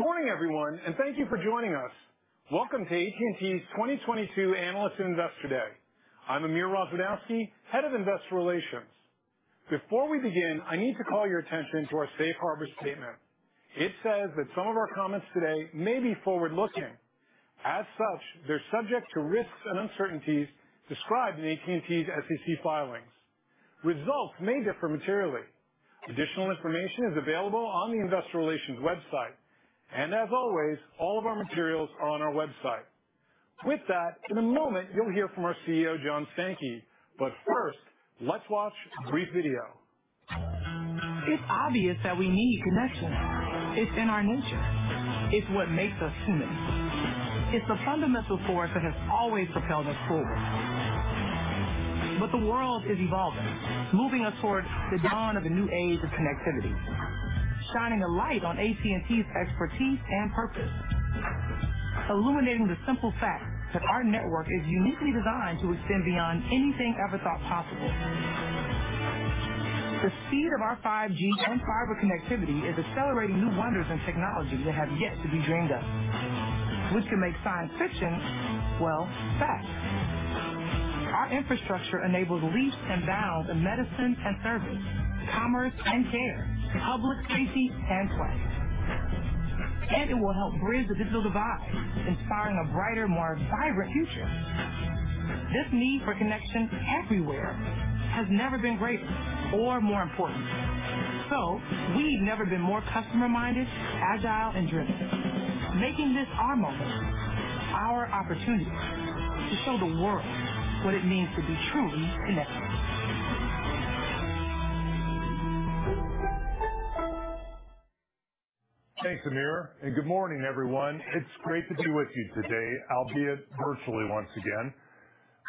Good morning, everyone, and thank you for joining us. Welcome to AT&T's 2022 Analyst and Investor Day. I'm Amir Rozwadowski, Head of Investor Relations. Before we begin, I need to call your attention to our Safe Harbor Statement. It says that some of our comments today may be forward-looking. As such, they're subject to risks and uncertainties described in AT&T's SEC filings. Results may differ materially. Additional information is available on the Investor Relations website, and as always, all of our materials are on our website. With that, in a moment, you'll hear from our CEO, John Stankey. First, let's watch a brief video. It's obvious that we need connection. It's in our nature. It's what makes us human. It's the fundamental force that has always propelled us forward. The world is evolving, moving us towards the dawn of a new age of connectivity, shining a light on AT&T's expertise and purpose. Illuminating the simple fact that our network is uniquely designed to extend beyond anything ever thought possible. The speed of our 5G and fiber connectivity is accelerating new wonders and technologies that have yet to be dreamed of, which can make science fiction, well, fact. Our infrastructure enables leaps and bounds in medicine and service, commerce and care, public safety and play. It will help bridge the digital divide, inspiring a brighter, more vibrant future. This need for connection everywhere has never been greater or more important, so we've never been more customer-minded, agile and driven. Making this our moment, our opportunity to show the world what it means to be truly connected. Thanks, Amir, and good morning, everyone. It's great to be with you today, albeit virtually once again.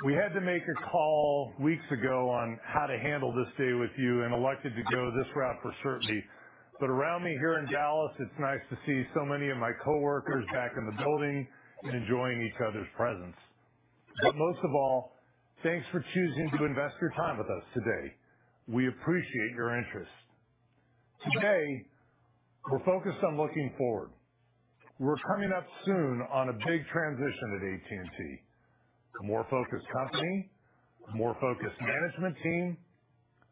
We had to make a call weeks ago on how to handle this day with you and elected to go this route for certainty. Around me here in Dallas, it's nice to see so many of my coworkers back in the building and enjoying each other's presence. Most of all, thanks for choosing to invest your time with us today. We appreciate your interest. Today, we're focused on looking forward. We're coming up soon on a big transition at AT&T, a more focused company, a more focused management team,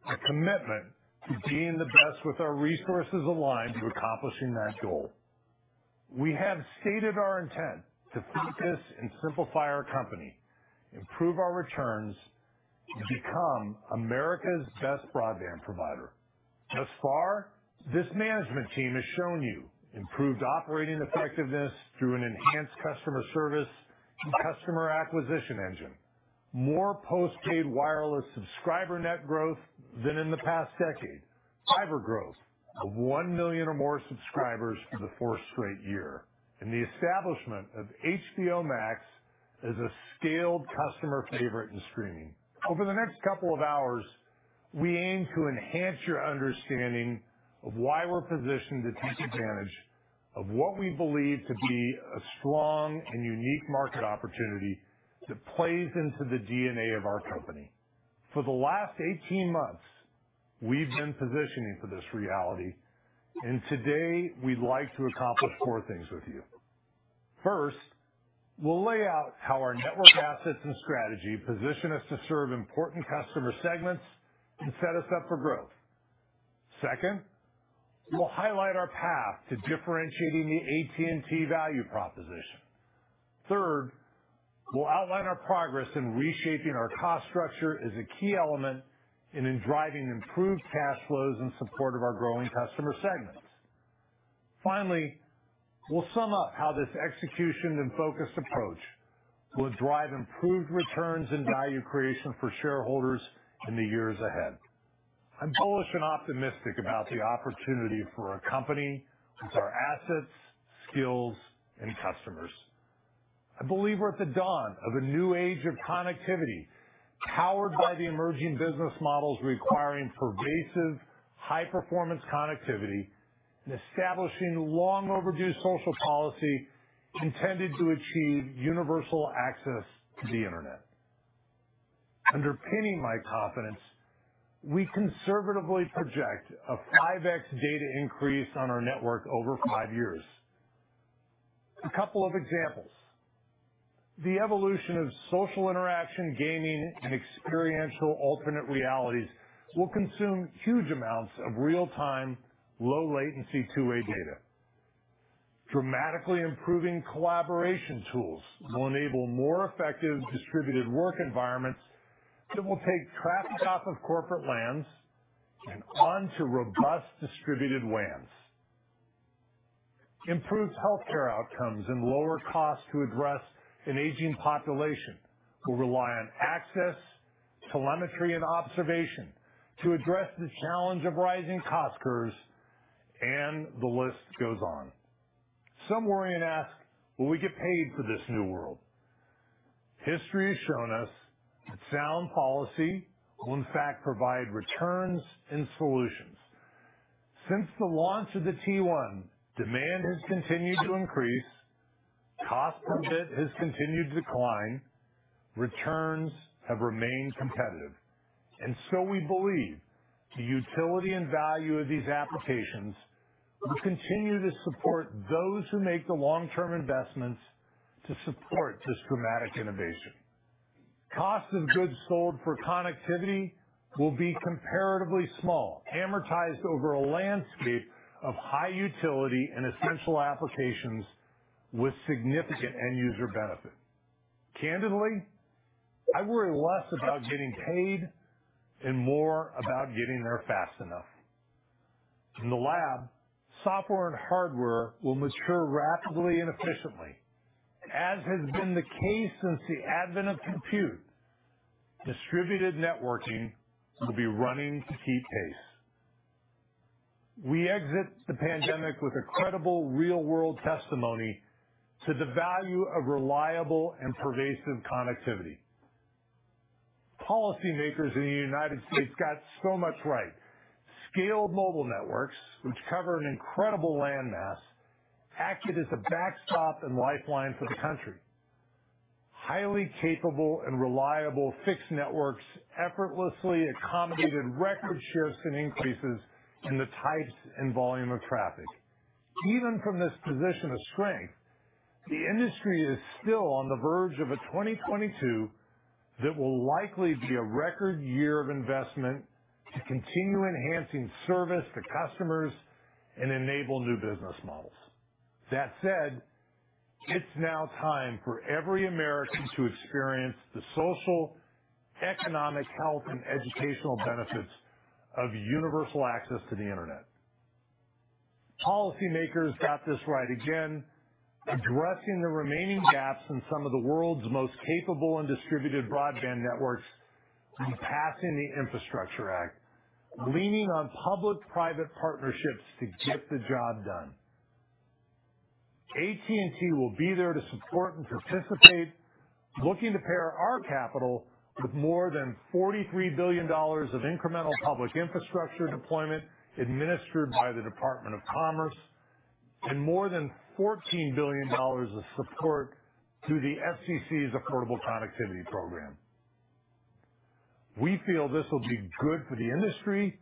a commitment to being the best with our resources aligned to accomplishing that goal. We have stated our intent to focus and simplify our company, improve our returns, to become America's best broadband provider. Thus far, this management team has shown you improved operating effectiveness through an enhanced customer service and customer acquisition engine, more postpaid wireless subscriber net growth than in the past decade, fiber growth of 1 million or more subscribers for the fourth straight year, and the establishment of HBO Max as a scaled customer favorite in streaming. Over the next couple of hours, we aim to enhance your understanding of why we're positioned to take advantage of what we believe to be a strong and unique market opportunity that plays into the DNA of our company. For the last 18 months, we've been positioning for this reality, and today we'd like to accomplish four things with you. First, we'll lay out how our network assets and strategy position us to serve important customer segments and set us up for growth. Second, we'll highlight our path to differentiating the AT&T value proposition. Third, we'll outline our progress in reshaping our cost structure as a key element and in driving improved cash flows in support of our growing customer segments. Finally, we'll sum up how this execution and focused approach will drive improved returns and value creation for shareholders in the years ahead. I'm bullish and optimistic about the opportunity for our company with our assets, skills and customers. I believe we're at the dawn of a new age of connectivity, powered by the emerging business models requiring pervasive high-performance connectivity and establishing long overdue social policy intended to achieve universal access to the Internet. Underpinning my confidence, we conservatively project a 5x data increase on our network over five years. A couple of examples. The evolution of social interaction, gaming, and experiential alternate realities will consume huge amounts of real-time, low latency two-way data. Dramatically improving collaboration tools will enable more effective distributed work environments that will take traffic off of corporate LANs and onto robust distributed WANs. Improved healthcare outcomes and lower costs to address an aging population will rely on access, telemetry and observation to address the challenge of rising cost curves, and the list goes on. Some worry and ask, "Will we get paid for this new world?" History has shown us that sound policy will in fact provide returns and solutions. Since the launch of the T1, demand has continued to increase. Cost per bit has continued to decline, returns have remained competitive. We believe the utility and value of these applications will continue to support those who make the long-term investments to support this dramatic innovation. Cost of goods sold for connectivity will be comparatively small, amortized over a landscape of high utility and essential applications with significant end user benefit. Candidly, I worry less about getting paid and more about getting there fast enough. In the lab, software and hardware will mature rapidly and efficiently. As has been the case since the advent of compute, distributed networking will be running to keep pace. We exit the pandemic with a credible real-world testimony to the value of reliable and pervasive connectivity. Policymakers in the United States got so much right. Scaled mobile networks, which cover an incredible land mass, acted as a backstop and lifeline for the country. Highly capable and reliable fixed networks effortlessly accommodated record shifts and increases in the types and volume of traffic. Even from this position of strength, the industry is still on the verge of a 2022 that will likely be a record year of investment to continue enhancing service to customers and enable new business models. That said, it's now time for every American to experience the social, economic, health, and educational benefits of universal access to the Internet. Policymakers got this right again, addressing the remaining gaps in some of the world's most capable and distributed broadband networks by passing the Infrastructure Act, leaning on public-private partnerships to get the job done. AT&T will be there to support and participate, looking to pair our capital with more than $43 billion of incremental public infrastructure deployment administered by the Department of Commerce and more than $14 billion of support through the FCC's Affordable Connectivity Program. We feel this will be good for the industry,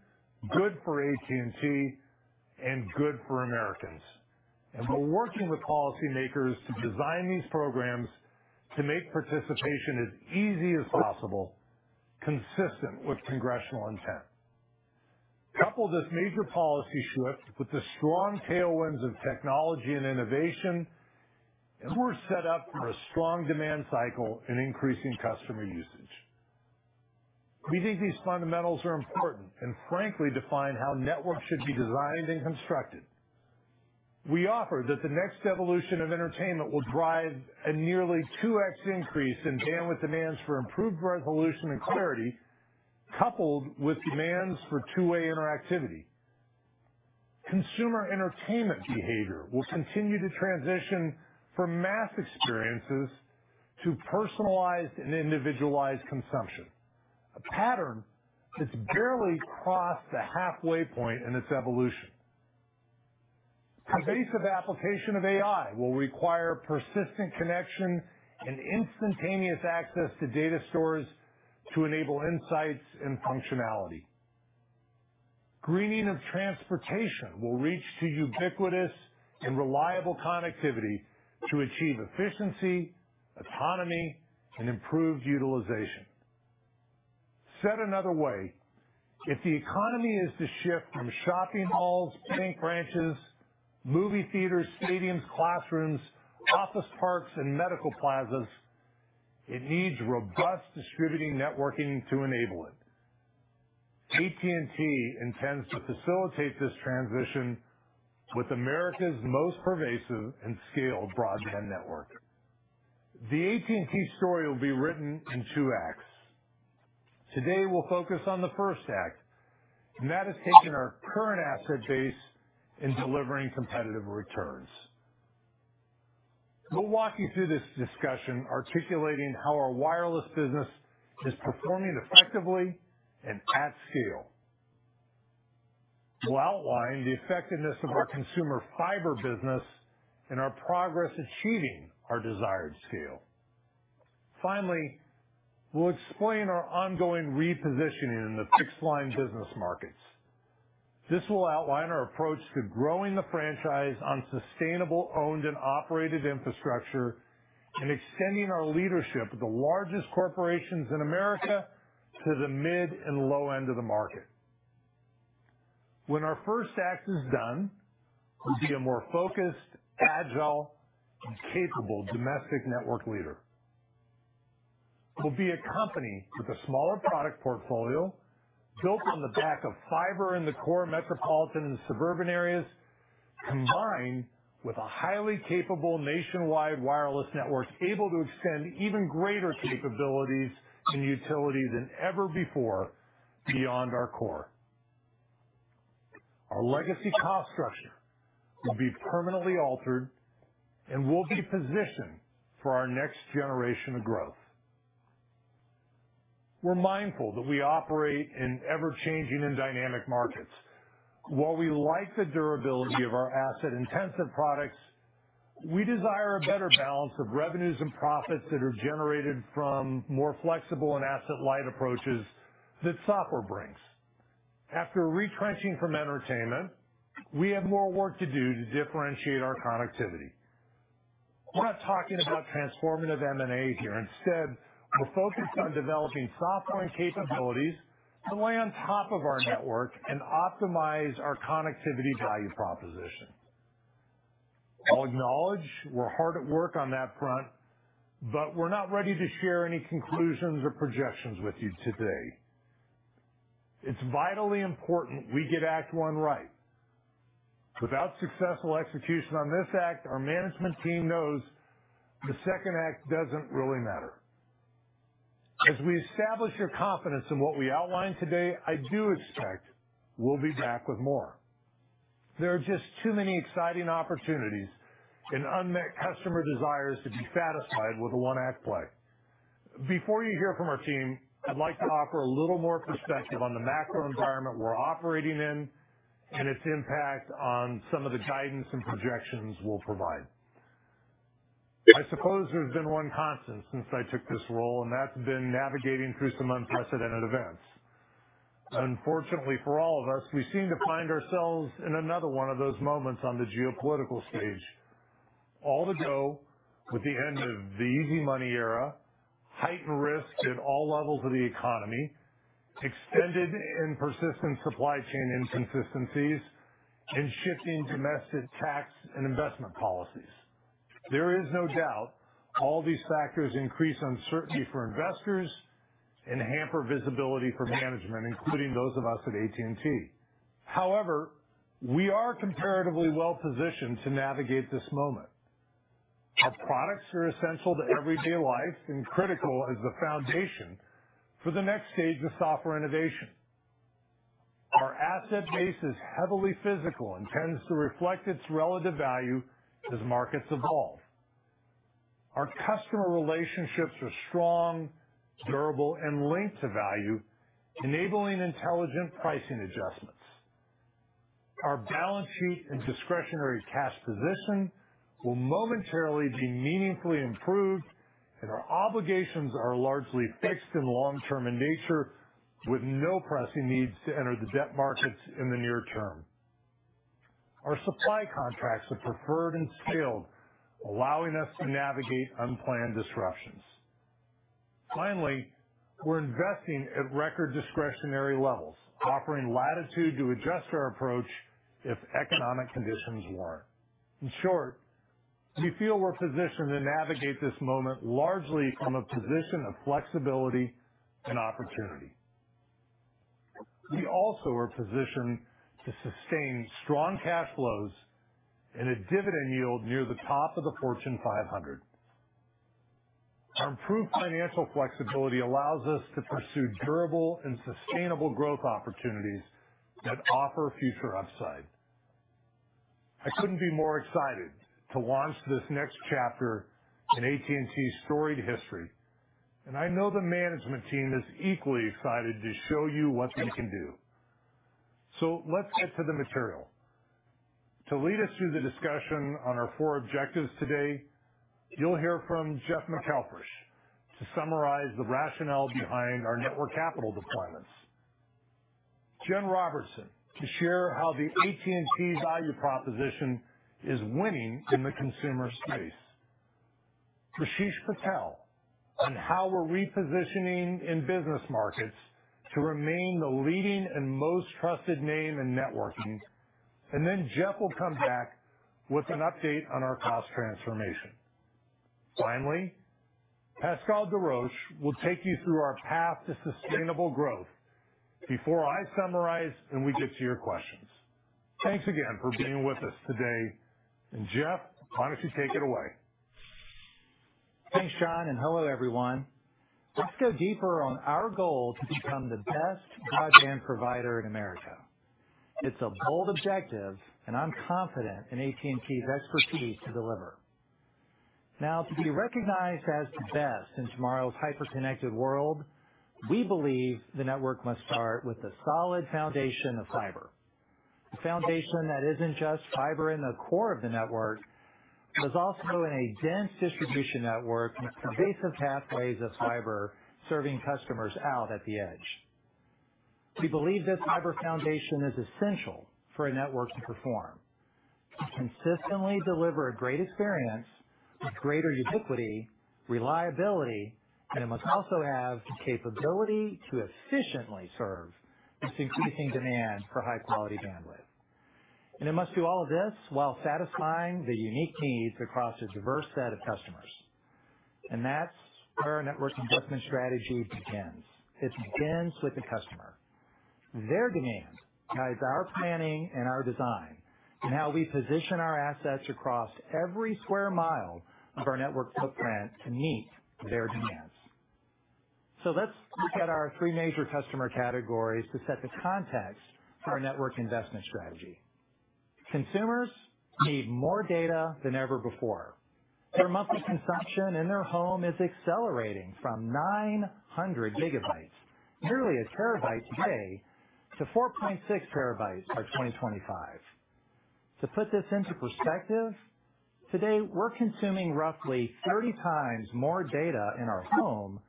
good for AT&T, and good for Americans. We're working with policymakers to design these programs to make participation as easy as possible, consistent with congressional intent. Couple this major policy shift with the strong tailwinds of technology and innovation, and we're set up for a strong demand cycle in increasing customer usage. We think these fundamentals are important and frankly define how networks should be designed and constructed. We offer that the next evolution of entertainment will drive a nearly 2x increase in bandwidth demands for improved resolution and clarity, coupled with demands for two-way interactivity. Consumer entertainment behavior will continue to transition from mass experiences to personalized and individualized consumption. A pattern that's barely crossed the halfway point in its evolution. Pervasive application of AI will require persistent connection and instantaneous access to data stores to enable insights and functionality. Greening of transportation will require ubiquitous and reliable connectivity to achieve efficiency, autonomy, and improved utilization. Said another way, if the economy is to shift from shopping malls, bank branches, movie theaters, stadiums, classrooms, office parks, and medical plazas, it needs robust distributed networking to enable it. AT&T intends to facilitate this transition with America's most pervasive and scaled broadband network. The AT&T story will be written in two acts. Today, we'll focus on the first act, and that is taking our current asset base and delivering competitive returns. We'll walk you through this discussion articulating how our wireless business is performing effectively and at scale. We'll outline the effectiveness of our consumer fiber business and our progress in achieving our desired scale. Finally, we'll explain our ongoing repositioning in the fixed line business markets. This will outline our approach to growing the franchise on sustainable, owned, and operated infrastructure and extending our leadership of the largest corporations in America to the mid and low end of the market. When our first act is done, we'll be a more focused, agile, and capable domestic network leader. We'll be a company with a smaller product portfolio built on the back of fiber in the core metropolitan and suburban areas, combined with a highly capable nationwide wireless network able to extend even greater capabilities and utility than ever before beyond our core. Our legacy cost structure will be permanently altered, and we'll be positioned for our next generation of growth. We're mindful that we operate in ever-changing and dynamic markets. While we like the durability of our asset-intensive products, we desire a better balance of revenues and profits that are generated from more flexible and asset-light approaches that software brings. After retrenching from entertainment, we have more work to do to differentiate our connectivity. We're not talking about transformative M&A here. Instead, we're focused on developing software and capabilities to lay on top of our network and optimize our connectivity value proposition. I'll acknowledge we're hard at work on that front, but we're not ready to share any conclusions or projections with you today. It's vitally important we get act one right. Without successful execution on this act, our management team knows the second act doesn't really matter. As we establish your confidence in what we outlined today, I do expect we'll be back with more. There are just too many exciting opportunities and unmet customer desires to be satisfied with a one-act play. Before you hear from our team, I'd like to offer a little more perspective on the macro environment we're operating in and its impact on some of the guidance and projections we'll provide. I suppose there's been one constant since I took this role, and that's been navigating through some unprecedented events. Unfortunately for all of us, we seem to find ourselves in another one of those moments on the geopolitical stage. All to go with the end of the easy money era, heightened risk at all levels of the economy, extended and persistent supply chain inconsistencies, and shifting domestic tax and investment policies. There is no doubt all these factors increase uncertainty for investors and hamper visibility for management, including those of us at AT&T. However, we are comparatively well-positioned to navigate this moment. Our products are essential to everyday life and critical as the foundation for the next stage of software innovation. Our asset base is heavily physical and tends to reflect its relative value as markets evolve. Our customer relationships are strong, durable, and linked to value, enabling intelligent pricing adjustments. Our balance sheet and discretionary cash position will momentarily be meaningfully improved, and our obligations are largely fixed and long-term in nature, with no pressing needs to enter the debt markets in the near term. Our supply contracts are preferred and scaled, allowing us to navigate unplanned disruptions. Finally, we're investing at record discretionary levels, offering latitude to adjust our approach if economic conditions warrant. In short, we feel we're positioned to navigate this moment largely from a position of flexibility and opportunity. We also are positioned to sustain strong cash flows and a dividend yield near the top of the Fortune 500. Our improved financial flexibility allows us to pursue durable and sustainable growth opportunities that offer future upside. I couldn't be more excited to launch this next chapter in AT&T's storied history, and I know the management team is equally excited to show you what we can do. Let's get to the material. To lead us through the discussion on our four objectives today, you'll hear from Jeff McElfresh to summarize the rationale behind our network capital deployments, Jenifer Robertson to share how the AT&T value proposition is winning in the consumer space, Rasesh Patel on how we're repositioning in business markets to remain the leading and most trusted name in networking. Jeff will come back with an update on our cost transformation. Finally, Pascal Desroches will take you through our path to sustainable growth before I summarize and we get to your questions. Thanks again for being with us today. Jeff, why don't you take it away? Thanks, John, and hello, everyone. Let's go deeper on our goal to become the best broadband provider in America. It's a bold objective, and I'm confident in AT&T's expertise to deliver. Now, to be recognized as the best in tomorrow's hyper-connected world, we believe the network must start with a solid foundation of fiber. A foundation that isn't just fiber in the core of the network, but is also in a dense distribution network with pervasive pathways of fiber serving customers out at the edge. We believe this fiber foundation is essential for a network to perform. To consistently deliver a great experience with greater ubiquity, reliability, and it must also have the capability to efficiently serve this increasing demand for high-quality bandwidth. It must do all of this while satisfying the unique needs across a diverse set of customers. That's where our network investment strategy begins. It begins with the customer. Their demand guides our planning and our design, and how we position our assets across every square mile of our network footprint to meet their demands. Let's look at our three major customer categories to set the context for our network investment strategy. Consumers need more data than ever before. Their monthly consumption in their home is accelerating from 900 GB, nearly a terabyte today, to 4.6 TB by 2025. To put this into perspective, today we're consuming roughly 30x more data in our home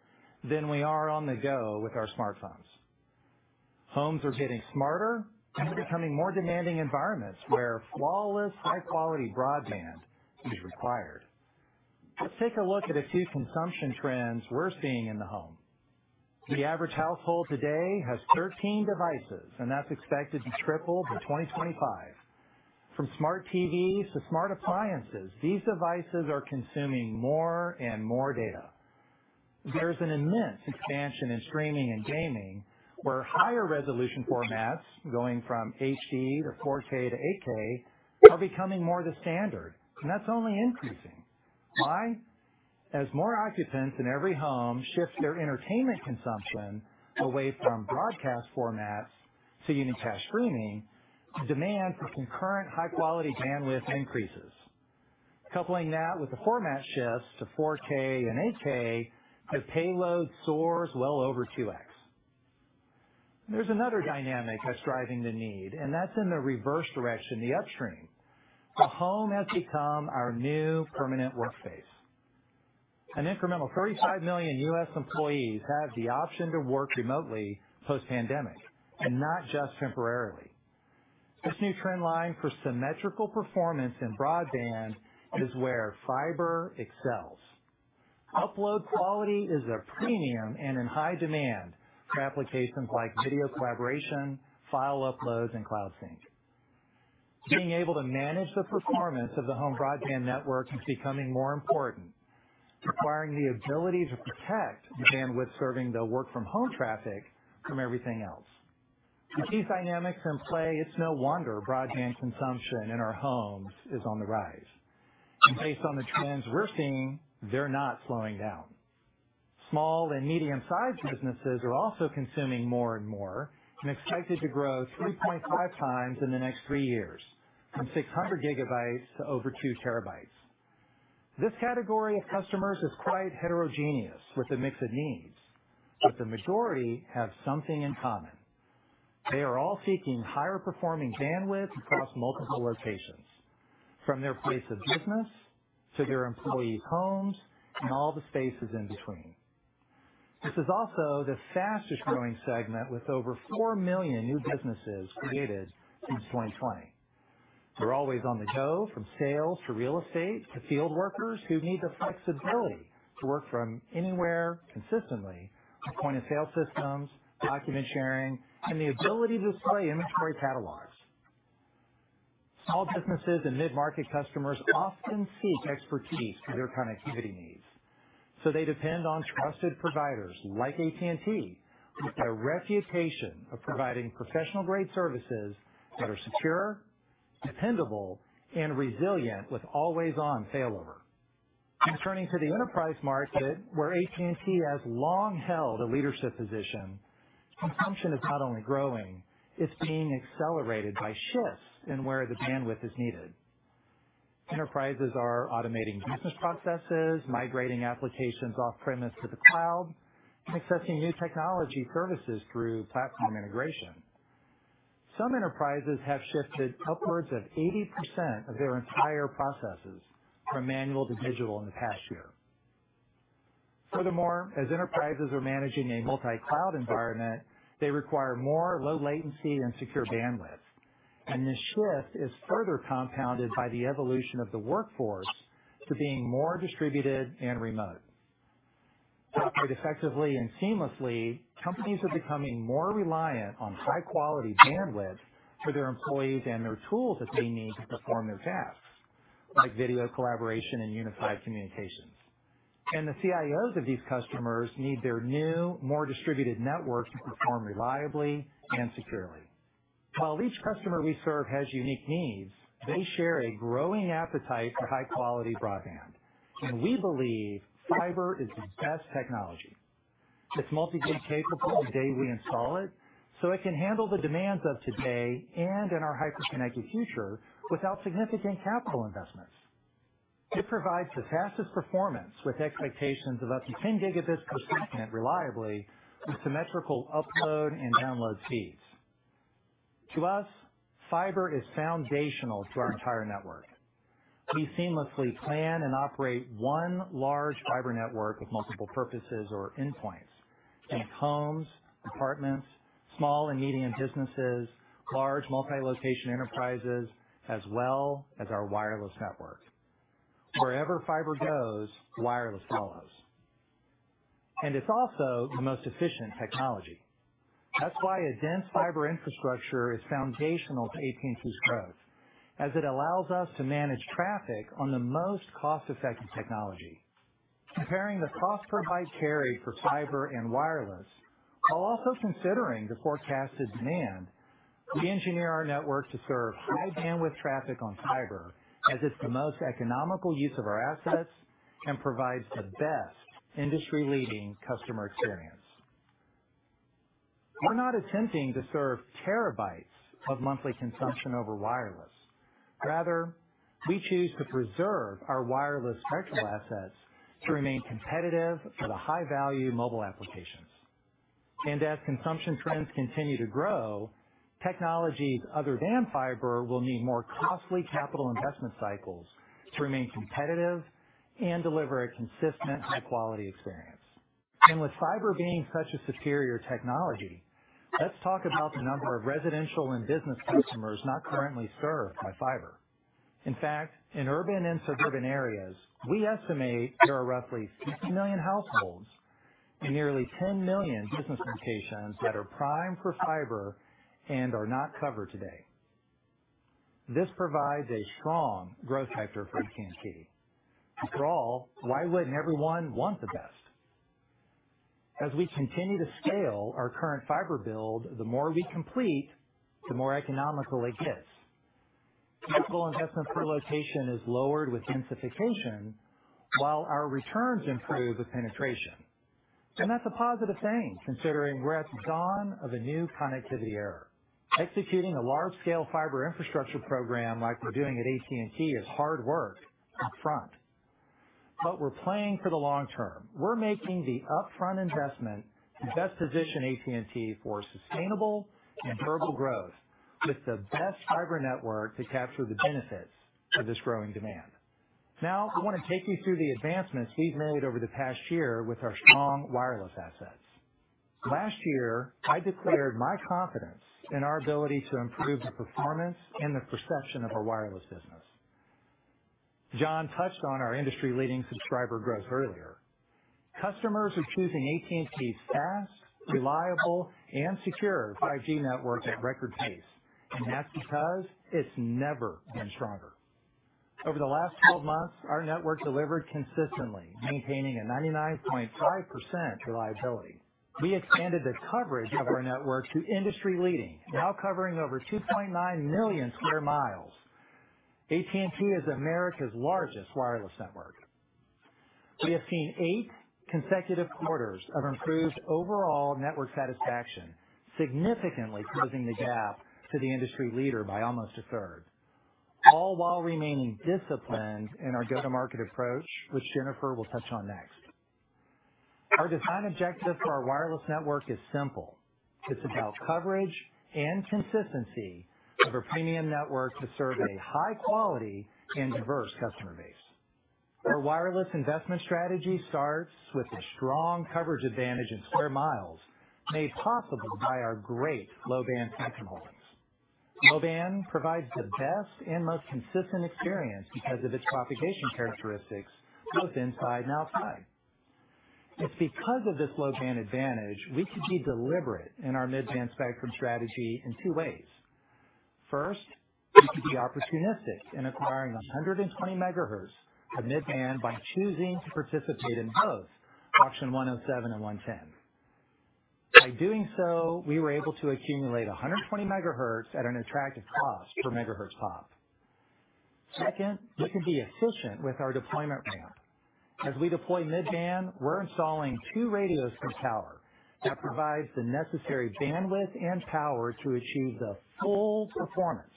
than we are on the go with our smartphones. Homes are getting smarter and becoming more demanding environments where flawless, high quality broadband is required. Let's take a look at a few consumption trends we're seeing in the home. The average household today has 13 devices, and that's expected to triple by 2025. From smart TVs to smart appliances, these devices are consuming more and more data. There's an immense expansion in streaming and gaming, where higher resolution formats going from HD to 4K to 8K are becoming more the standard, and that's only increasing. Why? As more occupants in every home shift their entertainment consumption away from broadcast formats to unicast streaming, demand for concurrent high-quality bandwidth increases. Coupling that with the format shifts to 4K and 8K, the payload soars well over 2x. There's another dynamic that's driving the need, and that's in the reverse direction, the upstream. The home has become our new permanent workspace. An incremental 35 million U.S. employees have the option to work remotely post-pandemic, and not just temporarily. This new trend line for symmetrical performance in broadband is where fiber excels. Upload quality is a premium and in high demand for applications like video collaboration, file uploads, and cloud sync. Being able to manage the performance of the home broadband network is becoming more important, requiring the ability to protect the bandwidth, serving the work from home traffic from everything else. With these dynamics in play, it's no wonder broadband consumption in our homes is on the rise, and based on the trends we're seeing, they're not slowing down. Small and medium-sized businesses are also consuming more and more and expected to grow 3.5x in the next three years from 600 GB to over 2 TB. This category of customers is quite heterogeneous with a mix of needs, but the majority have something in common. They are all seeking higher performing bandwidth across multiple locations, from their place of business to their employees' homes and all the spaces in between. This is also the fastest growing segment, with over 4 million new businesses created since 2020. They're always on the go, from sales to real estate to field workers who need the flexibility to work from anywhere consistently, to point of sale systems, document sharing, and the ability to display inventory catalogs. Small businesses and mid-market customers often seek expertise for their connectivity needs, so they depend on trusted providers like AT&T with a reputation of providing professional-grade services that are secure, dependable, and resilient, with always-on failover. Turning to the enterprise market, where AT&T has long held a leadership position, consumption is not only growing, it's being accelerated by shifts in where the bandwidth is needed. Enterprises are automating business processes, migrating applications off premise to the cloud, and accessing new technology services through platform integration. Some enterprises have shifted upwards of 80% of their entire processes from manual to digital in the past year. Furthermore, as enterprises are managing a multi-cloud environment, they require more low latency and secure bandwidth, and this shift is further compounded by the evolution of the workforce to being more distributed and remote. To operate effectively and seamlessly, companies are becoming more reliant on high-quality bandwidth for their employees and their tools that they need to perform their tasks, like video collaboration and unified communications. The CIOs of these customers need their new, more distributed network to perform reliably and securely. While each customer we serve has unique needs, they share a growing appetite for high-quality broadband. We believe fiber is the best technology. It's multi-gig capable the day we install it, so it can handle the demands of today and in our hyper-connected future without significant capital investments. It provides the fastest performance with expectations of up to 10 Gbps reliably with symmetrical upload and download speeds. To us, fiber is foundational to our entire network. We seamlessly plan and operate one large fiber network with multiple purposes or endpoints in homes, apartments, small and medium businesses, large multi-location enterprises, as well as our wireless network. Wherever fiber goes, wireless follows. It's also the most efficient technology. That's why a dense fiber infrastructure is foundational to AT&T's growth as it allows us to manage traffic on the most cost-effective technology. Comparing the cost per byte carried for fiber and wireless, while also considering the forecasted demand, we engineer our network to serve high bandwidth traffic on fiber as it's the most economical use of our assets and provides the best industry-leading customer experience. We're not attempting to serve terabytes of monthly consumption over wireless. Rather, we choose to preserve our wireless spectrum assets to remain competitive for the high-value mobile applications. As consumption trends continue to grow, technologies other than fiber will need more costly capital investment cycles to remain competitive and deliver a consistent high-quality experience. With fiber being such a superior technology, let's talk about the number of residential and business customers not currently served by fiber. In fact, in urban and suburban areas, we estimate there are roughly 60 million households and nearly 10 million business locations that are primed for fiber and are not covered today. This provides a strong growth vector for AT&T. After all, why wouldn't everyone want the best? As we continue to scale our current fiber build, the more we complete, the more economical it gets. Capital investment per location is lowered with densification while our returns improve with penetration. That's a positive thing, considering we're at the dawn of a new connectivity era. Executing a large-scale fiber infrastructure program like we're doing at AT&T is hard work up front, but we're planning for the long term. We're making the upfront investment to best position AT&T for sustainable and durable growth with the best fiber network to capture the benefits of this growing demand. Now, we want to take you through the advancements we've made over the past year with our strong wireless assets. Last year, I declared my confidence in our ability to improve the performance and the perception of our wireless business. John touched on our industry-leading subscriber growth earlier. Customers are choosing AT&T's fast, reliable, and secure 5G network at record pace, and that's because it's never been stronger. Over the last 12 months, our network delivered consistently, maintaining a 99.5% reliability. We expanded the coverage of our network to industry-leading, now covering over 2.9 million sq mi. AT&T is America's largest wireless network. We have seen eight consecutive quarters of improved overall network satisfaction, significantly closing the gap to the industry leader by almost a third, all while remaining disciplined in our go-to-market approach, which Jenifer will touch on next. Our design objective for our wireless network is simple. It's about coverage and consistency of our premium network to serve a high quality and diverse customer base. Our wireless investment strategy starts with a strong coverage advantage in square miles, made possible by our great low-band spectrum holdings. Low-band provides the best and most consistent experience because of its propagation characteristics, both inside and outside. It's because of this low-band advantage, we could be deliberate in our mid-band spectrum strategy in two ways. First, we could be opportunistic in acquiring 120 MHz of mid-band by choosing to participate in both Auction 107 and Auction 110. By doing so, we were able to accumulate 120 MHz at an attractive cost per MHz pop. Second, we could be efficient with our deployment plan. As we deploy mid-band, we're installing two radios per tower that provides the necessary bandwidth and power to achieve the full performance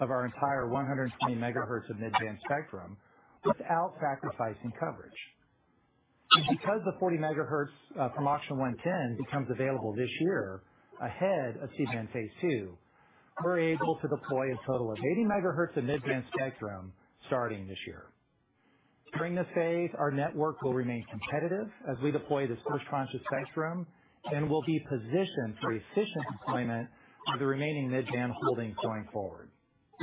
of our entire 120 MHz of mid-band spectrum without sacrificing coverage. Because the 40 MHz from Auction 110 becomes available this year ahead of C-band phase two, we're able to deploy a total of 80 MHz of mid-band spectrum starting this year. During this phase, our network will remain competitive as we deploy this first tranche of spectrum, and we'll be positioned for efficient deployment of the remaining mid-band holdings going forward.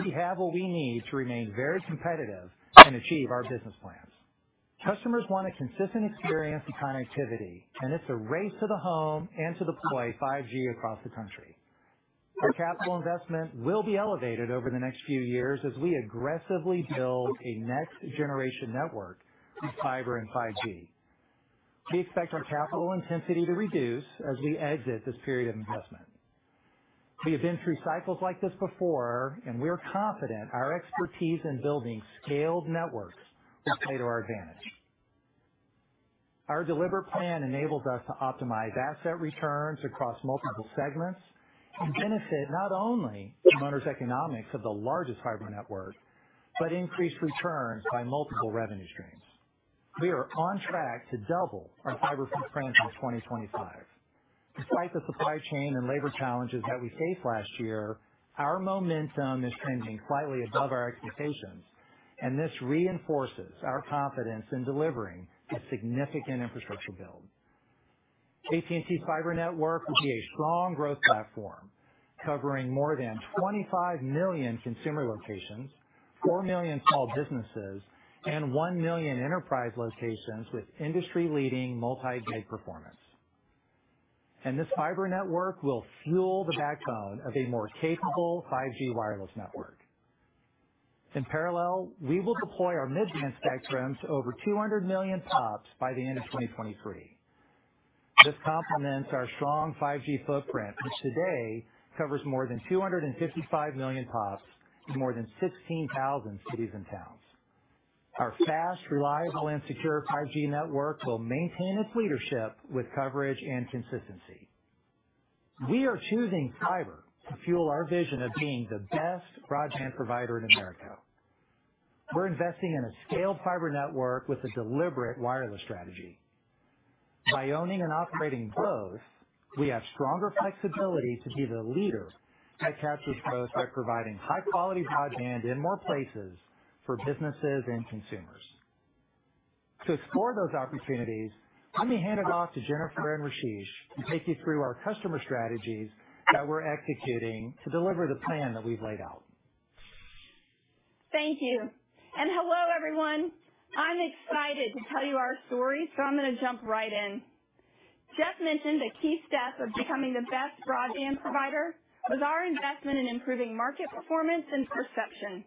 We have what we need to remain very competitive and achieve our business plans. Customers want a consistent experience in connectivity, and it's a race to the home and to deploy 5G across the country. Our capital investment will be elevated over the next few years as we aggressively build a next generation network in fiber and 5G. We expect our capital intensity to reduce as we exit this period of investment. We have been through cycles like this before, and we are confident our expertise in building scaled networks will play to our advantage. Our deliberate plan enables us to optimize asset returns across multiple segments and benefit not only from owner economics of the largest fiber network, but increase returns by multiple revenue streams. We are on track to double our fiber footprint by 2025. Despite the supply chain and labor challenges that we faced last year, our momentum is trending slightly above our expectations, and this reinforces our confidence in delivering a significant infrastructure build. AT&T Fiber network will be a strong growth platform, covering more than 25 million consumer locations, 4 million small businesses, and 1 million enterprise locations with industry-leading multi-gig performance. This fiber network will fuel the backbone of a more capable 5G wireless network. In parallel, we will deploy our mid-band spectrum to over 200 million pops by the end of 2023. This complements our strong 5G footprint, which today covers more than 255 million pops in more than 16,000 cities and towns. Our fast, reliable, and secure 5G network will maintain its leadership with coverage and consistency. We are choosing fiber to fuel our vision of being the best broadband provider in America. We're investing in a scaled fiber network with a deliberate wireless strategy. By owning and operating both, we have stronger flexibility to be the leader that captures both by providing high-quality broadband in more places for businesses and consumers. To explore those opportunities, let me hand it off to Jenifer and Rasesh to take you through our customer strategies that we're executing to deliver the plan that we've laid out. Thank you. Hello, everyone. I'm excited to tell you our story, so I'm gonna jump right in. Jeff mentioned a key step of becoming the best broadband provider was our investment in improving market performance and perception.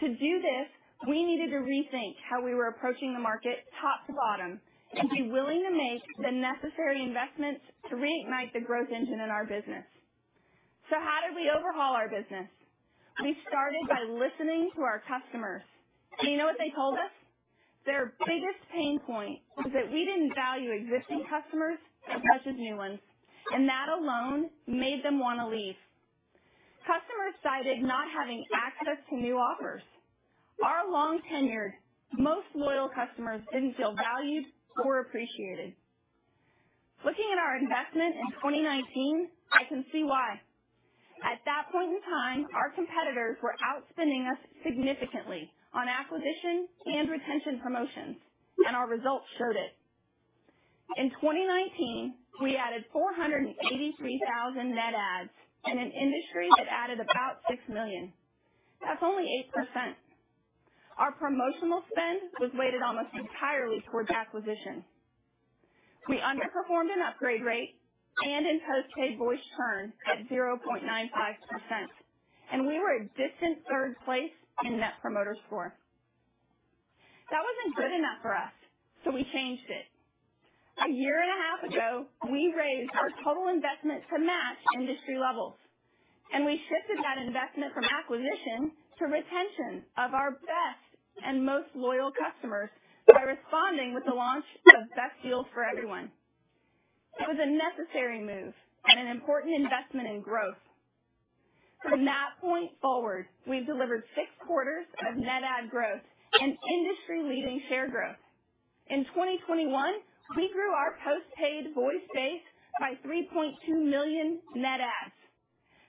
To do this, we needed to rethink how we were approaching the market top to bottom and be willing to make the necessary investments to reignite the growth engine in our business. How did we overhaul our business? We started by listening to our customers. You know what they told us? Their biggest pain point was that we didn't value existing customers as much as new ones, and that alone made them wanna leave. Customers cited not having access to new offers. Our long-tenured, most loyal customers didn't feel valued or appreciated. Looking at our investment in 2019, I can see why. At that point in time, our competitors were outspending us significantly on acquisition and retention promotions, and our results showed it. In 2019, we added 483,000 net adds in an industry that added about 6 million. That's only 8%. Our promotional spend was weighted almost entirely towards acquisition. We underperformed in upgrade rate and in postpaid voice churn at 0.95%, and we were a distant third place in Net Promoter Score. That wasn't good enough for us, so we changed it. A year and a half ago, we raised our total investment to match industry levels, and we shifted that investment from acquisition to retention of our best and most loyal customers by responding with the launch of Best Deals for Everyone. It was a necessary move and an important investment in growth. From that point forward, we've delivered six quarters of net add growth and industry-leading share growth. In 2021, we grew our postpaid voice base by 3.2 million net adds.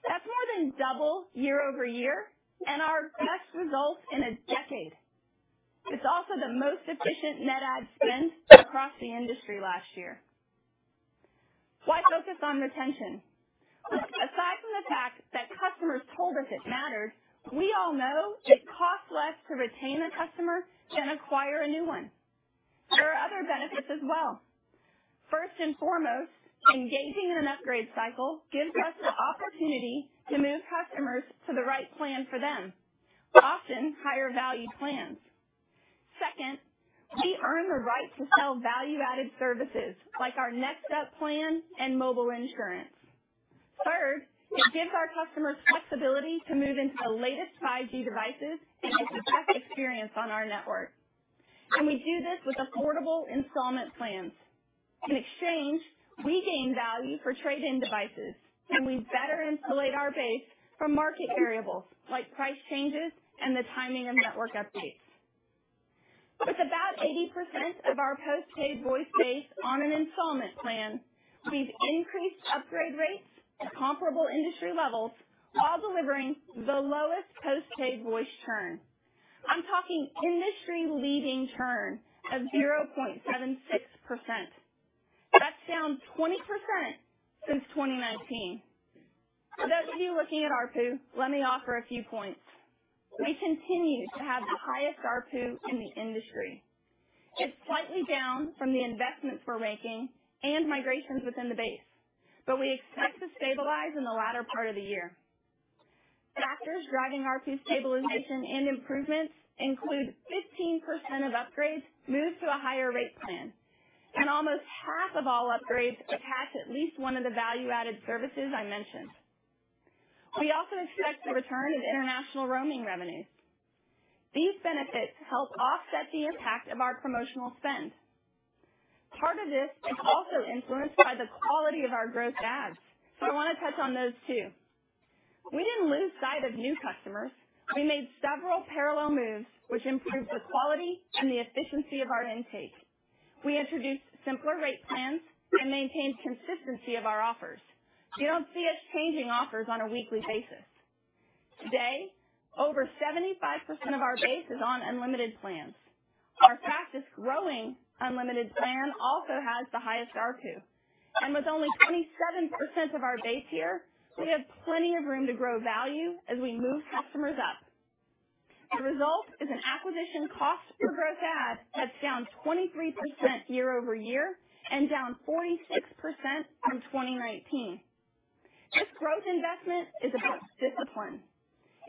That's more than double year-over-year and our best results in a decade. It's also the most efficient net add spend across the industry last year. Why focus on retention? Aside from the fact that customers told us it mattered, we all know it costs less to retain a customer than acquire a new one. There are other benefits as well. First and foremost, engaging in an upgrade cycle gives us the opportunity to move customers to the right plan for them, often higher-value plans. Second, we earn the right to sell value-added services like our Next Up plan and mobile insurance. Third, it gives our customers flexibility to move into the latest 5G devices and get the best experience on our network. We do this with affordable installment plans. In exchange, we gain value for trade-in devices, and we better insulate our base from market variables like price changes and the timing of network updates. With about 80% of our postpaid voice base on an installment plan, we've increased upgrade rates to comparable industry levels while delivering the lowest postpaid voice churn. I'm talking industry-leading churn of 0.76%. That's down 20% since 2019. For those of you looking at ARPU, let me offer a few points. We continue to have the highest ARPU in the industry. It's slightly down from the investments we're making and migrations within the base, but we expect to stabilize in the latter part of the year. Factors driving ARPU stabilization and improvements include 15% of upgrades moved to a higher rate plan, and almost half of all upgrades attach at least one of the value-added services I mentioned. We also expect a return in international roaming revenues. These benefits help offset the impact of our promotional spend. Part of this is also influenced by the quality of our growth adds, so I wanna touch on those too. We didn't lose sight of new customers. We made several parallel moves which improved the quality and the efficiency of our intake. We introduced simpler rate plans and maintained consistency of our offers. You don't see us changing offers on a weekly basis. Today, over 75% of our base is on unlimited plans. Our fastest-growing unlimited plan also has the highest ARPU. With only 27% of our base here, we have plenty of room to grow value as we move customers up. The result is an acquisition cost per growth add that's down 23% year-over-year and down 46% from 2019. This growth investment is about discipline.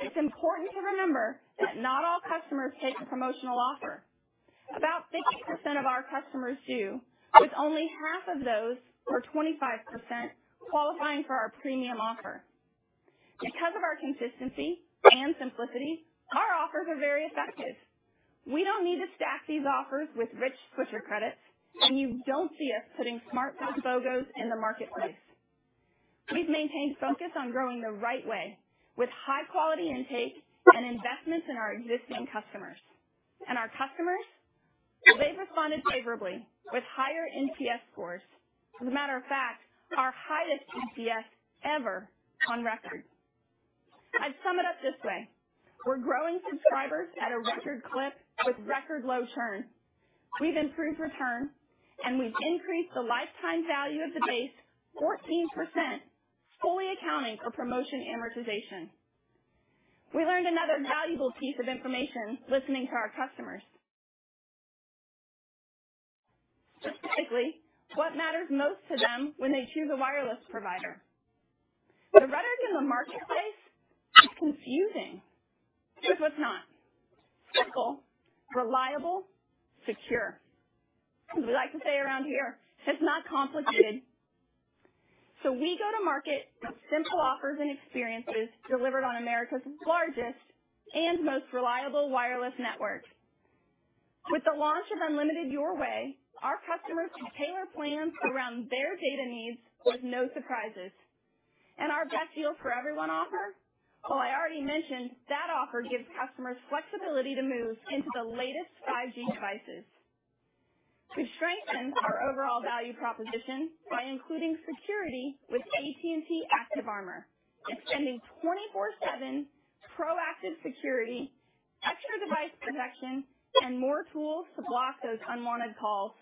It's important to remember that not all customers take a promotional offer. About 60% of our customers do, with only half of those, or 25%, qualifying for our premium offer. Because of our consistency and simplicity, our offers are very effective. We don't need to stack these offers with rich pusher credits, and you don't see us putting smart phone BOGOs in the marketplace. We've maintained focus on growing the right way with high quality intake and investments in our existing customers. Our customers, they've responded favorably with higher NPS scores. As a matter of fact, our highest NPS ever on record. I'd sum it up this way. We're growing subscribers at a record clip with record low churn. We've improved return and we've increased the lifetime value of the base 14%, fully accounting for promotion amortization. We learned another valuable piece of information listening to our customers. Specifically, what matters most to them when they choose a wireless provider. The rhetoric in the marketplace is confusing. Here's what's not. Simple, reliable, secure. As we like to say around here, it's not complicated. We go to market with simple offers and experiences delivered on America's largest and most reliable wireless network. With the launch of Unlimited Your Way, our customers can tailor plans around their data needs with no surprises. Our Best Deals for Everyone offer. Well, I already mentioned that offer gives customers flexibility to move into the latest 5G devices. We've strengthened our overall value proposition by including security with AT&T ActiveArmor, extending 24/7 proactive security, extra device protection and more tools to block those unwanted calls.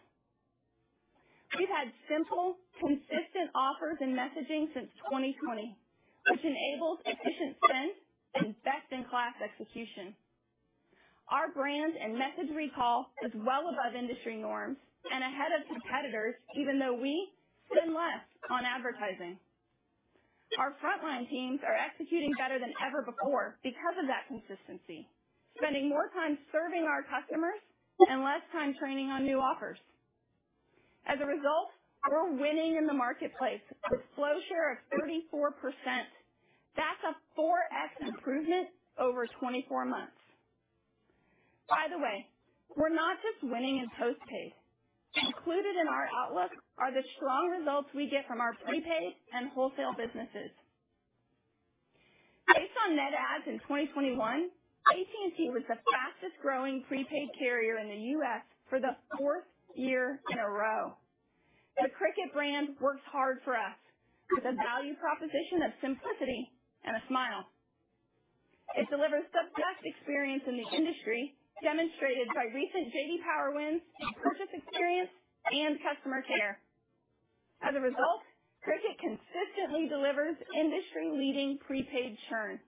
We've had simple, consistent offers and messaging since 2020, which enables efficient spend and best in class execution. Our brand and message recall is well above industry norms and ahead of competitors, even though we spend less on advertising. Our frontline teams are executing better than ever before because of that consistency, spending more time serving our customers and less time training on new offers. As a result, we're winning in the marketplace with flow share of 34%. That's a 4x improvement over 24 months. By the way, we're not just winning in postpaid. Included in our outlook are the strong results we get from our prepaid and wholesale businesses. Based on net adds in 2021, AT&T was the fastest growing prepaid carrier in the U.S. for the fourth year in a row. The Cricket brand works hard for us with a value proposition of simplicity and a smile. It delivers the best experience in the industry, demonstrated by recent J.D. Power wins in purchase experience and customer care. As a result, Cricket consistently delivers industry-leading prepaid churn.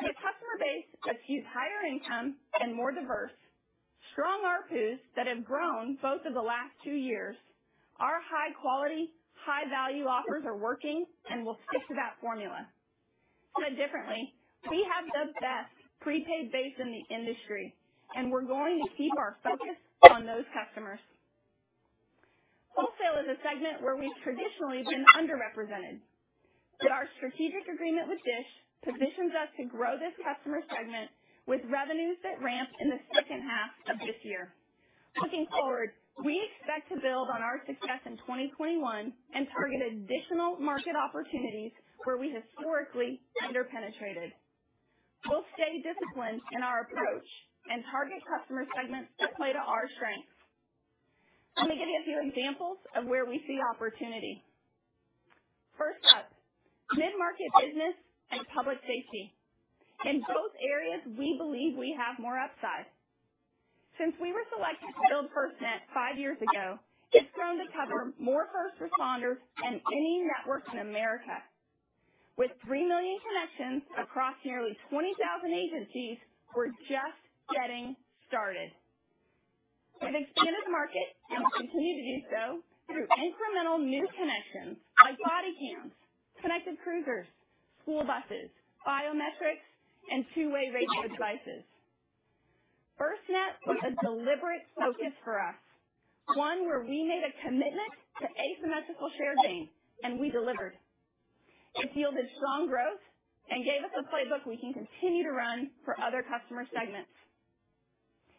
The customer base is higher income and more diverse with strong ARPU that have grown both of the last two years. Our high quality, high value offers are working and we'll stick to that formula. Put differently, we have the best prepaid base in the industry and we're going to keep our focus on those customers. Wholesale is a segment where we've traditionally been underrepresented, but our strategic agreement with DISH positions us to grow this customer segment with revenues that ramp in the second half of this year. Looking forward, we expect to build on our success in 2021 and target additional market opportunities where we historically under-penetrated. We'll stay disciplined in our approach and target customer segments that play to our strengths. Let me give you a few examples of where we see opportunity. First up, mid-market business and public safety. In both areas, we believe we have more upside. Since we were selected to build FirstNet five years ago, it's grown to cover more first responders than any network in America. With 3 million connections across nearly 20,000 agencies, we're just getting started. We've expanded the market and will continue to do so through incremental new connections like body cams, connected cruisers, school buses, biometrics and two-way radio devices. FirstNet was a deliberate focus for us, one where we made a commitment to asymmetrical share gains, and we delivered. It yielded strong growth and gave us a playbook we can continue to run for other customer segments.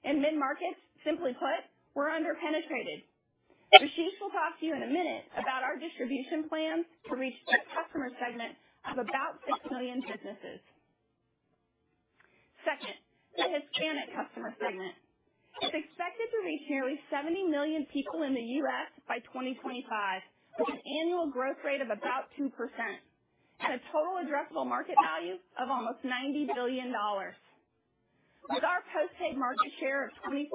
In mid-markets, simply put, we're under-penetrated. Rasesh will talk to you in a minute about our distribution plans to reach a customer segment of about 6 million businesses. Second, the Hispanic customer segment. It's expected to reach nearly 70 million people in the U.S. by 2025, with an annual growth rate of about 2% and a total addressable market value of almost $90 billion. With our postpaid market share of 24%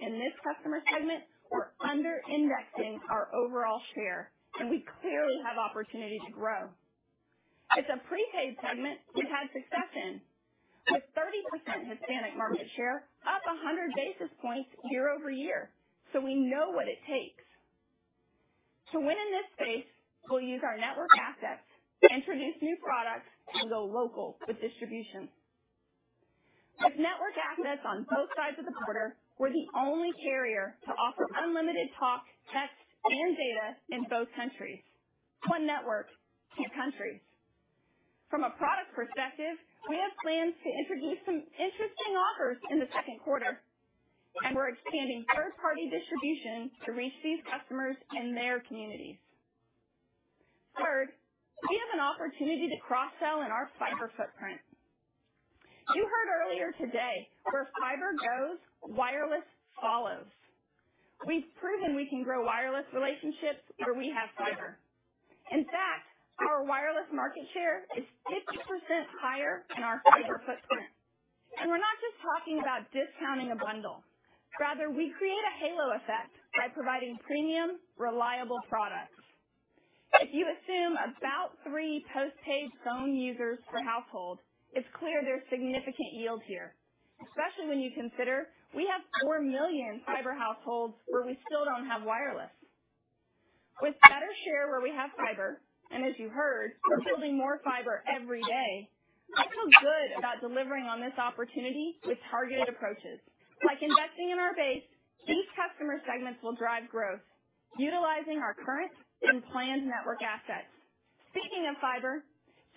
in this customer segment, we're under-indexing our overall share and we clearly have opportunity to grow. It's a prepaid segment we've had success in, with 30% Hispanic market share up 100 basis points year-over-year, so we know what it takes. To win in this space, we'll use our network assets to introduce new products and go local with distribution. With network access on both sides of the border, we're the only carrier to offer unlimited talk, text, and data in both countries. One network, two countries. From a product perspective, we have plans to introduce some interesting offers in the second quarter, and we're expanding third-party distribution to reach these customers in their communities. Third, we have an opportunity to cross-sell in our fiber footprint. You heard earlier today where fiber goes, wireless follows. We've proven we can grow wireless relationships where we have fiber. In fact, our wireless market share is 60% higher in our fiber footprint. We're not just talking about discounting a bundle. Rather, we create a halo effect by providing premium, reliable products. If you assume about three postpaid phone users per household, it's clear there's significant yield here, especially when you consider we have 4 million fiber households where we still don't have wireless. With better share where we have fiber, and as you heard, we're building more fiber every day, I feel good about delivering on this opportunity with targeted approaches. By contesting in our base, these customer segments will drive growth utilizing our current and planned network assets. Speaking of fiber,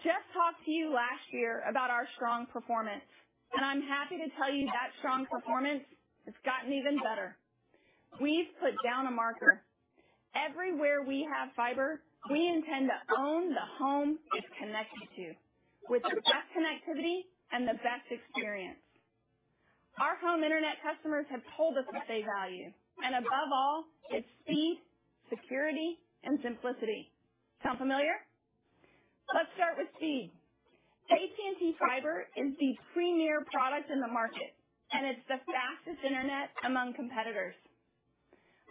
Jeff talked to you last year about our strong performance, and I'm happy to tell you that strong performance has gotten even better. We've put down a marker. Everywhere we have fiber, we intend to own the home it's connected to with the best connectivity and the best experience. Our home internet customers have told us what they value, and above all, it's speed, security, and simplicity. Sound familiar? Let's start with speed. AT&T Fiber is the premier product in the market, and it's the fastest internet among competitors.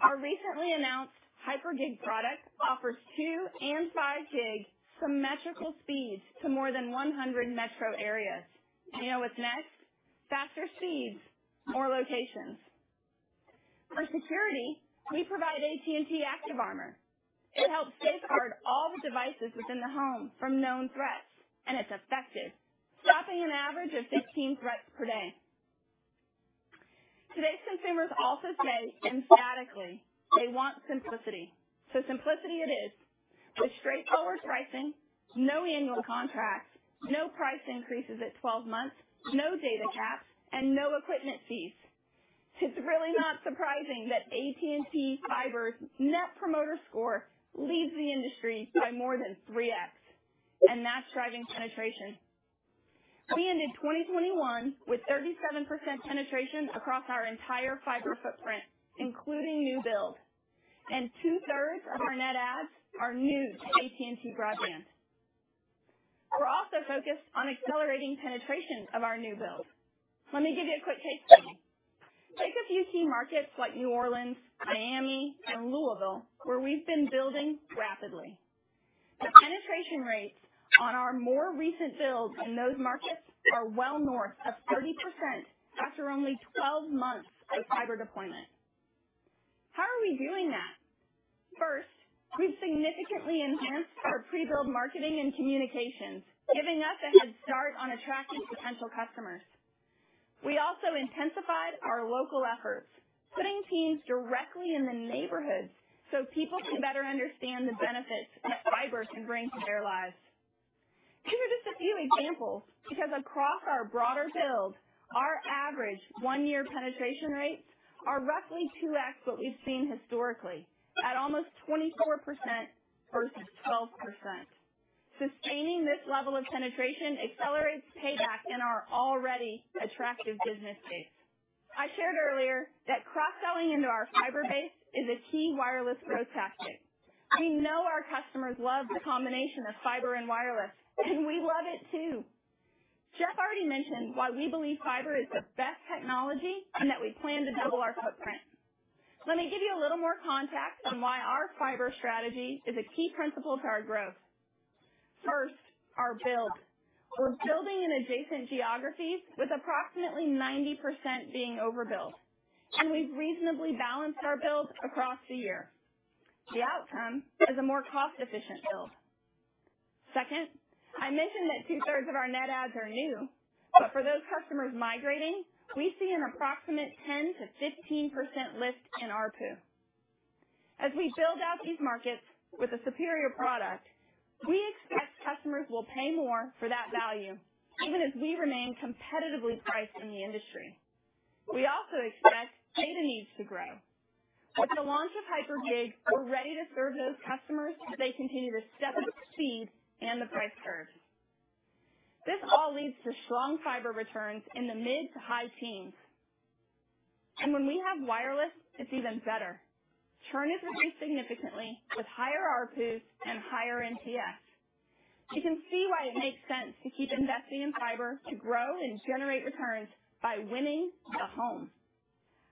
Our recently announced Hyper Gig product offers 2 and 5 Gig symmetrical speeds to more than 100 metro areas. You know what's next? Faster speeds, more locations. For security, we provide AT&T ActiveArmor. It helps safeguard all the devices within the home from known threats, and it's effective, stopping an average of 15 threats per day. Today's consumers also say emphatically they want simplicity. Simplicity it is. With straightforward pricing, no annual contracts, no price increases at 12 months, no data caps, and no equipment fees. It's really not surprising that AT&T Fiber's Net Promoter Score leads the industry by more than 3x, and that's driving penetration. We ended 2021 with 37% penetration across our entire fiber footprint, including new build. Two-thirds of our net adds are new to AT&T Broadband. We're also focused on accelerating penetration of our new build. Let me give you a quick takeaway. Take a few key markets like New Orleans, Miami, and Louisville, where we've been building rapidly. The penetration rates on our more recent builds in those markets are well north of 30% after only 12 months of fiber deployment. How are we doing that? First, we've significantly enhanced our pre-build marketing and communications, giving us a head start on attracting potential customers. We also intensified our local efforts, putting teams directly in the neighborhoods so people can better understand the benefits that fiber can bring to their lives. These are just a few examples, because across our broader build, our average one-year penetration rates are roughly 2x what we've seen historically at almost 24% versus 12%. Sustaining this level of penetration accelerates payback in our already attractive business base. I shared earlier that cross-selling into our fiber base is a key wireless growth tactic. We know our customers love the combination of fiber and wireless, and we love it too. Jeff already mentioned why we believe fiber is the best technology and that we plan to double our footprint. Let me give you a little more context on why our fiber strategy is a key principle to our growth. First, our build. We're building in adjacent geographies with approximately 90% being overbuilt, and we've reasonably balanced our builds across the year. The outcome is a more cost-efficient build. Second, I mentioned that two-thirds of our net adds are new, but for those customers migrating, we see an approximate 10%-15% lift in ARPU. As we build out these markets with a superior product, we expect customers will pay more for that value even as we remain competitively priced in the industry. We also expect data needs to grow. With the launch of Hyper Gig, we're ready to serve those customers as they continue to step up speed and the price curve. This all leads to strong fiber returns in the mid- to high teens. When we have wireless, it's even better. Churn has reduced significantly with higher ARPUs and higher NPS. You can see why it makes sense to keep investing in fiber to grow and generate returns by winning the home.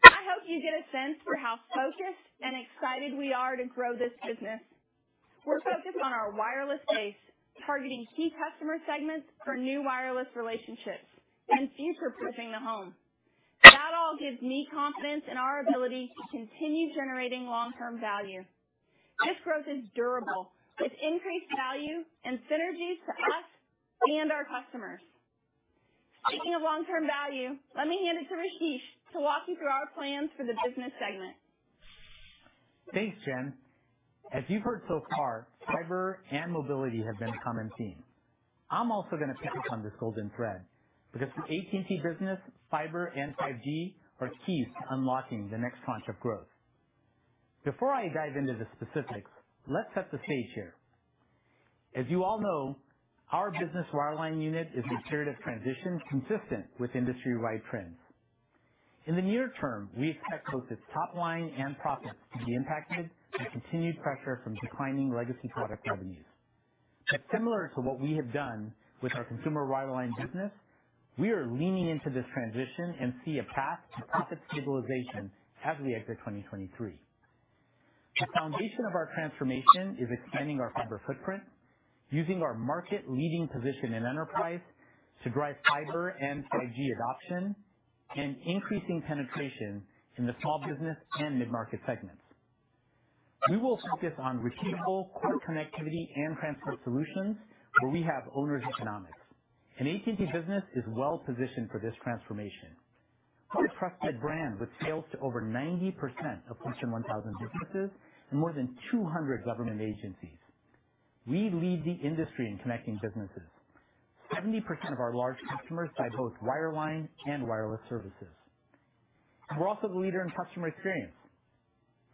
I hope you get a sense for how focused and excited we are to grow this business. We're focused on our wireless base, targeting key customer segments for new wireless relationships and future-proofing the home. It all gives me confidence in our ability to continue generating long-term value. This growth is durable with increased value and synergies to us and our customers. Speaking of long-term value, let me hand it to Rasesh to walk you through our plans for the business segment. Thanks, Jen. As you've heard so far, fiber and mobility have been a common theme. I'm also gonna pick up on this golden thread because for AT&T Business, fiber and 5G are keys to unlocking the next tranche of growth. Before I dive into the specifics, let's set the stage here. As you all know, our Business wireline unit is a period of transition consistent with industry-wide trends. In the near term, we expect both its top line and profits to be impacted by continued pressure from declining legacy product revenues. Similar to what we have done with our consumer wireline business, we are leaning into this transition and see a path to profit stabilization as we exit 2023. The foundation of our transformation is expanding our fiber footprint using our market-leading position in enterprise to drive fiber and 5G adoption and increasing penetration in the small business and mid-market segments. We will focus on repeatable core connectivity and transport solutions where we have owner economics. AT&T Business is well positioned for this transformation. We're a trusted brand with sales to over 90% of Fortune 1000 businesses and more than 200 government agencies. We lead the industry in connecting businesses. 70% of our large customers buy both wireline and wireless services. We're also the leader in customer experience.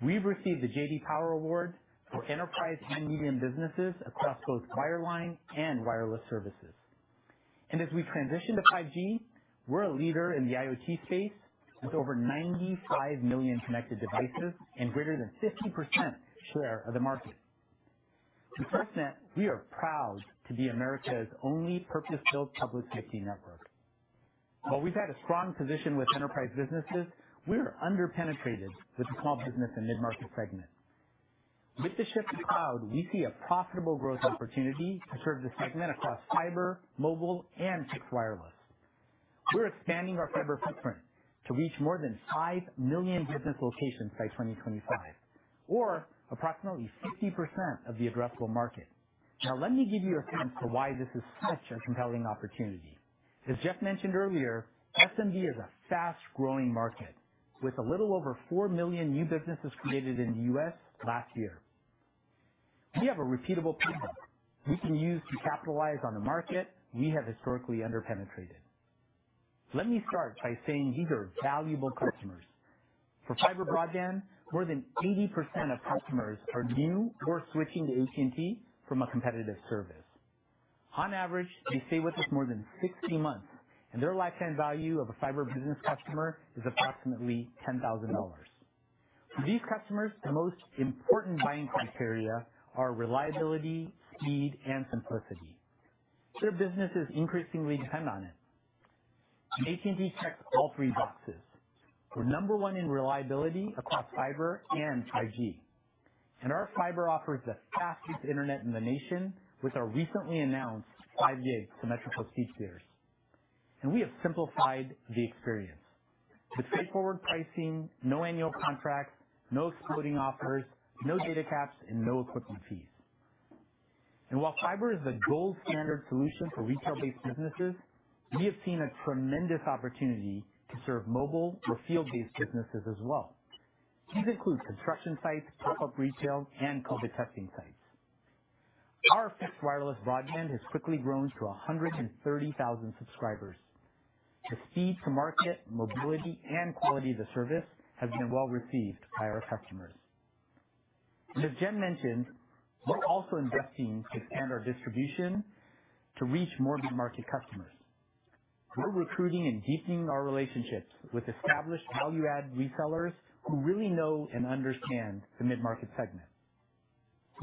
We've received the J.D. Power Award for enterprise and medium businesses across both wireline and wireless services. As we transition to 5G, we're a leader in the IoT space with over 95 million connected devices and greater than 50% share of the market. With FirstNet, we are proud to be America's only purpose-built public 5G network. While we've had a strong position with enterprise businesses, we are under-penetrated with the small business and mid-market segment. With the shift to cloud, we see a profitable growth opportunity to serve the segment across fiber, mobile, and fixed wireless. We're expanding our fiber footprint to reach more than 5 million business locations by 2025 or approximately 50% of the addressable market. Now, let me give you a sense to why this is such a compelling opportunity. As Jeff mentioned earlier, SMB is a fast-growing market with a little over 4 million new businesses created in the U.S. last year. We have a repeatable playbook we can use to capitalize on the market we have historically under-penetrated. Let me start by saying these are valuable customers. For fiber broadband, more than 80% of customers are new or switching to AT&T from a competitive service. On average, they stay with us more than 60 months, and their lifetime value of a fiber business customer is approximately $10,000. For these customers, the most important buying criteria are reliability, speed, and simplicity. Their businesses increasingly depend on it. AT&T checks all three boxes. We're number one in reliability across fiber and 5G, and our fiber offers the fastest internet in the nation with our recently announced 5 Gig symmetrical speed tiers. We have simplified the experience with straightforward pricing, no annual contracts, no exploding offers, no data caps, and no equipment fees. While fiber is the gold standard solution for retail-based businesses, we have seen a tremendous opportunity to serve mobile or field-based businesses as well. These include construction sites, pop-up retail, and COVID testing sites. Our fixed wireless broadband has quickly grown to 130,000 subscribers. The speed to market, mobility, and quality of the service has been well received by our customers. As Jen mentioned, we're also investing to expand our distribution to reach more mid-market customers. We're recruiting and deepening our relationships with established value-add resellers who really know and understand the mid-market segment.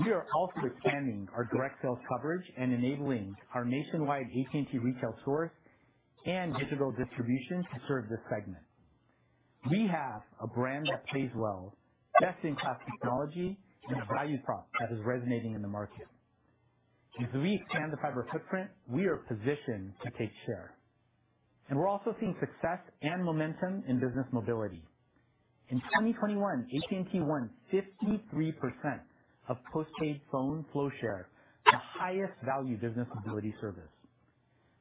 We are also expanding our direct sales coverage and enabling our nationwide AT&T retail stores and digital distribution to serve this segment. We have a brand that plays well, best-in-class technology, and a value prop that is resonating in the market. As we expand the fiber footprint, we are positioned to take share. We're also seeing success and momentum in business mobility. In 2021, AT&T won 53% of postpaid phone flow share, the highest value business mobility service.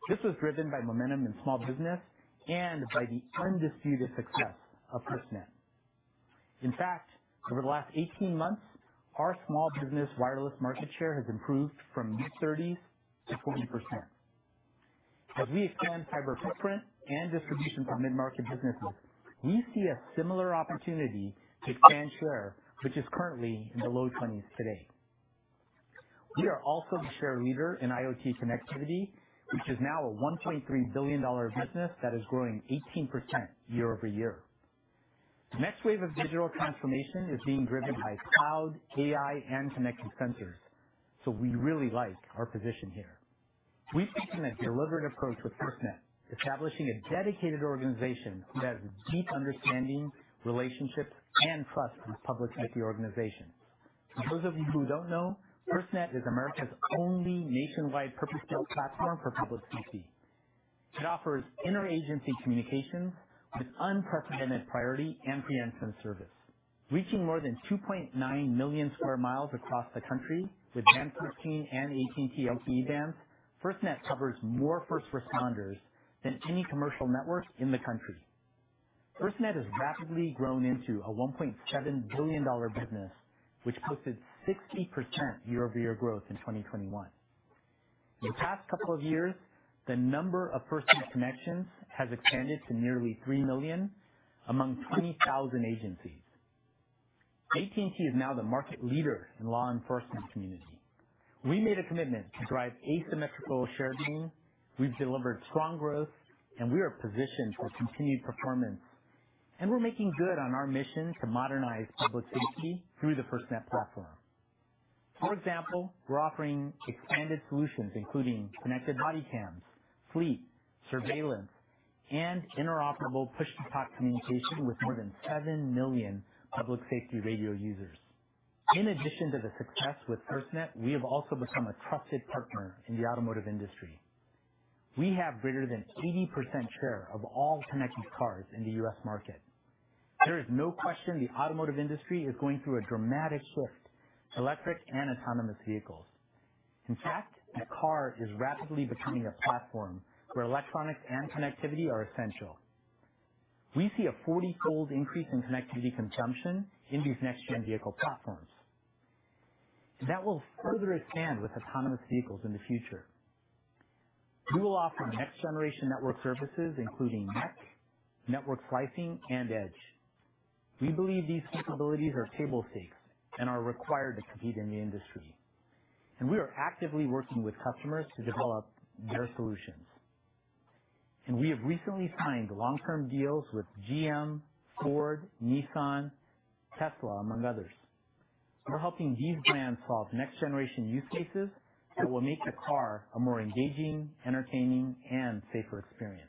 This was driven by momentum in small business and by the undisputed success of FirstNet. In fact, over the last 18 months, our small business wireless market share has improved from mid-thirties to 40%. As we expand fiber footprint and distribution for mid-market businesses, we see a similar opportunity to expand share, which is currently in the low twenties today. We are also the share leader in IoT connectivity, which is now a $1.3 billion business that is growing 18% year-over-year. The next wave of digital transformation is being driven by cloud, AI, and connected sensors, so we really like our position here. We've taken a deliberate approach with FirstNet, establishing a dedicated organization that has a deep understanding, relationships and trust with public safety organizations. For those of you who don't know, FirstNet is America's only nationwide purpose-built platform for public safety. It offers inter-agency communications with unprecedented priority and preemption service. Reaching more than 2.9 million sq mi across the country with Band 13 and AT&T LTE bands, FirstNet covers more first responders than any commercial network in the country. FirstNet has rapidly grown into a $1.7 billion business, which posted 60% year-over-year growth in 2021. In the past couple of years, the number of FirstNet connections has expanded to nearly 3 million among 20,000 agencies. AT&T is now the market leader in law enforcement community. We made a commitment to drive asymmetrical share gain. We've delivered strong growth, and we are positioned for continued performance. We're making good on our mission to modernize public safety through the FirstNet platform. For example, we're offering expanded solutions, including connected body cams, fleet, surveillance, and interoperable push-to-talk communication with more than 7 million public safety radio users. In addition to the success with FirstNet, we have also become a trusted partner in the automotive industry. We have greater than 80% share of all connected cars in the U.S. market. There is no question the automotive industry is going through a dramatic shift to electric and autonomous vehicles. In fact, the car is rapidly becoming a platform where electronics and connectivity are essential. We see a 40-fold increase in connectivity consumption in these next-gen vehicle platforms. That will further expand with autonomous vehicles in the future. We will offer next-generation network services, including MEC, network slicing, and Edge. We believe these capabilities are table stakes and are required to compete in the industry. We are actively working with customers to develop their solutions. We have recently signed long-term deals with GM, Ford, Nissan, Tesla, among others. We're helping these brands solve next-generation use cases that will make the car a more engaging, entertaining, and safer experience.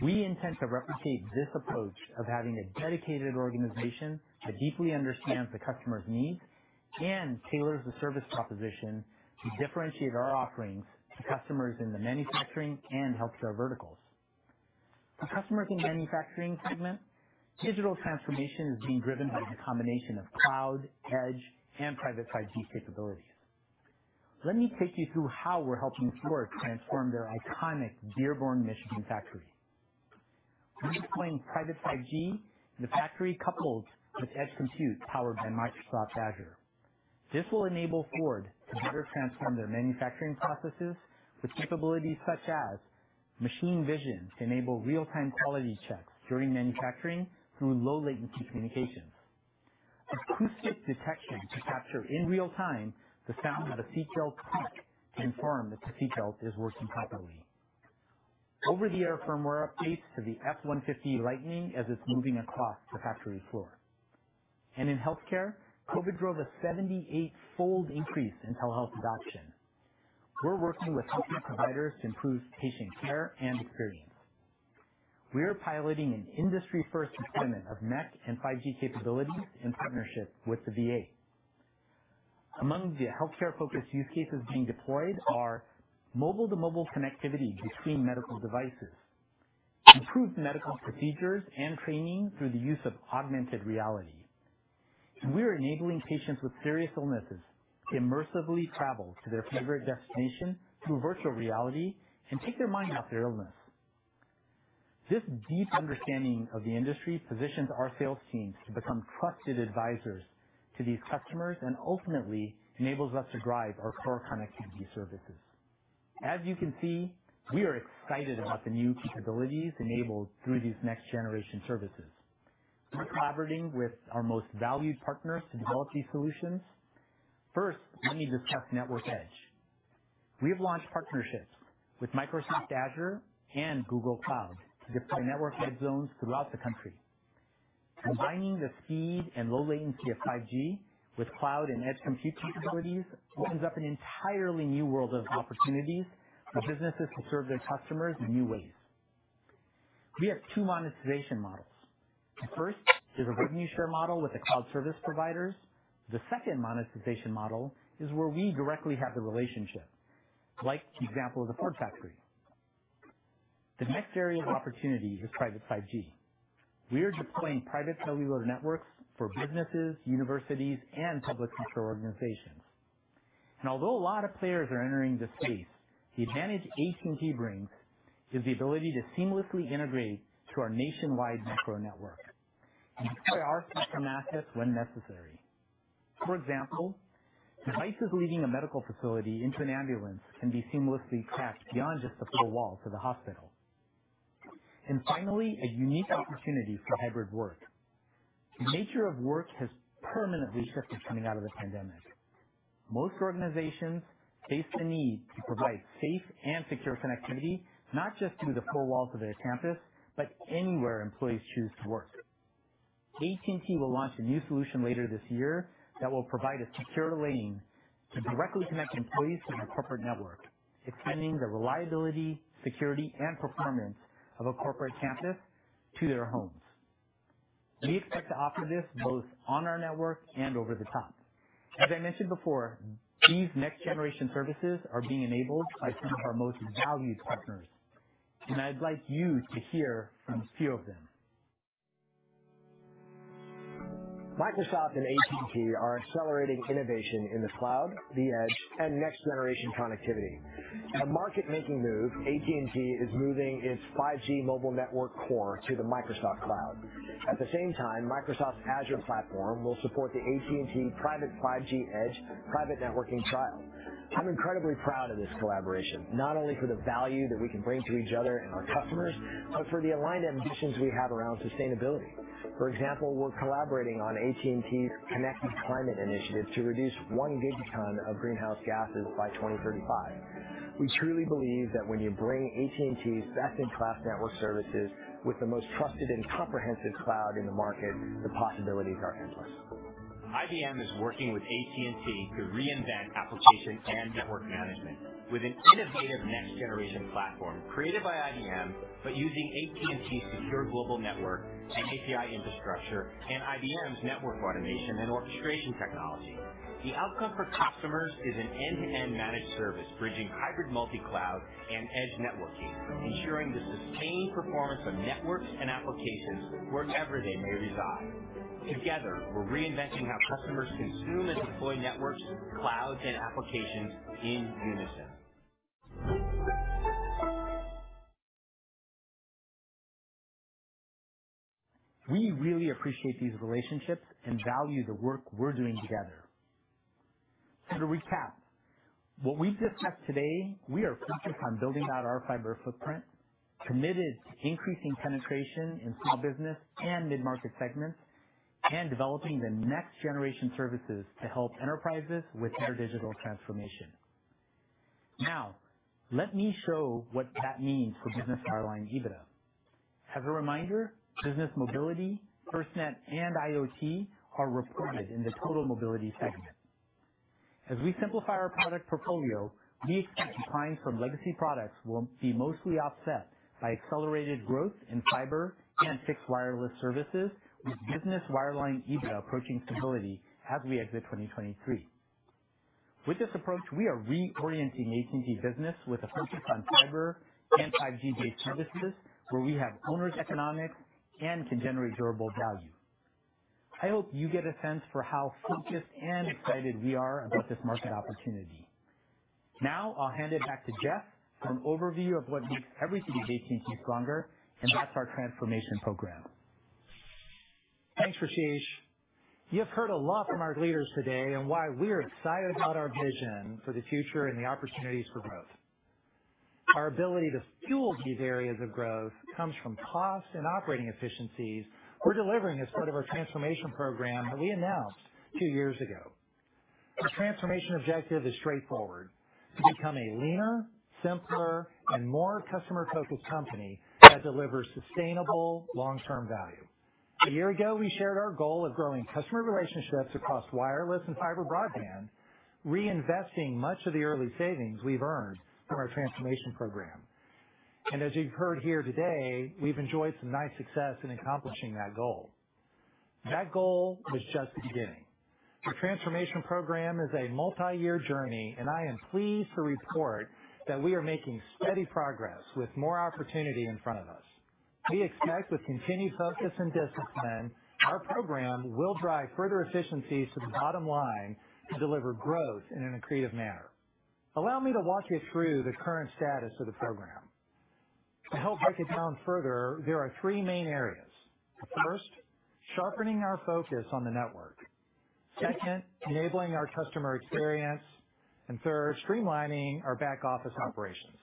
We intend to replicate this approach of having a dedicated organization that deeply understands the customer's needs and tailors the service proposition to differentiate our offerings to customers in the manufacturing and healthcare verticals. For customers in manufacturing segment, digital transformation is being driven by the combination of cloud, edge, and private 5G capabilities. Let me take you through how we're helping Ford transform their iconic Dearborn, Michigan factory. We're deploying private 5G in the factory coupled with edge compute powered by Microsoft Azure. This will enable Ford to better transform their manufacturing processes with capabilities such as machine vision to enable real-time quality checks during manufacturing through low latency communications. Acoustic detection to capture in real-time the sound of a seatbelt click to confirm that the seatbelt is working properly. Over-the-air firmware updates to the F-150 Lightning as it's moving across the factory floor. In healthcare, COVID drove a 78-fold increase in telehealth adoption. We're working with healthcare providers to improve patient care and experience. We are piloting an industry-first deployment of MEC and 5G capabilities in partnership with the VA. Among the healthcare-focused use cases being deployed are mobile-to-mobile connectivity between medical devices, improved medical procedures and training through the use of augmented reality. We are enabling patients with serious illnesses to immersively travel to their favorite destination through virtual reality and take their mind off their illness. This deep understanding of the industry positions our sales teams to become trusted advisors to these customers and ultimately enables us to drive our core connectivity services. As you can see, we are excited about the new capabilities enabled through these next-generation services. We're collaborating with our most valued partners to develop these solutions. First, let me discuss network edge. We have launched partnerships with Microsoft Azure and Google Cloud to deploy network edge zones throughout the country. Combining the speed and low latency of 5G with cloud and edge compute capabilities opens up an entirely new world of opportunities for businesses to serve their customers in new ways. We have two monetization models. The first is a revenue share model with the cloud service providers. The second monetization model is where we directly have the relationship, like the example of the Ford factory. The next area of opportunity is private 5G. We are deploying private cellular networks for businesses, universities, and public sector organizations. Although a lot of players are entering the space, the advantage AT&T brings is the ability to seamlessly integrate to our nationwide macro network and deploy our spectrum assets when necessary. For example, devices leaving a medical facility into an ambulance can be seamlessly tracked beyond just the four walls of the hospital. Finally, a unique opportunity for hybrid work. The nature of work has permanently shifted coming out of the pandemic. Most organizations face the need to provide safe and secure connectivity, not just through the four walls of their campus, but anywhere employees choose to work. AT&T will launch a new solution later this year that will provide a secure lane to directly connect employees to their corporate network, extending the reliability, security, and performance of a corporate campus to their homes. We expect to offer this both on our network and over the top. As I mentioned before, these next generation services are being enabled by some of our most valued partners, and I'd like you to hear from a few of them. Microsoft and AT&T are accelerating innovation in the cloud, the edge, and next generation connectivity. In a market-making move, AT&T is moving its 5G mobile network core to the Microsoft Cloud. At the same time, Microsoft's Azure platform will support the AT&T private 5G edge private networking trial. I'm incredibly proud of this collaboration, not only for the value that we can bring to each other and our customers, but for the aligned ambitions we have around sustainability. For example, we're collaborating on AT&T's Connected Climate Initiative to reduce 1 gigaton of greenhouse gases by 2035. We truly believe that when you bring AT&T's best-in-class network services with the most trusted and comprehensive cloud in the market, the possibilities are endless. IBM is working with AT&T to reinvent application and network management with an innovative next generation platform created by IBM, but using AT&T's secure global network and API infrastructure and IBM's network automation and orchestration technology. The outcome for customers is an end-to-end managed service bridging hybrid multi-cloud and edge networking, ensuring the sustained performance of networks and applications wherever they may reside. Together, we're reinventing how customers consume and deploy networks, clouds, and applications in unison. We really appreciate these relationships and value the work we're doing together. To recap what we discussed today, we are focused on building out our fiber footprint, committed to increasing penetration in small business and mid-market segments, and developing the next generation services to help enterprises with their digital transformation. Now, let me show what that means for business wireline EBITDA. As a reminder, business mobility, FirstNet, and IoT are reported in the total mobility segment. As we simplify our product portfolio, we expect declines from legacy products will be mostly offset by accelerated growth in fiber and fixed wireless services, with business wireline EBITDA approaching stability as we exit 2023. With this approach, we are reorienting AT&T Business with a focus on fiber and 5G-based services where we have owner economics and can generate durable value. I hope you get a sense for how focused and excited we are about this market opportunity. Now, I'll hand it back to Jeff for an overview of what makes every day AT&T stronger, and that's our transformation program. Thanks, Rasesh. You have heard a lot from our leaders today on why we are excited about our vision for the future and the opportunities for growth. Our ability to fuel these areas of growth comes from cost and operating efficiencies we're delivering as part of our transformation program that we announced two years ago. The transformation objective is straightforward: to become a leaner, simpler, and more customer-focused company that delivers sustainable long-term value. A year ago, we shared our goal of growing customer relationships across wireless and fiber broadband, reinvesting much of the early savings we've earned from our transformation program. As you've heard here today, we've enjoyed some nice success in accomplishing that goal. That goal was just the beginning. The transformation program is a multi-year journey, and I am pleased to report that we are making steady progress with more opportunity in front of us. We expect with continued focus and discipline, our program will drive further efficiencies to the bottom line to deliver growth in an accretive manner. Allow me to walk you through the current status of the program. To help break it down further, there are three main areas. First, sharpening our focus on the network. Second, enabling our customer experience. And third, streamlining our back office operations.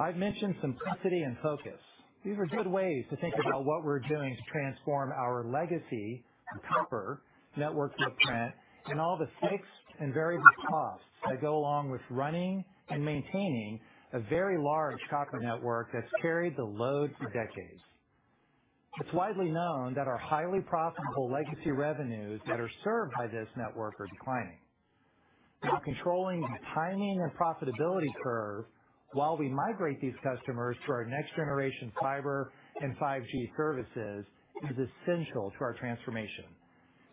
I've mentioned simplicity and focus. These are good ways to think about what we're doing to transform our legacy copper network footprint and all the fixed and variable costs that go along with running and maintaining a very large copper network that's carried the load for decades. It's widely known that our highly profitable legacy revenues that are served by this network are declining. Now, controlling the timing and profitability curve while we migrate these customers to our next generation fiber and 5G services is essential to our transformation.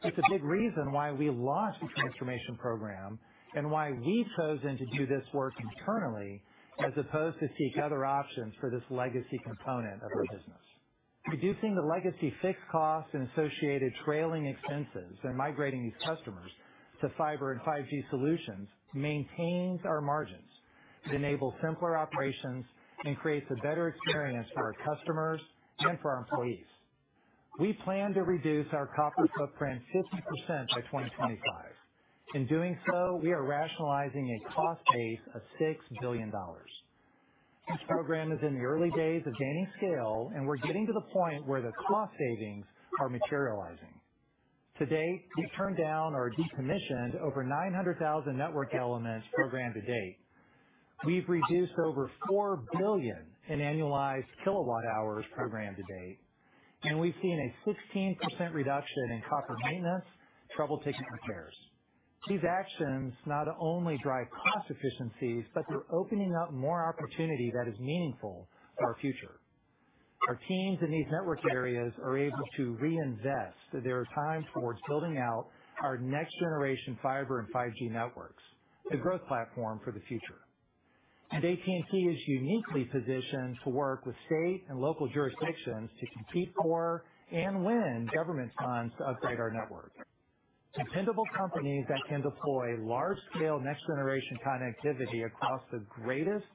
It's a big reason why we launched the transformation program and why we've chosen to do this work internally, as opposed to seek other options for this legacy component of our business. Reducing the legacy fixed costs and associated trailing expenses and migrating these customers to fiber and 5G solutions maintains our margins. It enables simpler operations and creates a better experience for our customers and for our employees. We plan to reduce our copper footprint 50% by 2025. In doing so, we are rationalizing a cost base of $6 billion. This program is in the early days of gaining scale, and we're getting to the point where the cost savings are materializing. To date, we've turned down or decommissioned over 900,000 network elements program to date. We've reduced over 4 billion in annualized kWh program to date. We've seen a 16% reduction in copper maintenance, troubleshooting, and repairs. These actions not only drive cost efficiencies, but they're opening up more opportunity that is meaningful for our future. Our teams in these network areas are able to reinvest their time towards building out our next generation fiber and 5G networks, the growth platform for the future. AT&T is uniquely positioned to work with state and local jurisdictions to compete for and win government funds to upgrade our network. Dependable companies that can deploy large-scale next generation connectivity across the greatest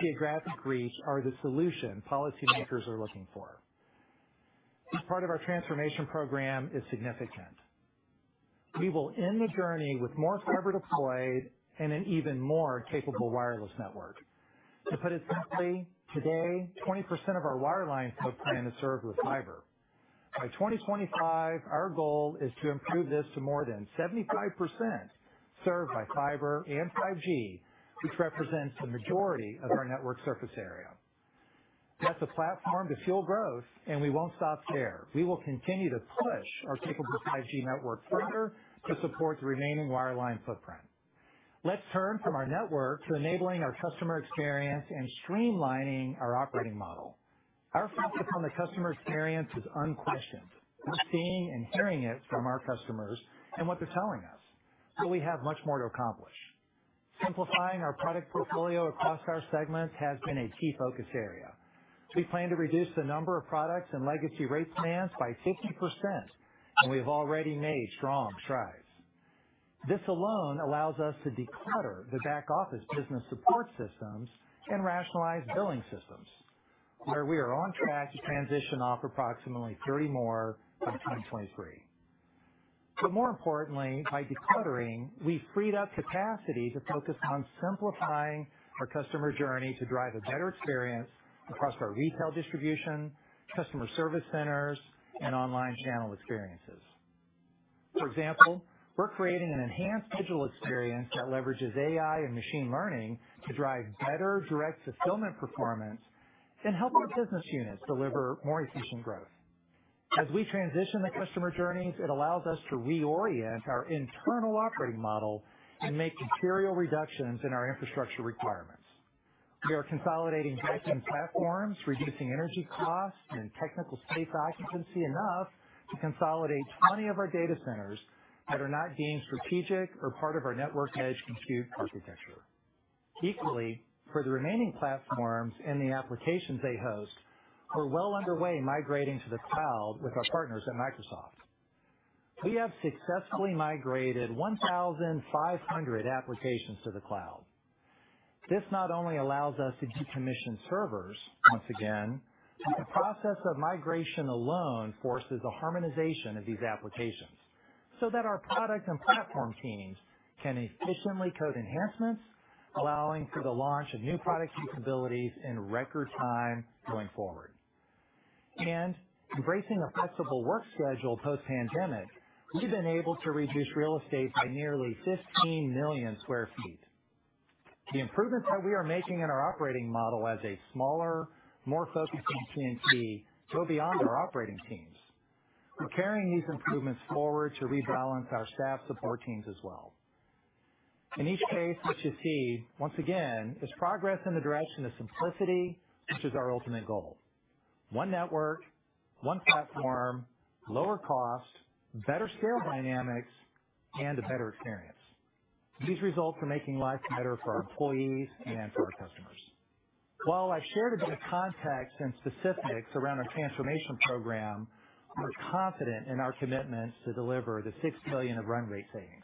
geographic reach are the solution policymakers are looking for. This part of our transformation program is significant. We will end the journey with more fiber deployed and an even more capable wireless network. To put it simply, today, 20% of our wireline footprint is served with fiber. By 2025, our goal is to improve this to more than 75% served by fiber and 5G, which represents the majority of our network surface area. That's a platform to fuel growth, and we won't stop there. We will continue to push our capable 5G network further to support the remaining wireline footprint. Let's turn from our network to enabling our customer experience and streamlining our operating model. Our focus on the customer experience is unquestioned. We're seeing and hearing it from our customers and what they're telling us. We have much more to accomplish. Simplifying our product portfolio across our segments has been a key focus area. We plan to reduce the number of products and legacy rate plans by 50%, and we have already made strong strides. This alone allows us to declutter the back office business support systems and rationalize billing systems, where we are on track to transition off approximately 30 more by 2023. More importantly, by decluttering, we freed up capacity to focus on simplifying our customer journey to drive a better experience across our retail distribution, customer service centers, and online channel experiences. For example, we're creating an enhanced digital experience that leverages AI and machine learning to drive better direct fulfillment performance and help our business units deliver more efficient growth. As we transition the customer journeys, it allows us to reorient our internal operating model and make material reductions in our infrastructure requirements. We are consolidating back-end platforms, reducing energy costs and technical space occupancy enough to consolidate 20 of our data centers that are not deemed strategic or part of our network edge compute architecture. Equally, for the remaining platforms and the applications they host, we're well underway migrating to the cloud with our partners at Microsoft. We have successfully migrated 1,500 applications to the cloud. This not only allows us to decommission servers once again, but the process of migration alone forces a harmonization of these applications so that our product and platform teams can efficiently code enhancements, allowing for the launch of new product capabilities in record time going forward. Embracing a flexible work schedule post-pandemic, we've been able to reduce real estate by nearly 15 million sq ft. The improvements that we are making in our operating model as a smaller, more focused AT&T go beyond our operating teams. We're carrying these improvements forward to rebalance our staff support teams as well. In each case, what you see, once again, is progress in the direction of simplicity, which is our ultimate goal. One network, one platform, lower cost, better scale dynamics, and a better experience. These results are making life better for our employees and for our customers. While I shared a bit of context and specifics around our transformation program, we're confident in our commitment to deliver the $6 billion of run rate savings.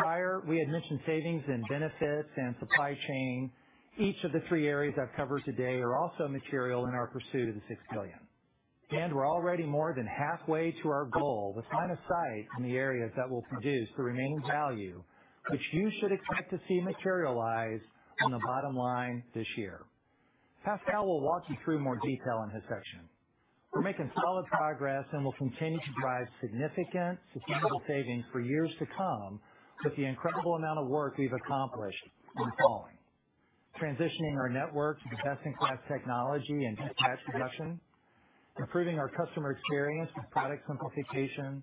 Prior, we had mentioned savings in benefits and supply chain. Each of the three areas I've covered today are also material in our pursuit of the $6 billion. We're already more than halfway to our goal with line of sight in the areas that will produce the remaining value, which you should expect to see materialize on the bottom line this year. Pascal will walk you through more detail in his section. We're making solid progress and will continue to drive significant, sustainable savings for years to come with the incredible amount of work we've accomplished in the following transitioning our network to best-in-class technology and cost reduction, improving our customer experience with product simplification,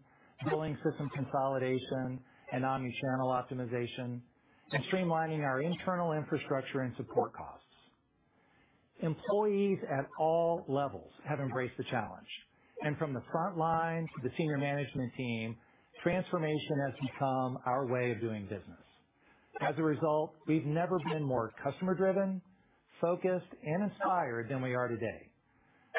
billing system consolidation, and omni-channel optimization, and streamlining our internal infrastructure and support costs. Employees at all levels have embraced the challenge. From the front line to the senior management team, transformation has become our way of doing business. As a result, we've never been more customer driven, focused, and inspired than we are today.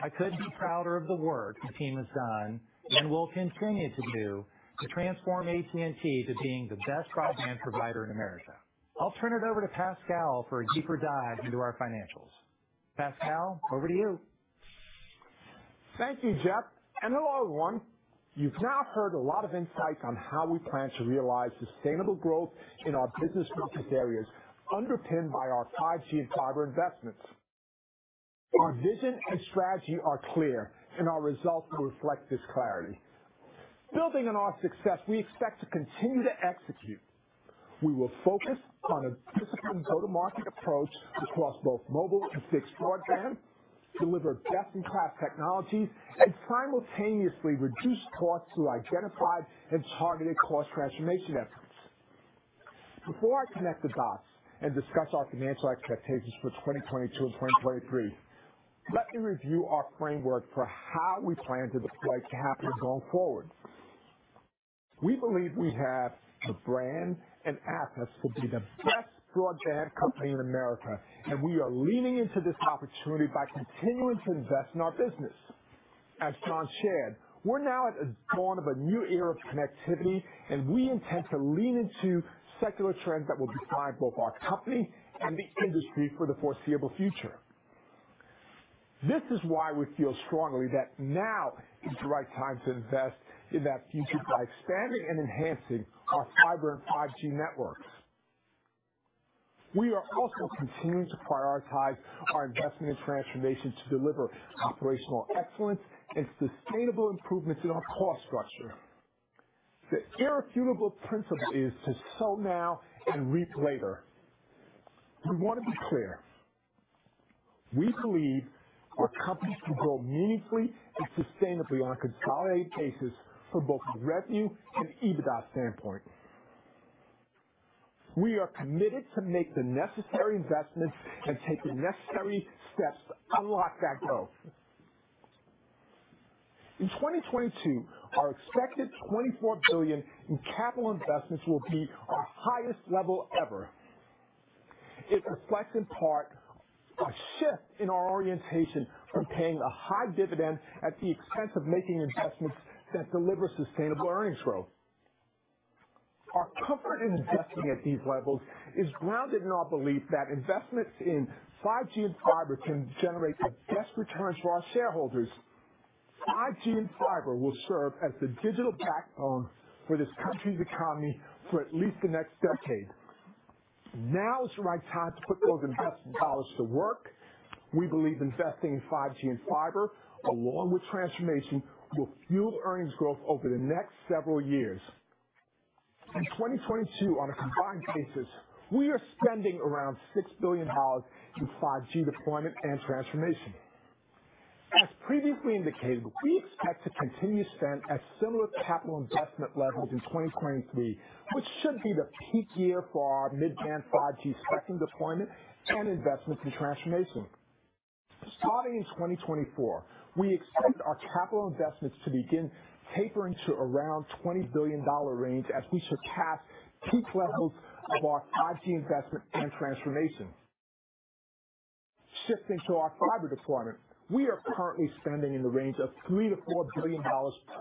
I couldn't be prouder of the work the team has done and will continue to do to transform AT&T to being the best broadband provider in America. I'll turn it over to Pascal for a deeper dive into our financials. Pascal, over to you. Thank you, Jeff, and hello, everyone. You've now heard a lot of insights on how we plan to realize sustainable growth in our business focus areas underpinned by our 5G and fiber investments. Our vision and strategy are clear, and our results reflect this clarity. Building on our success, we expect to continue to execute. We will focus on a disciplined go-to-market approach across both mobile and fixed broadband, deliver best-in-class technologies, and simultaneously reduce costs through identified and targeted cost transformation efforts. Before I connect the dots and discuss our financial expectations for 2022 and 2023, let me review our framework for how we plan to deploy capital going forward. We believe we have the brand and assets to be the best broadband company in America, and we are leaning into this opportunity by continuing to invest in our business. As John shared, we're now at the dawn of a new era of connectivity, and we intend to lean into secular trends that will define both our company and the industry for the foreseeable future. This is why we feel strongly that now is the right time to invest in that future by expanding and enhancing our fiber and 5G networks. We are also continuing to prioritize our investment and transformation to deliver operational excellence and sustainable improvements in our cost structure. The irrefutable principle is to sow now and reap later. We want to be clear. We believe our company can grow meaningfully and sustainably on a consolidated basis from both a revenue and EBITDA standpoint. We are committed to make the necessary investments and take the necessary steps to unlock that growth. In 2022, our expected $24 billion in capital investments will be our highest level ever. It reflects, in part, a shift in our orientation from paying a high dividend at the expense of making investments that deliver sustainable earnings growth. Our comfort in investing at these levels is grounded in our belief that investments in 5G and fiber can generate the best returns for our shareholders. 5G and fiber will serve as the digital backbone for this country's economy for at least the next decade. Now is the right time to put those investment dollars to work. We believe investing in 5G and fiber, along with transformation, will fuel earnings growth over the next several years. In 2022, on a combined basis, we are spending around $6 billion in 5G deployment and transformation. As previously indicated, we expect to continue to spend at similar capital investment levels in 2023, which should be the peak year for our mid-band 5G spectrum deployment and investments in transformation. Starting in 2024, we expect our capital investments to begin tapering to around $20 billion range as we surpass peak levels of our 5G investment and transformation. Shifting to our fiber deployment, we are currently spending in the range of $3 billion-$4 billion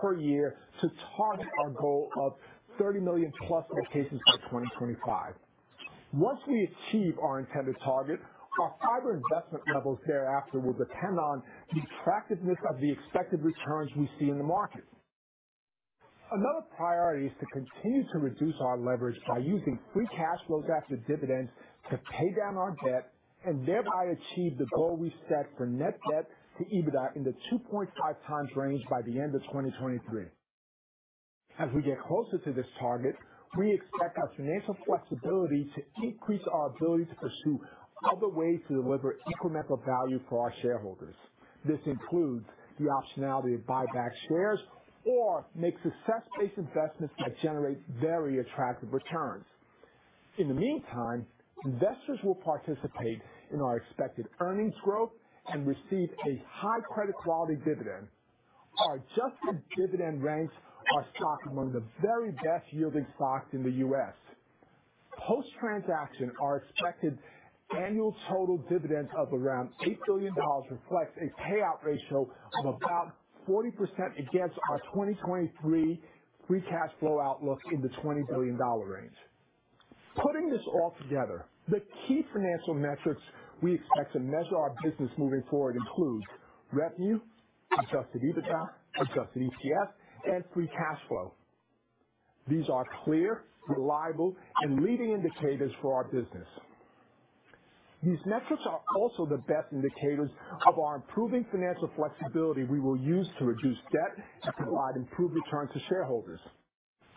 per year to target our goal of 30 million+ locations by 2025. Once we achieve our intended target, our fiber investment levels thereafter will depend on the attractiveness of the expected returns we see in the market. Another priority is to continue to reduce our leverage by using free cash flows after dividends to pay down our debt and thereby achieve the goal we set for net debt to EBITDA in the 2.5x range by the end of 2023. As we get closer to this target, we expect our financial flexibility to increase our ability to pursue other ways to deliver incremental value for our shareholders. This includes the optionality to buy back shares or make success-based investments that generate very attractive returns. In the meantime, investors will participate in our expected earnings growth and receive a high credit quality dividend. Our adjusted dividend ranks our stock among the very best yielding stocks in the U.S. Post-transaction, our expected annual total dividend of around $8 billion reflects a payout ratio of about 40% against our 2023 free cash flow outlook in the $20 billion range. Putting this all together, the key financial metrics we expect to measure our business moving forward include revenue, adjusted EBITDA, adjusted EPS, and free cash flow. These are clear, reliable, and leading indicators for our business. These metrics are also the best indicators of our improving financial flexibility we will use to reduce debt and provide improved returns to shareholders.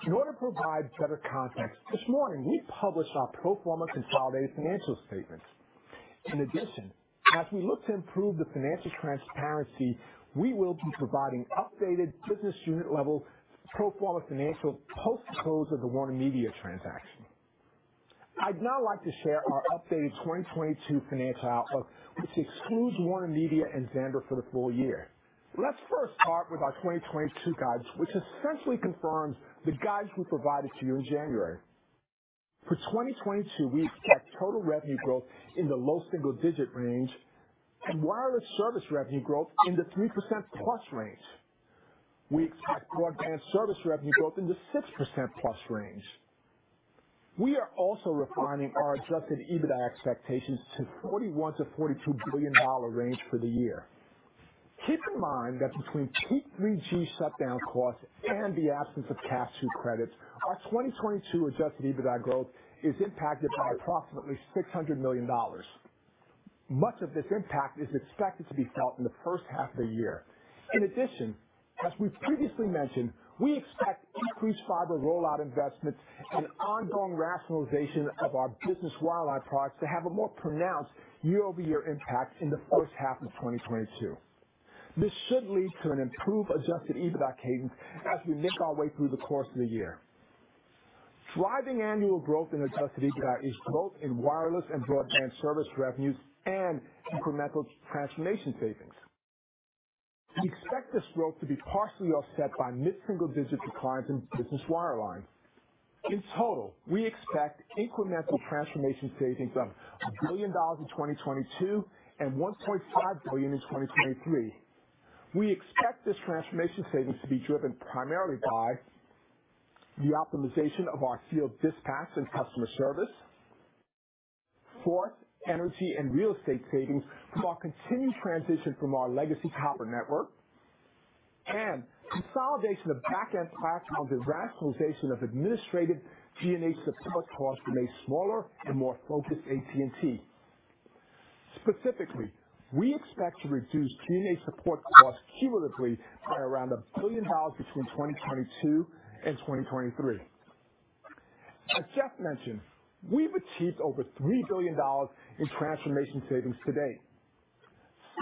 In order to provide better context, this morning, we published our pro forma consolidated financial statements. In addition, as we look to improve the financial transparency, we will be providing updated business unit level pro forma financials post-close of the WarnerMedia transaction. I'd now like to share our updated 2022 financial outlook, which excludes WarnerMedia and Xandr for the full year. Let's first start with our 2022 guidance, which essentially confirms the guidance we provided to you in January. For 2022, we expect total revenue growth in the low single-digit range and wireless service revenue growth in the 3%+ range. We expect broadband service revenue growth in the 6%+ range. We are also refining our adjusted EBITDA expectations to $41 billion-$42 billion range for the year. Keep in mind that between peak 3G shutdown costs and the absence of CAF II credits, our 2022 adjusted EBITDA growth is impacted by approximately $600 million. Much of this impact is expected to be felt in the first half of the year. In addition, as we've previously mentioned, we expect increased fiber rollout investments and ongoing rationalization of our Business Wireline products to have a more pronounced year-over-year impact in the first half of 2022. This should lead to an improved adjusted EBITDA cadence as we make our way through the course of the year. Driving annual growth in adjusted EBITDA is both in wireless and broadband service revenues and incremental transformation savings. We expect this growth to be partially offset by mid-single digit declines in business wireline. In total, we expect incremental transformation savings of $1 billion in 2022 and $1.5 billion in 2023. We expect this transformation savings to be driven primarily by the optimization of our field dispatch and customer service. Fourth, energy and real estate savings from our continued transition from our legacy power network and consolidation of back-end platforms and rationalization of administrative G&A support costs to make smaller and more focused AT&T. Specifically, we expect to reduce G&A support costs cumulatively by around $1 billion between 2022 and 2023. As Jeff mentioned, we've achieved over $3 billion in transformation savings to date.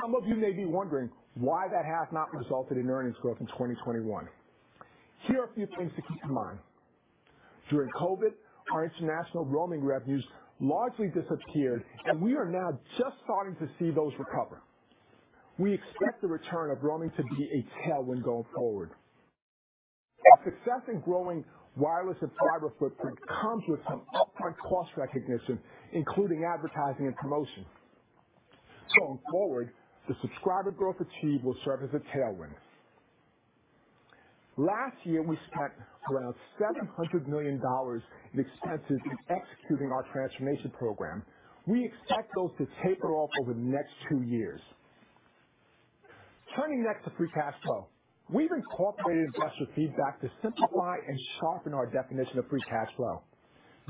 Some of you may be wondering why that has not resulted in earnings growth in 2021. Here are a few things to keep in mind. During COVID, our international roaming revenues largely disappeared, and we are now just starting to see those recover. We expect the return of roaming to be a tailwind going forward. Our success in growing wireless and fiber footprint comes with some upfront cost recognition, including advertising and promotion. Going forward, the subscriber growth achieved will serve as a tailwind. Last year, we spent around $700 million in expenses in executing our transformation program. We expect those to taper off over the next two years. Turning next to free cash flow. We've incorporated investor feedback to simplify and sharpen our definition of free cash flow.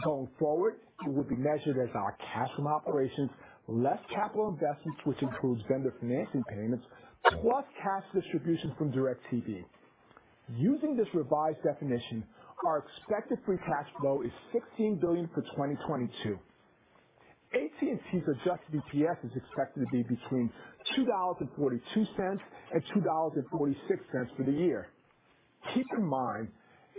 Going forward, it will be measured as our cash from operations, less capital investments, which includes vendor financing payments, plus cash distributions from DIRECTV. Using this revised definition, our expected free cash flow is $16 billion for 2022. AT&T's adjusted EPS is expected to be between $2.42 and $2.46 for the year. Keep in mind,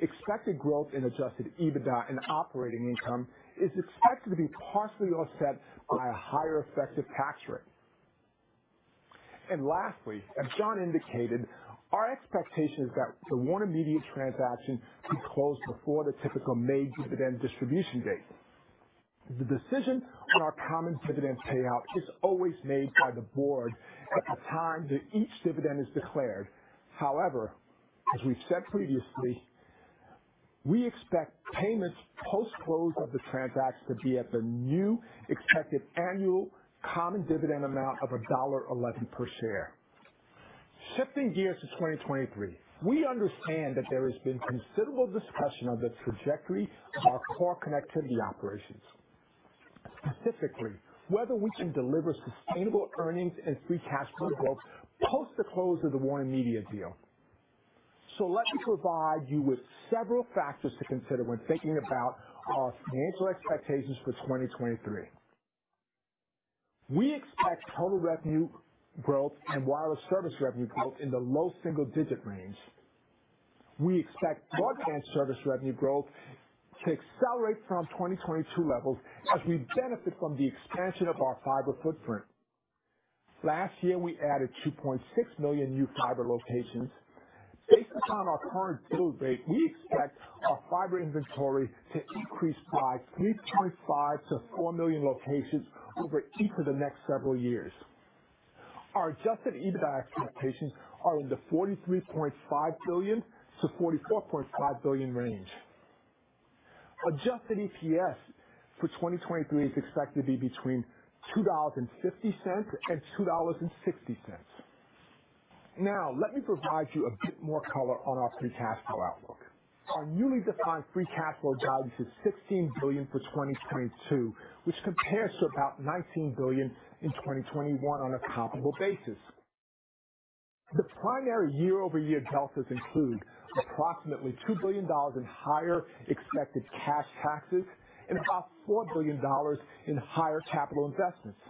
expected growth in adjusted EBITDA and operating income is expected to be partially offset by a higher effective tax rate. Lastly, as John indicated, our expectation is that the WarnerMedia transaction be closed before the typical May dividend distribution date. The decision on our common dividend payout is always made by the board at the time that each dividend is declared. However, as we've said previously, we expect payments post-close of the transaction to be at the new expected annual common dividend amount of $1.11 per share. Shifting gears to 2023. We understand that there has been considerable discussion on the trajectory of our core connectivity operations, specifically, whether we can deliver sustainable earnings and free cash flow growth post the close of the WarnerMedia deal. Let me provide you with several factors to consider when thinking about our financial expectations for 2023. We expect total revenue growth and wireless service revenue growth in the low single-digit range. We expect broadband service revenue growth to accelerate from 2022 levels as we benefit from the expansion of our fiber footprint. Last year, we added 2.6 million new fiber locations. Based upon our current build rate, we expect our fiber inventory to increase by 3.5-4 million locations over each of the next several years. Our adjusted EBITDA expectations are in the $43.5 billion-$44.5 billion range. Adjusted EPS for 2023 is expected to be between $2.50 and $2.60. Now, let me provide you a bit more color on our free cash flow outlook. Our newly defined free cash flow guidance is $16 billion for 2022, which compares to about $19 billion in 2021 on a comparable basis. The primary year-over-year deltas include approximately $2 billion in higher expected cash taxes and about $4 billion in higher capital investments.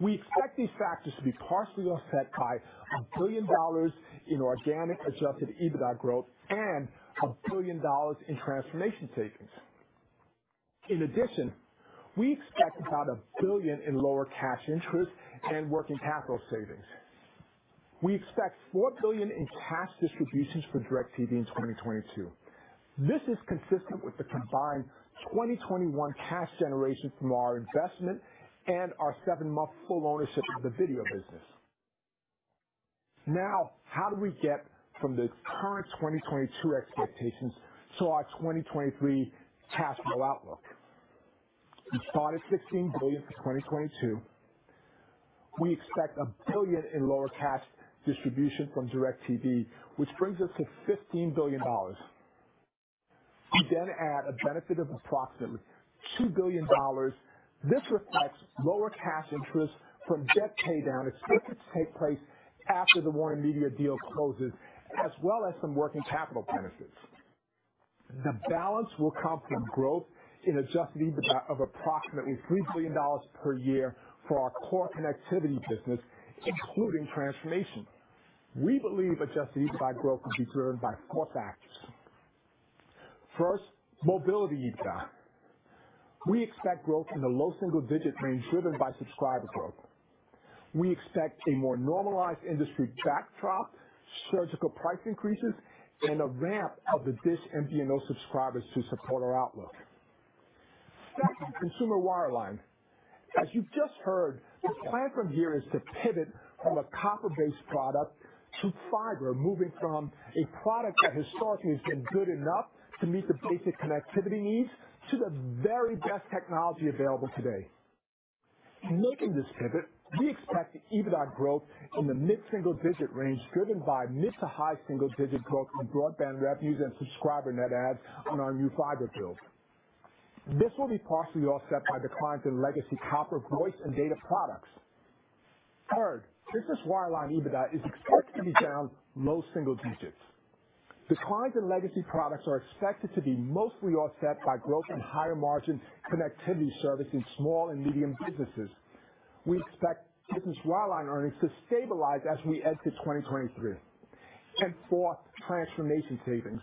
We expect these factors to be partially offset by $1 billion in organic adjusted EBITDA growth and $1 billion in transformation savings. In addition, we expect about $1 billion in lower cash interest and working capital savings. We expect $4 billion in cash distributions for DIRECTV in 2022. This is consistent with the combined 2021 cash generation from our investment and our seven-month full ownership of the video business. Now, how do we get from the current 2022 expectations to our 2023 cash flow outlook? We start at $16 billion for 2022. We expect $1 billion in lower cash distribution from DIRECTV, which brings us to $15 billion. We then add a benefit of approximately $2 billion. This reflects lower cash interest from debt pay down expected to take place after the WarnerMedia deal closes, as well as some working capital benefits. The balance will come from growth in adjusted EBITDA of approximately $3 billion per year for our core connectivity business, including transformation. We believe adjusted EBITDA growth will be driven by four factors. First, mobility EBITDA. We expect growth in the low single-digit range driven by subscriber growth. We expect a more normalized industry backdrop, surgical price increases, and a ramp of the DISH MVNO subscribers to support our outlook. Second, Consumer Wireline. As you just heard, the plan from here is to pivot from a copper-based product to fiber, moving from a product that historically has been good enough to meet the basic connectivity needs to the very best technology available today. In making this pivot, we expect EBITDA growth in the mid-single-digit range, driven by mid- to high-single-digit growth in broadband revenues and subscriber net adds on our new fiber build. This will be partially offset by declines in legacy copper voice and data products. Third, business wireline EBITDA is expected to be down low single digits. Declines in legacy products are expected to be mostly offset by growth in higher margin connectivity service in small and medium businesses. We expect business wireline earnings to stabilize as we enter 2023. Fourth, transformation savings.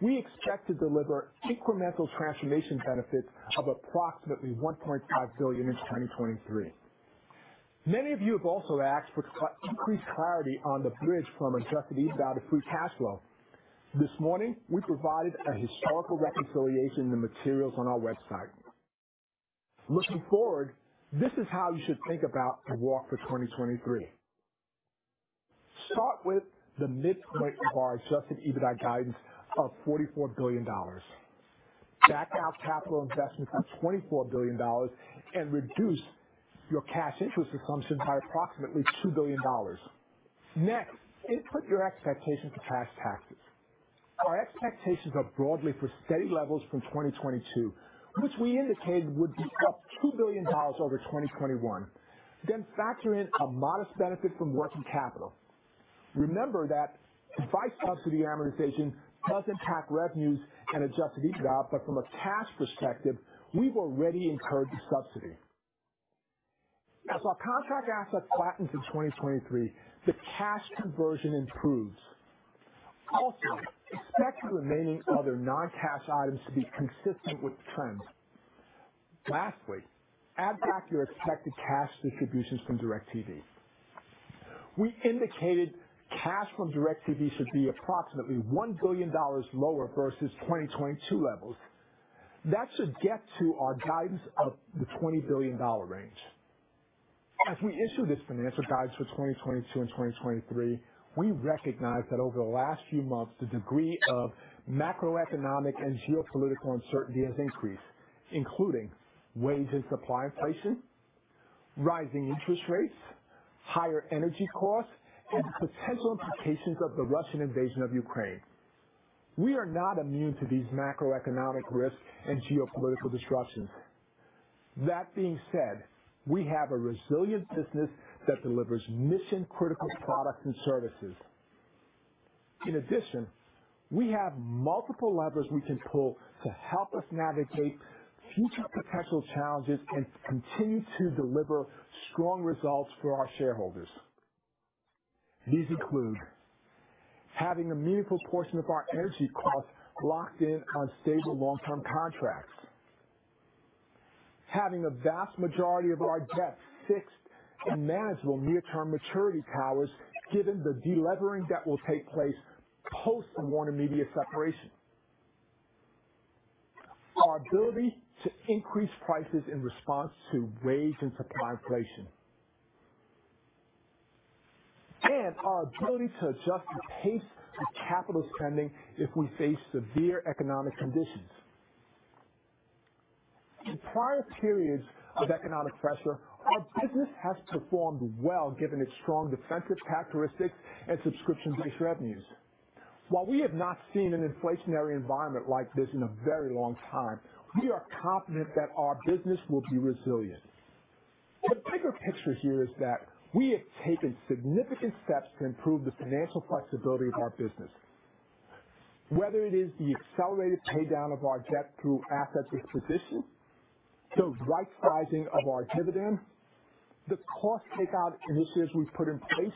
We expect to deliver incremental transformation benefits of approximately $1.5 billion in 2023. Many of you have also asked for increased clarity on the bridge from adjusted EBITDA to free cash flow. This morning, we provided a historical reconciliation in the materials on our website. Looking forward, this is how you should think about the walk for 2023. Start with the mid point of our adjusted EBITDA guidance of $44 billion. Back out capital investments of $24 billion and reduce your cash interest assumption by approximately $2 billion. Next, input your expectations for cash taxes. Our expectations are broadly for steady levels from 2022, which we indicated would be up $2 billion over 2021. Then factor in a modest benefit from working capital. Remember that device subsidy amortization doesn't track revenues and adjusted EBITDA, but from a cash perspective, we've already incurred the subsidy. As our contract assets flatten in 2023, the cash conversion improves. Also, expect the remaining other non-cash items to be consistent with the trend. Lastly, add back your expected cash distributions from DIRECTV. We indicated cash from DIRECTV should be approximately $1 billion lower versus 2022 levels. That should get to our guidance of the $20 billion range. As we issue this financial guide for 2022 and 2023, we recognize that over the last few months, the degree of macroeconomic and geopolitical uncertainty has increased, including wage and supply inflation, rising interest rates, higher energy costs, and potential implications of the Russian invasion of Ukraine. We are not immune to these macroeconomic risks and geopolitical disruptions. That being said, we have a resilient business that delivers mission-critical products and services. In addition, we have multiple levers we can pull to help us navigate future potential challenges and continue to deliver strong results for our shareholders. These include having a meaningful portion of our energy costs locked in on stable long-term contracts, having a vast majority of our debt fixed in manageable near-term maturity towers, given the de-levering that will take place post the WarnerMedia separation. Our ability to increase prices in response to wage and supply inflation. Our ability to adjust the pace of capital spending if we face severe economic conditions. In prior periods of economic pressure, our business has performed well given its strong defensive characteristics and subscriptions-based revenues. While we have not seen an inflationary environment like this in a very long time, we are confident that our business will be resilient. The bigger picture here is that we have taken significant steps to improve the financial flexibility of our business. Whether it is the accelerated paydown of our debt through asset disposition, the right sizing of our dividend, the cost takeout initiatives we've put in place,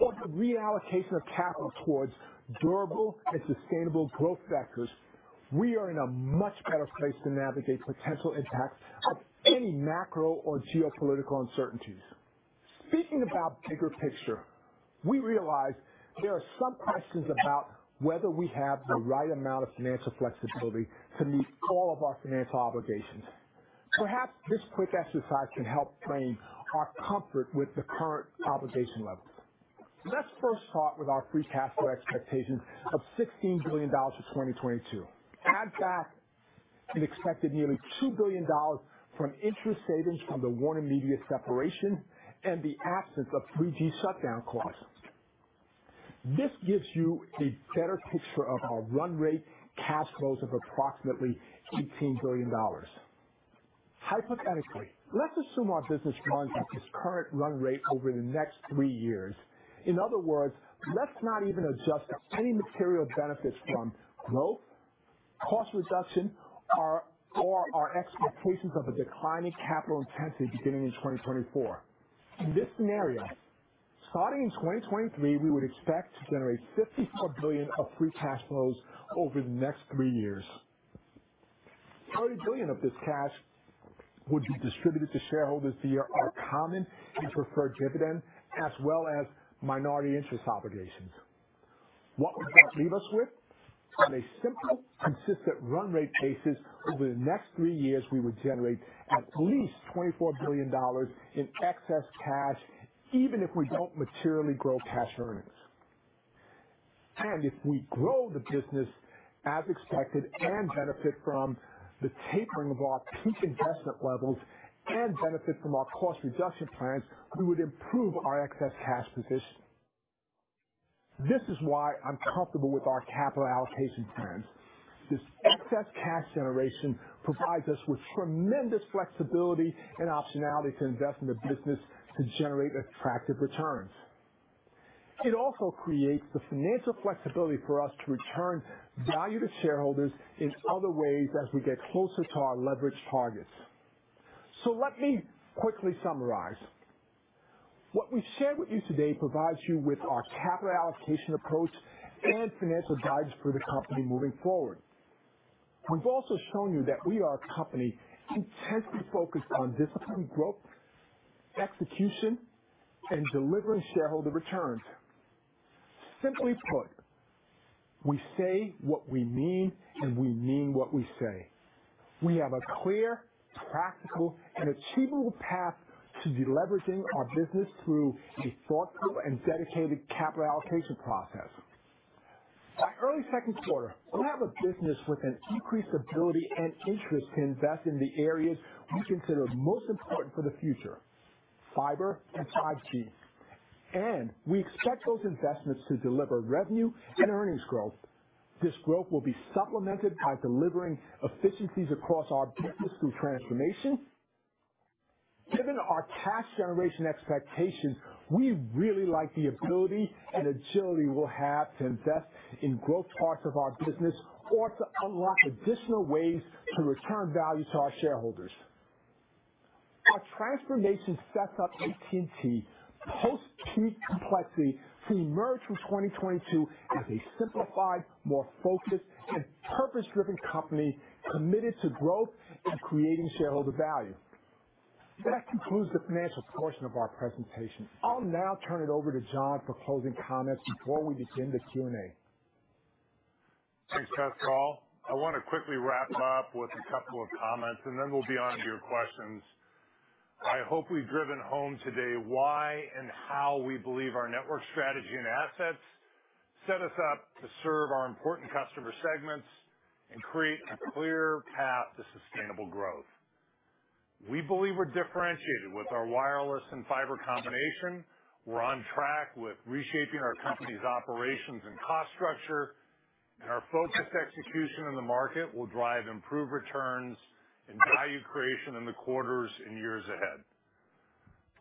or the reallocation of capital towards durable and sustainable growth vectors, we are in a much better place to navigate potential impacts of any macro or geopolitical uncertainties. Speaking about bigger picture, we realize there are some questions about whether we have the right amount of financial flexibility to meet all of our financial obligations. Perhaps this quick exercise can help frame our comfort with the current obligation level. Let's first start with our free cash flow expectations of $16 billion for 2022. Add back an expected nearly $2 billion from interest savings from the WarnerMedia separation and the absence of 3G shutdown costs. This gives you a better picture of our run rate cash flows of approximately $18 billion. Hypothetically, let's assume our business runs at this current run rate over the next three years. In other words, let's not even adjust any material benefits from growth, cost reduction, or our expectations of a declining capital intensity beginning in 2024. In this scenario, starting in 2023, we would expect to generate $54 billion of free cash flows over the next three years. $30 billion of this cash would be distributed to shareholders via our common and preferred dividend as well as minority interest obligations. What would that leave us with? On a simple, consistent run rate basis over the next three years, we would generate at least $24 billion in excess cash even if we don't materially grow cash earnings. If we grow the business as expected and benefit from the tapering of our peak investment levels and benefit from our cost reduction plans, we would improve our excess cash position. This is why I'm comfortable with our capital allocation plans. This excess cash generation provides us with tremendous flexibility and optionality to invest in the business to generate attractive returns. It also creates the financial flexibility for us to return value to shareholders in other ways as we get closer to our leverage targets. So let me quickly summarize. What we've shared with you today provides you with our capital allocation approach and financial guidance for the company moving forward. We've also shown you that we are a company intensely focused on disciplined growth, execution, and delivering shareholder returns. Simply put, we say what we mean, and we mean what we say. We have a clear, practical, and achievable path to deleveraging our business through a thoughtful and dedicated capital allocation process. By early second quarter, we'll have a business with an increased ability and interest to invest in the areas we consider most important for the future, fiber and 5G. We expect those investments to deliver revenue and earnings growth. This growth will be supplemented by delivering efficiencies across our business through transformation. Given our cash generation expectations, we really like the ability and agility we'll have to invest in growth parts of our business or to unlock additional ways to return value to our shareholders. Our transformation sets up AT&T post-peak complexity to emerge from 2022 as a simplified, more focused, and purpose-driven company committed to growth and creating shareholder value. That concludes the financial portion of our presentation. I'll now turn it over to John for closing comments before we begin the Q&A. Thanks, Pascal. I wanna quickly wrap up with a couple of comments, and then we'll be on to your questions. I hope we've driven home today why and how we believe our network strategy and assets set us up to serve our important customer segments and create a clear path to sustainable growth. We believe we're differentiated with our wireless and fiber combination. We're on track with reshaping our company's operations and cost structure, and our focused execution in the market will drive improved returns and value creation in the quarters and years ahead.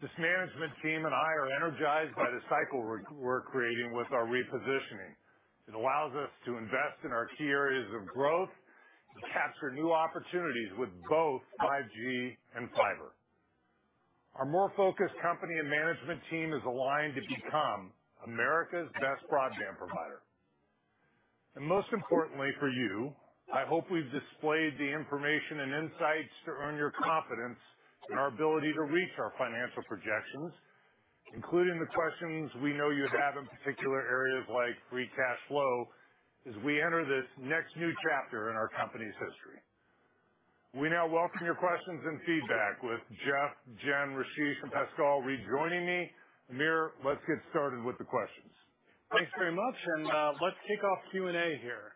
This management team and I are energized by the cycle we're creating with our repositioning. It allows us to invest in our key areas of growth and capture new opportunities with both 5G and fiber. Our more focused company and management team is aligned to become America's best broadband provider. Most importantly for you, I hope we've displayed the information and insights to earn your confidence in our ability to reach our financial projections, including the questions we know you have in particular areas like free cash flow as we enter this next new chapter in our company's history. We now welcome your questions and feedback with Jeff, Jen, Rasesh, and Pascal rejoining me. Amir, let's get started with the questions. Thanks very much. Let's kick off Q&A here.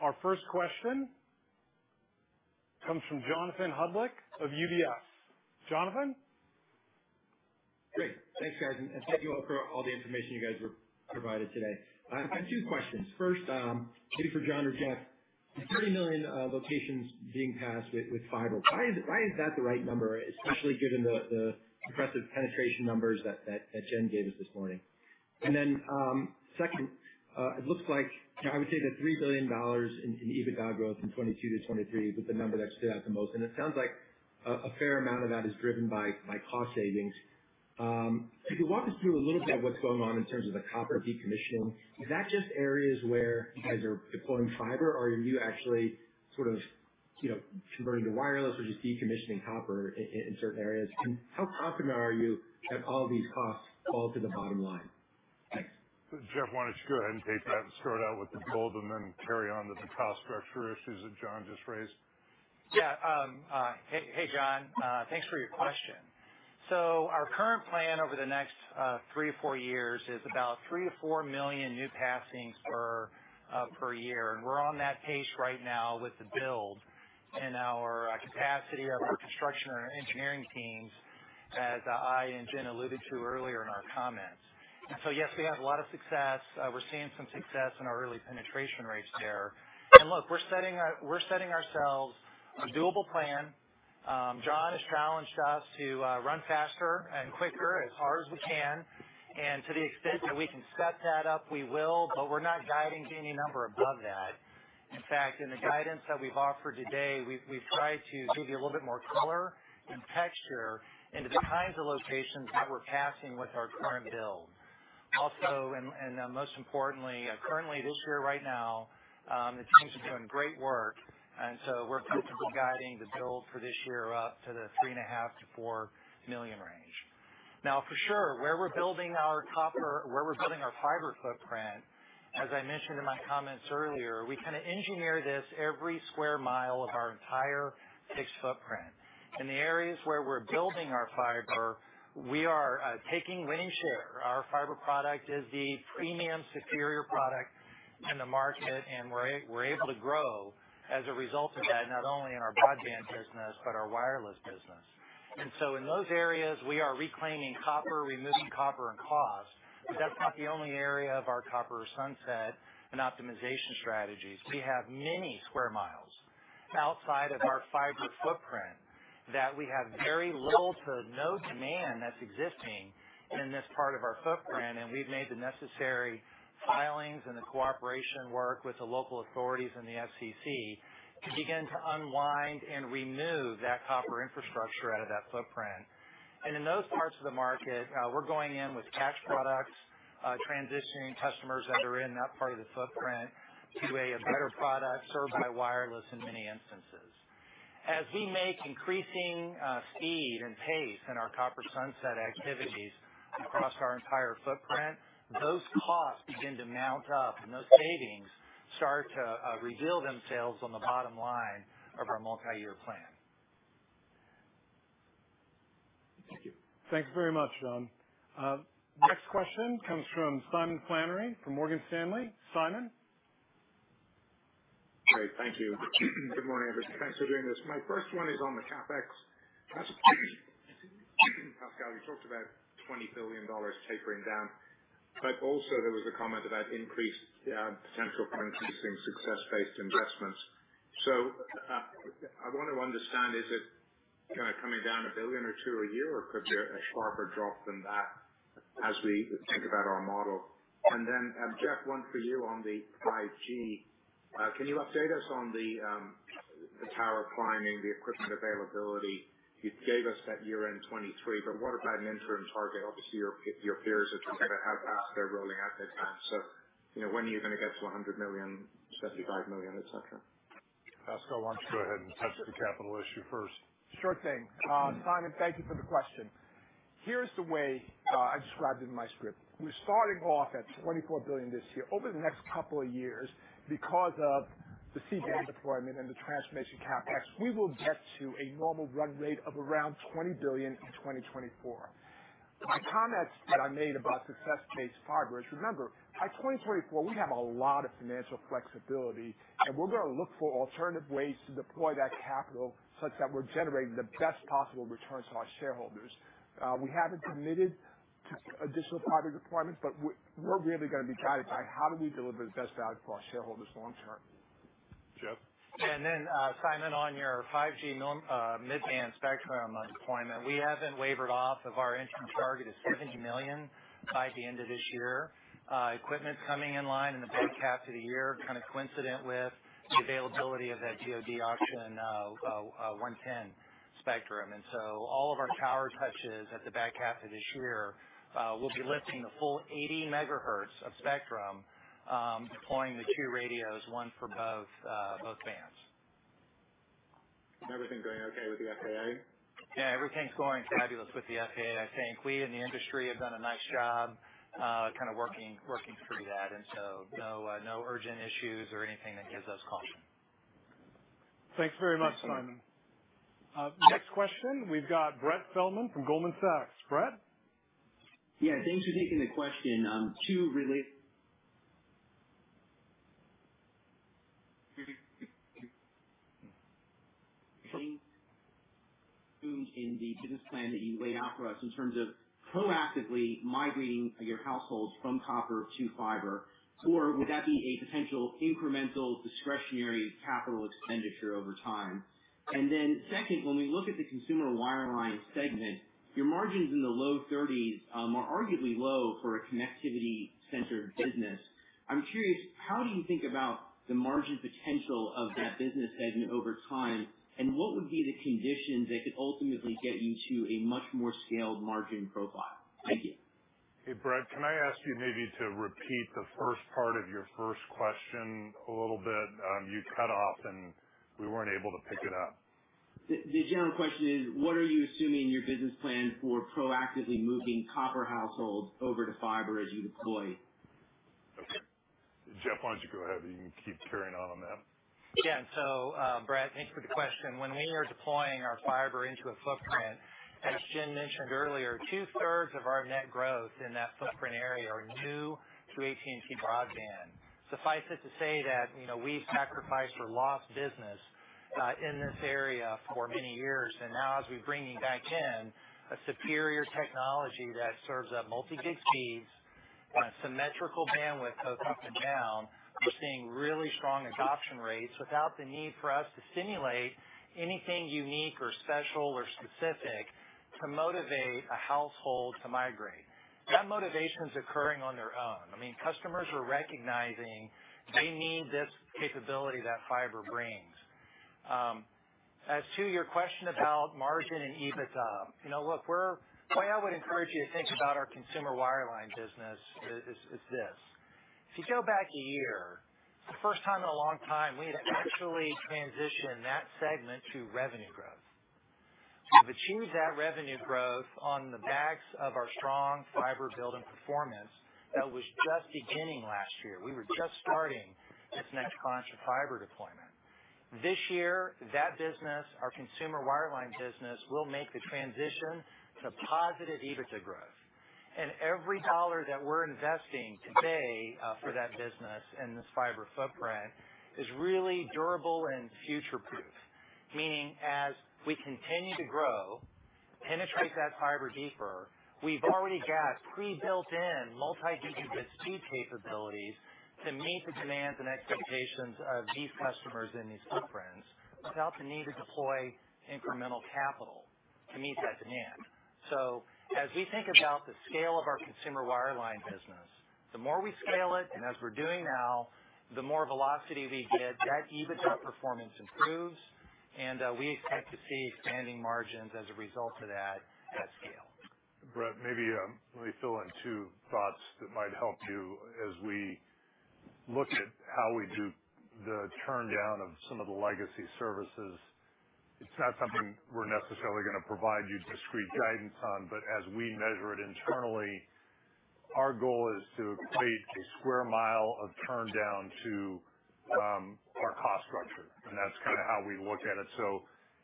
Our first question comes from John Hodulik of UBS. Jonathan? Great. Thanks, guys, and thank you all for all the information you guys provided today. I have two questions. First, maybe for John or Jeff, the 30 million locations being passed with fiber, why is that the right number, especially given the impressive penetration numbers that Jen gave us this morning? Second, it looks like, you know, I would say the $3 billion in EBITDA growth from 2022 to 2023 is the number that stood out the most, and it sounds like a fair amount of that is driven by cost savings. If you walk us through a little bit of what's going on in terms of the copper decommissioning, is that just areas where you guys are deploying fiber, or are you actually sort of, you know, converting to wireless or just decommissioning copper in certain areas? How confident are you that all these costs fall to the bottom line? Thanks. Jeff, why don't you go ahead and take that and start out with the build and then carry on to the cost structure issues that John just raised. Yeah. Hey, John. Thanks for your question. Our current plan over the next 3-4 years is about 3-4 million new passings per year. We're on that pace right now with the build and our capacity, our construction and our engineering teams. As I and Jen alluded to earlier in our comments. Yes, we have a lot of success. We're seeing some success in our early penetration rates there. Look, we're setting ourselves a doable plan. John has challenged us to run faster and quicker as hard as we can. To the extent that we can step that up, we will. We're not guiding to any number above that. In fact, in the guidance that we've offered today, we've tried to give you a little bit more color and texture into the kinds of locations that we're passing with our current build. Most importantly, currently this year right now, the team's been doing great work, and so we're comfortably guiding the build for this year up to the 3.5-4 million range. For sure, where we're building our copper, where we're building our fiber footprint, as I mentioned in my comments earlier, we kind of engineer this every square mile of our entire fixed footprint. In the areas where we're building our fiber, we are taking market share. Our fiber product is the premium superior product in the market, and we're able to grow as a result of that, not only in our broadband business but our wireless business. In those areas, we are reclaiming copper, removing copper and costs, but that's not the only area of our copper sunset and optimization strategies. We have many square miles outside of our fiber footprint that we have very little to no demand that's existing in this part of our footprint, and we've made the necessary filings and the cooperation work with the local authorities and the FCC to begin to unwind and remove that copper infrastructure out of that footprint. In those parts of the market, we're going in with cash products, transitioning customers that are in that part of the footprint to a better product served by wireless in many instances. As we make increasing speed and pace in our copper sunset activities across our entire footprint, those costs begin to mount up, and those savings start to reveal themselves on the bottom line of our multi-year plan. Thank you. Thanks very much, John. Next question comes from Simon Flannery from Morgan Stanley. Simon? Great. Thank you. Good morning, everyone. Thanks for doing this. My first one is on the CapEx. Pascal, you talked about $20 billion tapering down. Also there was a comment about increased potential for increasing success-based investments. I want to understand, is it kind of coming down $1 billion or $2 billion a year, or could there be a sharper drop than that as we think about our model? Jeff, one for you on the 5G. Can you update us on the tower climbing, the equipment availability? You gave us that year-end 2023, but what about an interim target? Obviously, your peers at T-Mobile have already rolled out their plans. You know, when are you gonna get to 100 million, 75 million, etc.? Pascal, why don't you go ahead and touch the capital issue first? Sure thing. Simon, thank you for the question. Here's the way I described it in my script. We're starting off at $24 billion this year. Over the next couple of years, because of the C-band deployment and the transformation CapEx, we will get to a normal run rate of around $20 billion in 2024. My comments that I made about success-based fiber is, remember, by 2024, we have a lot of financial flexibility, and we're gonna look for alternative ways to deploy that capital such that we're generating the best possible returns to our shareholders. We haven't committed to additional fiber deployments, but we're really gonna be guided by how do we deliver the best value for our shareholders long term. Jeff? Simon, on your 5G mid-band spectrum deployment, we haven't wavered off of our interim target of 70 million by the end of this year. Equipment's coming in line in the back half of the year, kind of coincident with the availability of Auction 110 spectrum. All of our tower touches at the back half of this year will be lifting the full 80 MHz of spectrum, deploying the two radios, one for both bands. Everything's going okay with the FAA? Yeah, everything's going fabulous with the FAA. I think we in the industry have done a nice job, kind of working through that. No urgent issues or anything that gives us caution. Thanks very much, Simon. Next question. We've got Brett Feldman from Goldman Sachs. Brett? Yeah, thanks for taking the question. Two related: assume in the business plan that you laid out for us in terms of proactively migrating your households from copper to fiber, or would that be a potential incremental discretionary capital expenditure over time? Second, when we look at the consumer wireline segment, your margins in the low 30s are arguably low for a connectivity centered business. I'm curious, how do you think about the margin potential of that business segment over time, and what would be the conditions that could ultimately get you to a much more scaled margin profile? Thank you. Hey, Brett, can I ask you maybe to repeat the first part of your first question a little bit? You cut off, and we weren't able to pick it up. The general question is, what are you assuming in your business plan for proactively moving copper households over to fiber as you deploy? Okay. Jeff, why don't you go ahead, and you can keep carrying on that. Yeah. Brett, thanks for the question. When we are deploying our fiber into a footprint, as Jen mentioned earlier. Over two-thirds of our net growth in that footprint area are new to AT&T Broadband. Suffice it to say that, you know, we've sacrificed for lost business in this area for many years. Now as we bring you back in a superior technology that serves up multi-gig speeds on a symmetrical bandwidth both up and down, we're seeing really strong adoption rates without the need for us to stimulate anything unique or special or specific to motivate a household to migrate. That motivation is occurring on their own. I mean, customers are recognizing they need this capability that fiber brings. As to your question about margin and EBITDA, you know, look, the way I would encourage you to think about our consumer wireline business is this. If you go back a year, for the first time in a long time, we had actually transitioned that segment to revenue growth. We've achieved that revenue growth on the backs of our strong fiber build and performance that was just beginning last year. We were just starting this next tranche of fiber deployment. This year, that business, our consumer wireline business, will make the transition to positive EBITDA growth. Every dollar that we're investing today, for that business in this fiber footprint is really durable and future-proof. Meaning, as we continue to grow, penetrate that fiber deeper, we've already got pre-built in multi-gigabit speed capabilities to meet the demands and expectations of these customers in these footprints without the need to deploy incremental capital to meet that demand. As we think about the scale of our consumer wireline business, the more we scale it, and as we're doing now, the more velocity we get, that EBITDA performance improves and we expect to see expanding margins as a result of that scale. Brett, maybe, let me fill in two thoughts that might help you as we look at how we do the turndown of some of the legacy services. It's not something we're necessarily gonna provide you discrete guidance on, but as we measure it internally, our goal is to equate a square miles of turndown to our cost structure, and that's kind of how we look at it.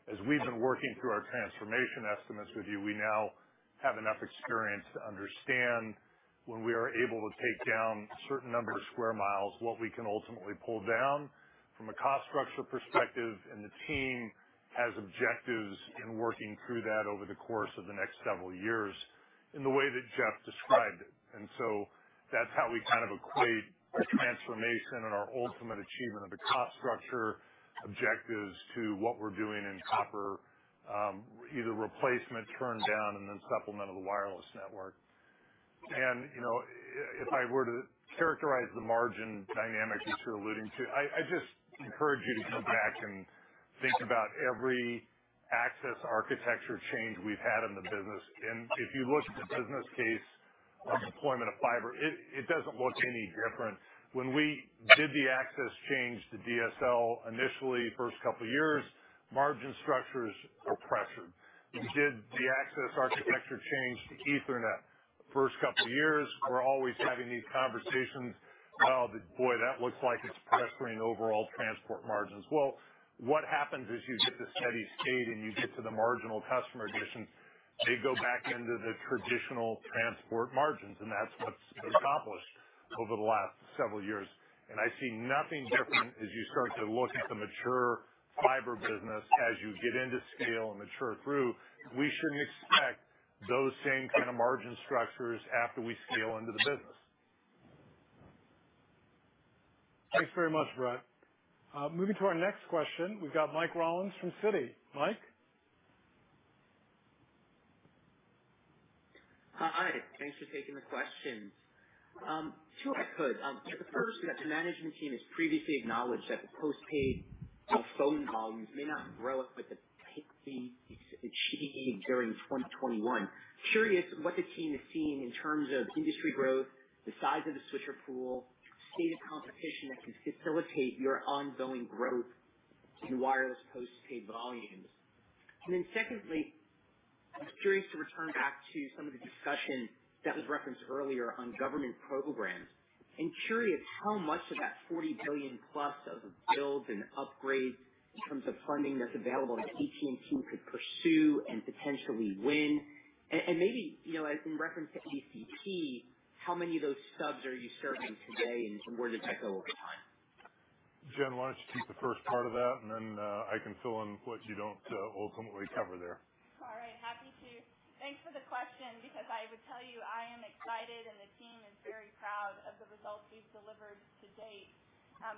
As we've been working through our transformation estimates with you, we now have enough experience to understand when we are able to take down a certain number of square miles, what we can ultimately pull down from a cost structure perspective, and the team has objectives in working through that over the course of the next several years in the way that Jeff described it. That's how we kind of equate the transformation and our ultimate achievement of the cost structure objectives to what we're doing in copper, either replacement, turndown, and then supplement of the wireless network. You know, if I were to characterize the margin dynamics that you're alluding to, I just encourage you to go back and think about every access architecture change we've had in the business. If you look at the business case of deployment of fiber, it doesn't look any different. When we did the access change to DSL initially, first couple of years, margin structures were pressured. We did the access architecture change to Ethernet. First couple years, we're always having these conversations, oh, boy, that looks like it's pressuring overall transport margins. Well, what happens is you get to steady state and you get to the marginal customer additions. They go back into the traditional transport margins, and that's what's accomplished over the last several years. I see nothing different as you start to look at the mature fiber business as you get into scale and mature through, we shouldn't expect those same kind of margin structures after we scale into the business. Thanks very much, Brett. Moving to our next question, we've got Mike Rollins from Citi. Mike. Hi. Thanks for taking the questions. Two, if I could. So the first is that the management team has previously acknowledged that the postpaid phone volumes may not grow at the pace being achieved during 2021. Curious what the team is seeing in terms of industry growth, the size of the switcher pool, state of competition that can facilitate your ongoing growth in wireless postpaid volumes. And then secondly, curious to return back to some of the discussion that was referenced earlier on government programs, and curious how much of that $40 billion plus of build and upgrade in terms of funding that's available that AT&T could pursue and potentially win. And maybe, you know, as in reference to ACP, how many of those subs are you serving today, and where does that go over time? Jen, why don't you take the first part of that, and then I can fill in what you don't ultimately cover there. All right. Happy to. Thanks for the question, because I would tell you I am excited and the team is very proud of the results we've delivered to date.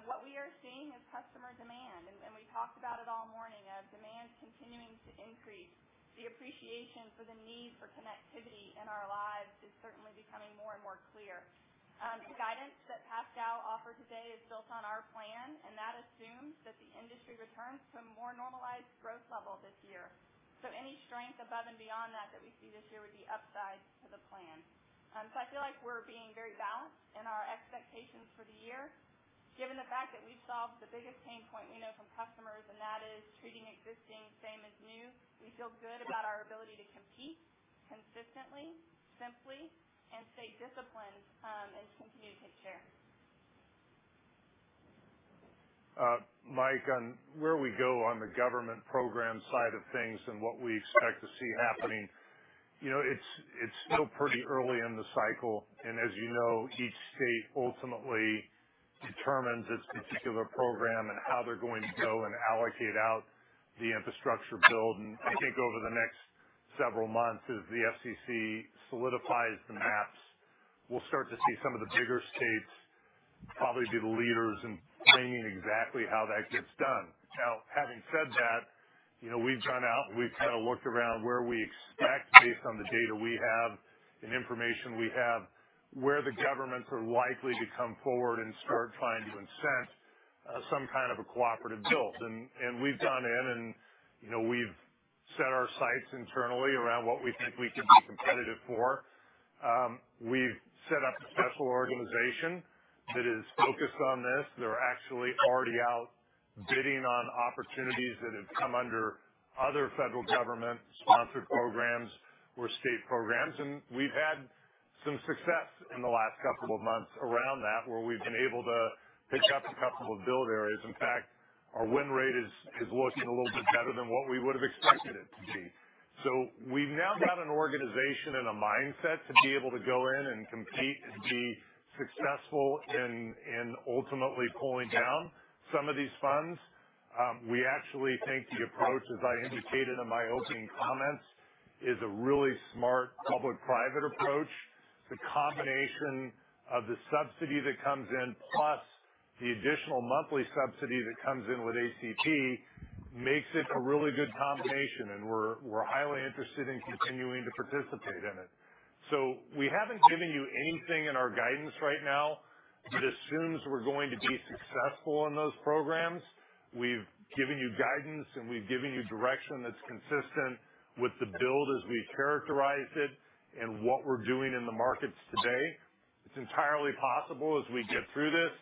What we are seeing is customer demand, and we talked about it all morning, of demand continuing to increase. The appreciation for the need for connectivity in our lives is certainly becoming more and more clear. The guidance that Pascal offered today is built on our plan, and that assumes that the industry returns to a more normalized growth level this year. Any strength above and beyond that that we see this year would be upside to the plan. I feel like we're being very balanced in our expectations for the year. Given the fact that we've solved the biggest pain point we know from customers, and that is treating existing same as new, we feel good about our ability to compete consistently, simply, and stay disciplined, and continue to take share. Mike, on where we go on the government program side of things and what we expect to see happening, you know, it's still pretty early in the cycle. As you know, each state ultimately determines its particular program and how they're going to go and allocate out the infrastructure build. I think over the next several months, as the FCC solidifies the maps, we'll start to see some of the bigger states probably be the leaders in saying exactly how that gets done. Now, having said that, you know, we've gone out and we've kind of looked around where we expect based on the data we have and information we have, where the governments are likely to come forward and start trying to incent some kind of a cooperative build. We've gone in and, you know, we've set our sights internally around what we think we can be competitive for. We've set up a special organization that is focused on this. They're actually already out bidding on opportunities that have come under other federal government-sponsored programs or state programs. We've had some success in the last couple of months around that, where we've been able to pick up a couple of build areas. In fact, our win rate is looking a little bit better than what we would have expected it to be. We've now got an organization and a mindset to be able to go in and compete and be successful in ultimately pulling down some of these funds. We actually think the approach, as I indicated in my opening comments, is a really smart public-private approach. The combination of the subsidy that comes in, plus the additional monthly subsidy that comes in with ACP makes it a really good combination, and we're highly interested in continuing to participate in it. We haven't given you anything in our guidance right now, but as soon as we're going to be successful in those programs, we've given you guidance and we've given you direction that's consistent with the build as we characterized it and what we're doing in the markets today. It's entirely possible as we get through this,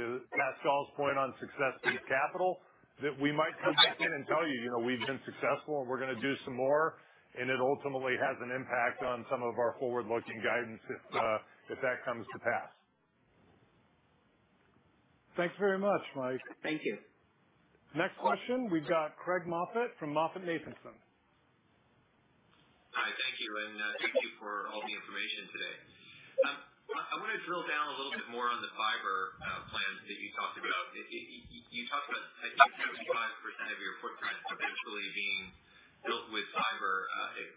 to Pascal's point on success-based capital, that we might come back in and tell you know, we've been successful and we're gonna do some more, and it ultimately has an impact on some of our forward-looking guidance if that comes to pass. Thanks very much, Mike. Thank you. Next question, we've got Craig Moffett from MoffettNathanson. Hi. Thank you, and thank you for all the information today. I wanna drill down a little bit more on the fiber plans that you talked about. You talked about, I think, 75% of your footprint eventually being built with fiber.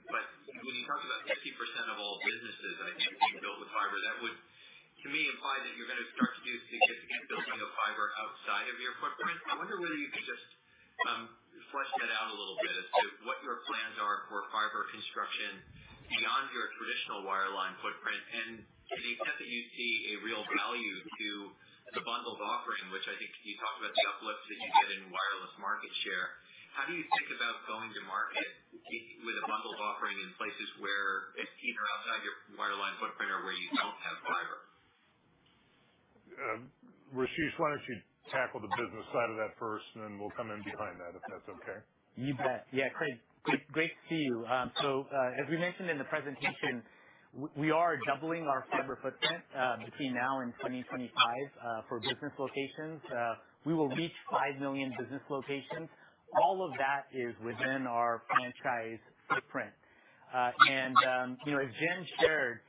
But when you talk about 50% of all businesses, I think being built with fiber, that would, to me, imply that you're gonna start to do significant building of fiber outside of your footprint. I wonder whether you could just flesh that out a little bit as to what your plans are for fiber construction beyond your traditional wireline footprint. To the extent that you see a real value to the bundled offering, which I think you talked about the uplifts that you get in wireless market share, how do you think about going to market with a bundled offering in places where it's either outside your wireline footprint or where you don't have fiber? Rasesh, why don't you tackle the business side of that first, and then we'll come in behind that, if that's okay. You bet. Yeah, Craig, great to see you. As we mentioned in the presentation, we are doubling our fiber footprint between now and 2025 for business locations. We will reach 5 million business locations. All of that is within our franchise footprint. You know, as Jen shared,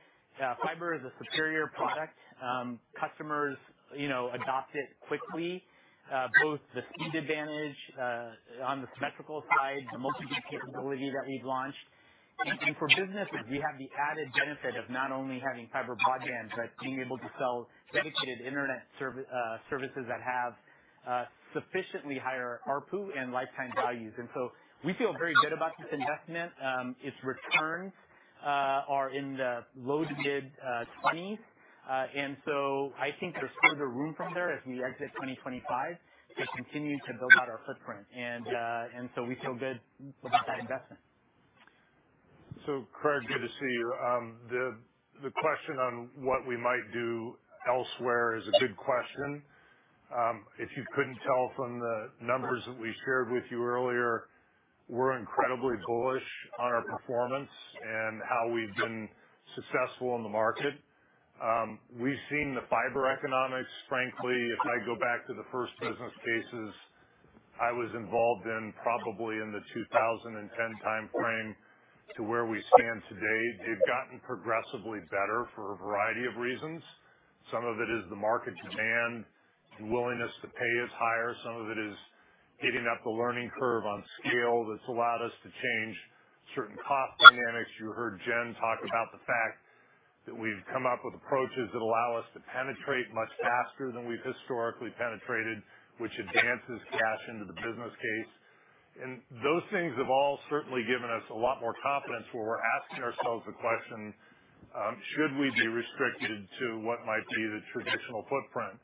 fiber is a superior product. Customers, you know, adopt it quickly, both the speed advantage on the symmetrical side, the multi-gig capability that we've launched. For businesses, we have the added benefit of not only having fiber broadband, but being able to sell dedicated internet services that have sufficiently higher ARPU and lifetime values. We feel very good about this investment. Its returns are in the low-to-mid 20s. I think there's further room from there as we exit 2025 to continue to build out our footprint. We feel good about that investment. Craig, good to see you. The question on what we might do elsewhere is a good question. If you couldn't tell from the numbers that we shared with you earlier, we're incredibly bullish on our performance and how we've been successful in the market. We've seen the fiber economics. Frankly, if I go back to the first business cases I was involved in, probably in the 2010 timeframe, to where we stand today, they've gotten progressively better for a variety of reasons. Some of it is the market demand. The willingness to pay is higher. Some of it is getting up the learning curve on scale that's allowed us to change certain cost dynamics. You heard Jen talk about the fact that we've come up with approaches that allow us to penetrate much faster than we've historically penetrated, which advances cash into the business case. Those things have all certainly given us a lot more confidence where we're asking ourselves the question, should we be restricted to what might be the traditional footprint?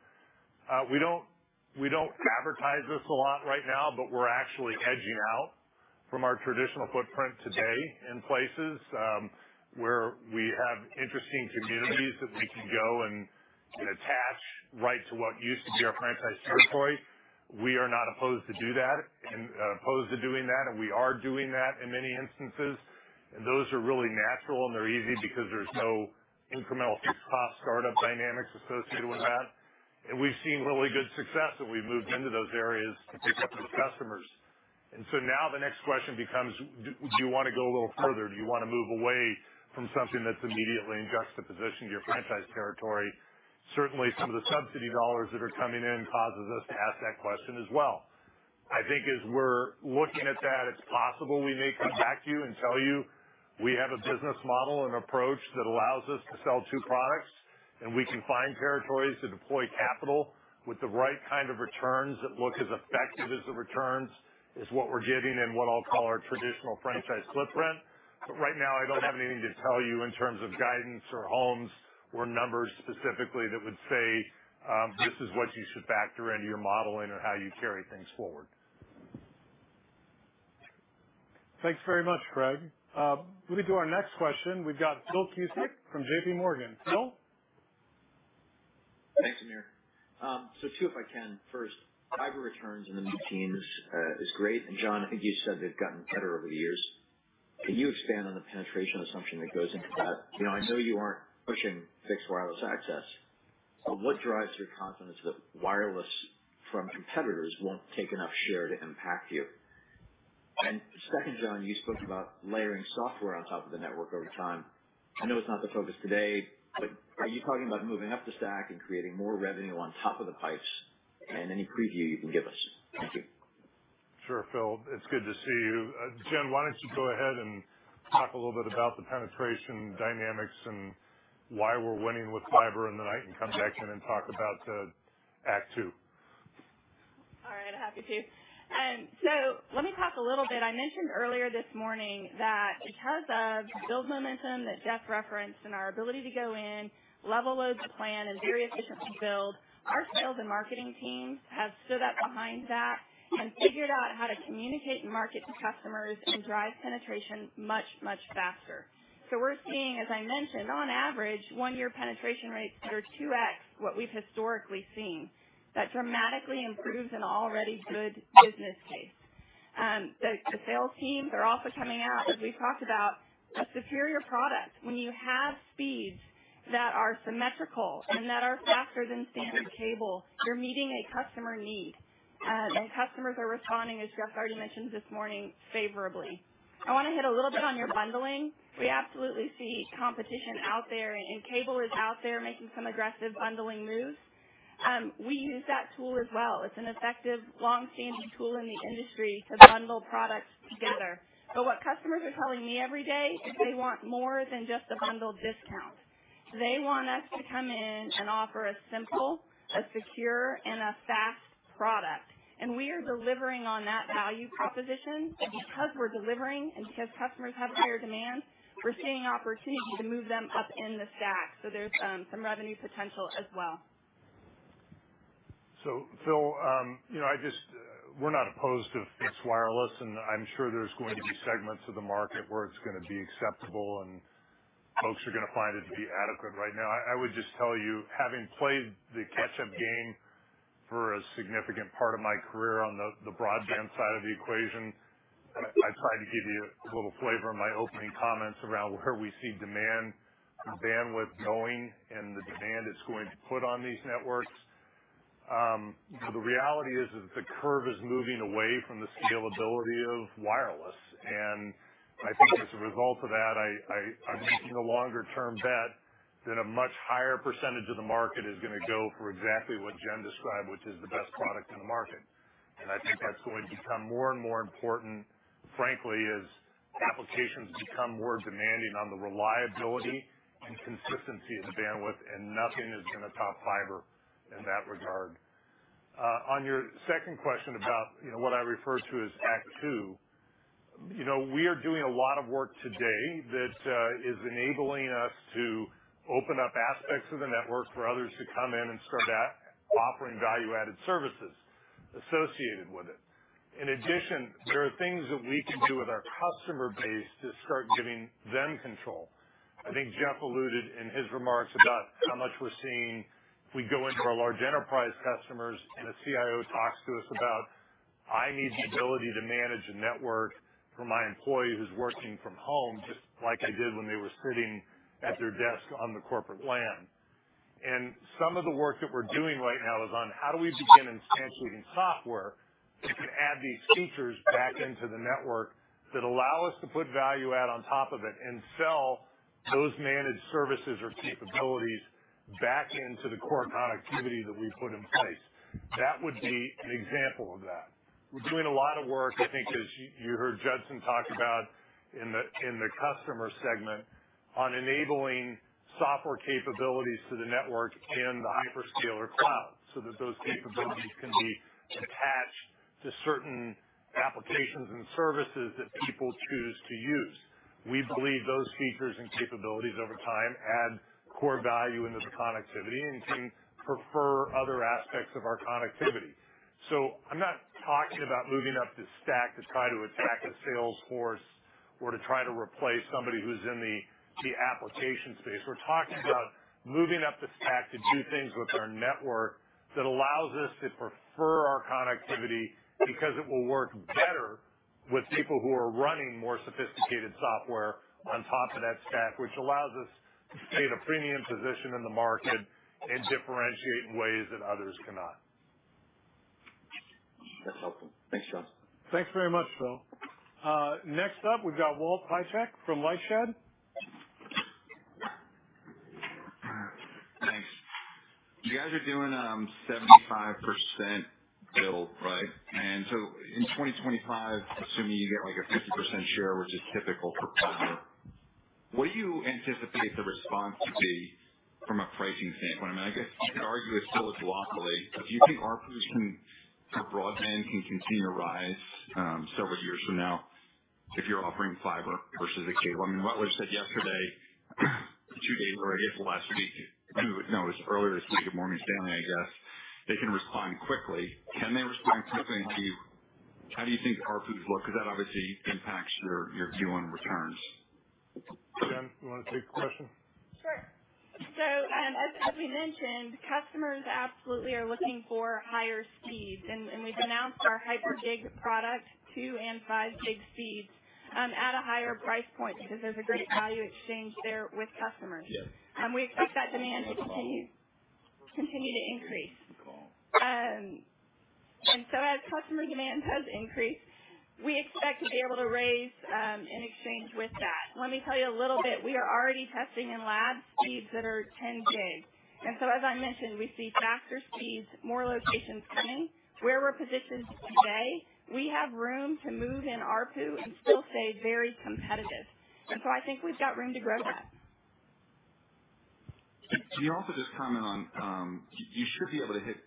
We don't advertise this a lot right now, but we're actually edging out from our traditional footprint today in places where we have interesting communities that we can go and attach right to what used to be our franchise territory. We are not opposed to doing that, and we are doing that in many instances. Those are really natural, and they're easy because there's no incremental cost startup dynamics associated with that. We've seen really good success when we've moved into those areas to pick up the customers. Now the next question becomes, do you wanna go a little further? Do you wanna move away from something that's immediately in juxtaposition to your franchise territory? Certainly, some of the subsidy dollars that are coming in causes us to ask that question as well. I think as we're looking at that, it's possible we may come back to you and tell you we have a business model and approach that allows us to sell two products, and we can find territories to deploy capital with the right kind of returns that look as effective as the returns as what we're getting in what I'll call our traditional franchise footprint. Right now, I don't have anything to tell you in terms of guidance or homes or numbers specifically that would say, this is what you should factor into your modeling or how you carry things forward. Thanks very much, Craig. Moving to our next question, we've got Phil Cusick from JPMorgan. Phil? Thanks, Amir. Two if I can. First, fiber returns in the mid-teens is great. John, I think you said they've gotten better over the years. Can you expand on the penetration assumption that goes into that? You know, I know you aren't pushing fixed wireless access, so what drives your confidence that wireless from competitors won't take enough share to impact you? Second, John, you spoke about layering software on top of the network over time. I know it's not the focus today, but are you talking about moving up the stack and creating more revenue on top of the pipes and any preview you can give us? Thank you. Sure, Phil. It's good to see you. Jen, why don't you go ahead and talk a little bit about the penetration dynamics and why we're winning with fiber in the nation and come back in and talk about the act two. All right. Happy to. Let me talk a little bit. I mentioned earlier this morning that because of build momentum that Jeff referenced and our ability to go in, level load the plan, and very efficiently build, our sales and marketing teams have stood up behind that and figured out how to communicate and market to customers and drive penetration much faster. We're seeing, as I mentioned, on average, one-year penetration rates that are 2x what we've historically seen. That dramatically improves an already good business case. The sales teams are also coming out, as we've talked about, a superior product. When you have speeds that are symmetrical and that are faster than standard cable, you're meeting a customer need. Customers are responding, as Jeff already mentioned this morning, favorably. I wanna hit a little bit on your bundling. We absolutely see competition out there, and cable is out there making some aggressive bundling moves. We use that tool as well. It's an effective, long-standing tool in the industry to bundle products together. What customers are telling me every day is they want more than just a bundled discount. They want us to come in and offer a simple, secure, and fast product, and we are delivering on that value proposition. Because we're delivering and because customers have higher demands, we're seeing opportunity to move them up in the stack. There's some revenue potential as well. Phil, you know, we're not opposed to fixed wireless, and I'm sure there's going to be segments of the market where it's gonna be acceptable, and folks are gonna find it to be adequate. Right now, I would just tell you, having played the catch-up game for a significant part of my career on the broadband side of the equation, I tried to give you a little flavor in my opening comments around where we see demand for bandwidth going and the demand it's going to put on these networks. The reality is that the curve is moving away from the scalability of wireless. I think as a result of that, I'm making a longer term bet that a much higher percentage of the market is gonna go for exactly what Jen described, which is the best product in the market. I think that's going to become more and more important, frankly, as applications become more demanding on the reliability and consistency of the bandwidth, and nothing is gonna top fiber in that regard. On your second question about, you know, what I refer to as act two, you know, we are doing a lot of work today that is enabling us to open up aspects of the network for others to come in and start offering value added services associated with it. In addition, there are things that we can do with our customer base to start giving them control. I think Jeff alluded in his remarks about how much we're seeing. We go into our large enterprise customers, and a CIO talks to us about, "I need the ability to manage a network for my employee who's working from home, just like I did when they were sitting at their desk on the corporate LAN." Some of the work that we're doing right now is on how do we begin instituting software to add these features back into the network that allow us to put value add on top of it and sell those managed services or capabilities back into the core connectivity that we put in place. That would be an example of that. We're doing a lot of work, I think, as you heard Judson talk about in the customer segment on enabling software capabilities to the network and the hyperscaler cloud so that those capabilities can be attached to certain applications and services that people choose to use. We believe those features and capabilities over time add core value into the connectivity and can improve other aspects of our connectivity. I'm not talking about moving up the stack to try to attack Salesforce or to try to replace APIs in the application space. We're talking about moving up the stack to do things with our network that allows us to prefer our connectivity because it will work better with people who are running more sophisticated software on top of that stack, which allows us to stay in a premium position in the market and differentiate in ways that others cannot. That's helpful. Thanks, John. Thanks very much, Phil. Next up, we've got Walt Piecyk from LightShed. Thanks. You guys are doing 75% build, right? In 2025, assuming you get like a 50% share, which is typical for fiber, what do you anticipate the response to be from a pricing standpoint? I mean, I guess you could argue it still is monopoly. Do you think ARPU for broadband can continue to rise several years from now if you're offering fiber versus the cable? I mean, Rutledge said earlier this week at Morgan Stanley, I guess, they can respond quickly. Can they respond quickly? How do you think the ARPU will look? Because that obviously impacts your view on returns. Jen, you wanna take the question? Sure. As we mentioned, customers absolutely are looking for higher speeds. We've announced our Hyper Gig product, 2 and 5 Gig speeds, at a higher price point because there's a great value exchange there with customers. Yeah. We expect that demand to continue to increase. Cool. As customer demand does increase, we expect to be able to raise in exchange with that. Let me tell you a little bit. We are already testing in lab speeds that are 10 Gig. As I mentioned, we see faster speeds, more locations coming. Where we're positioned today, we have room to move in ARPU and still stay very competitive. I think we've got room to grow that. Can you also just comment on, you should be able to hit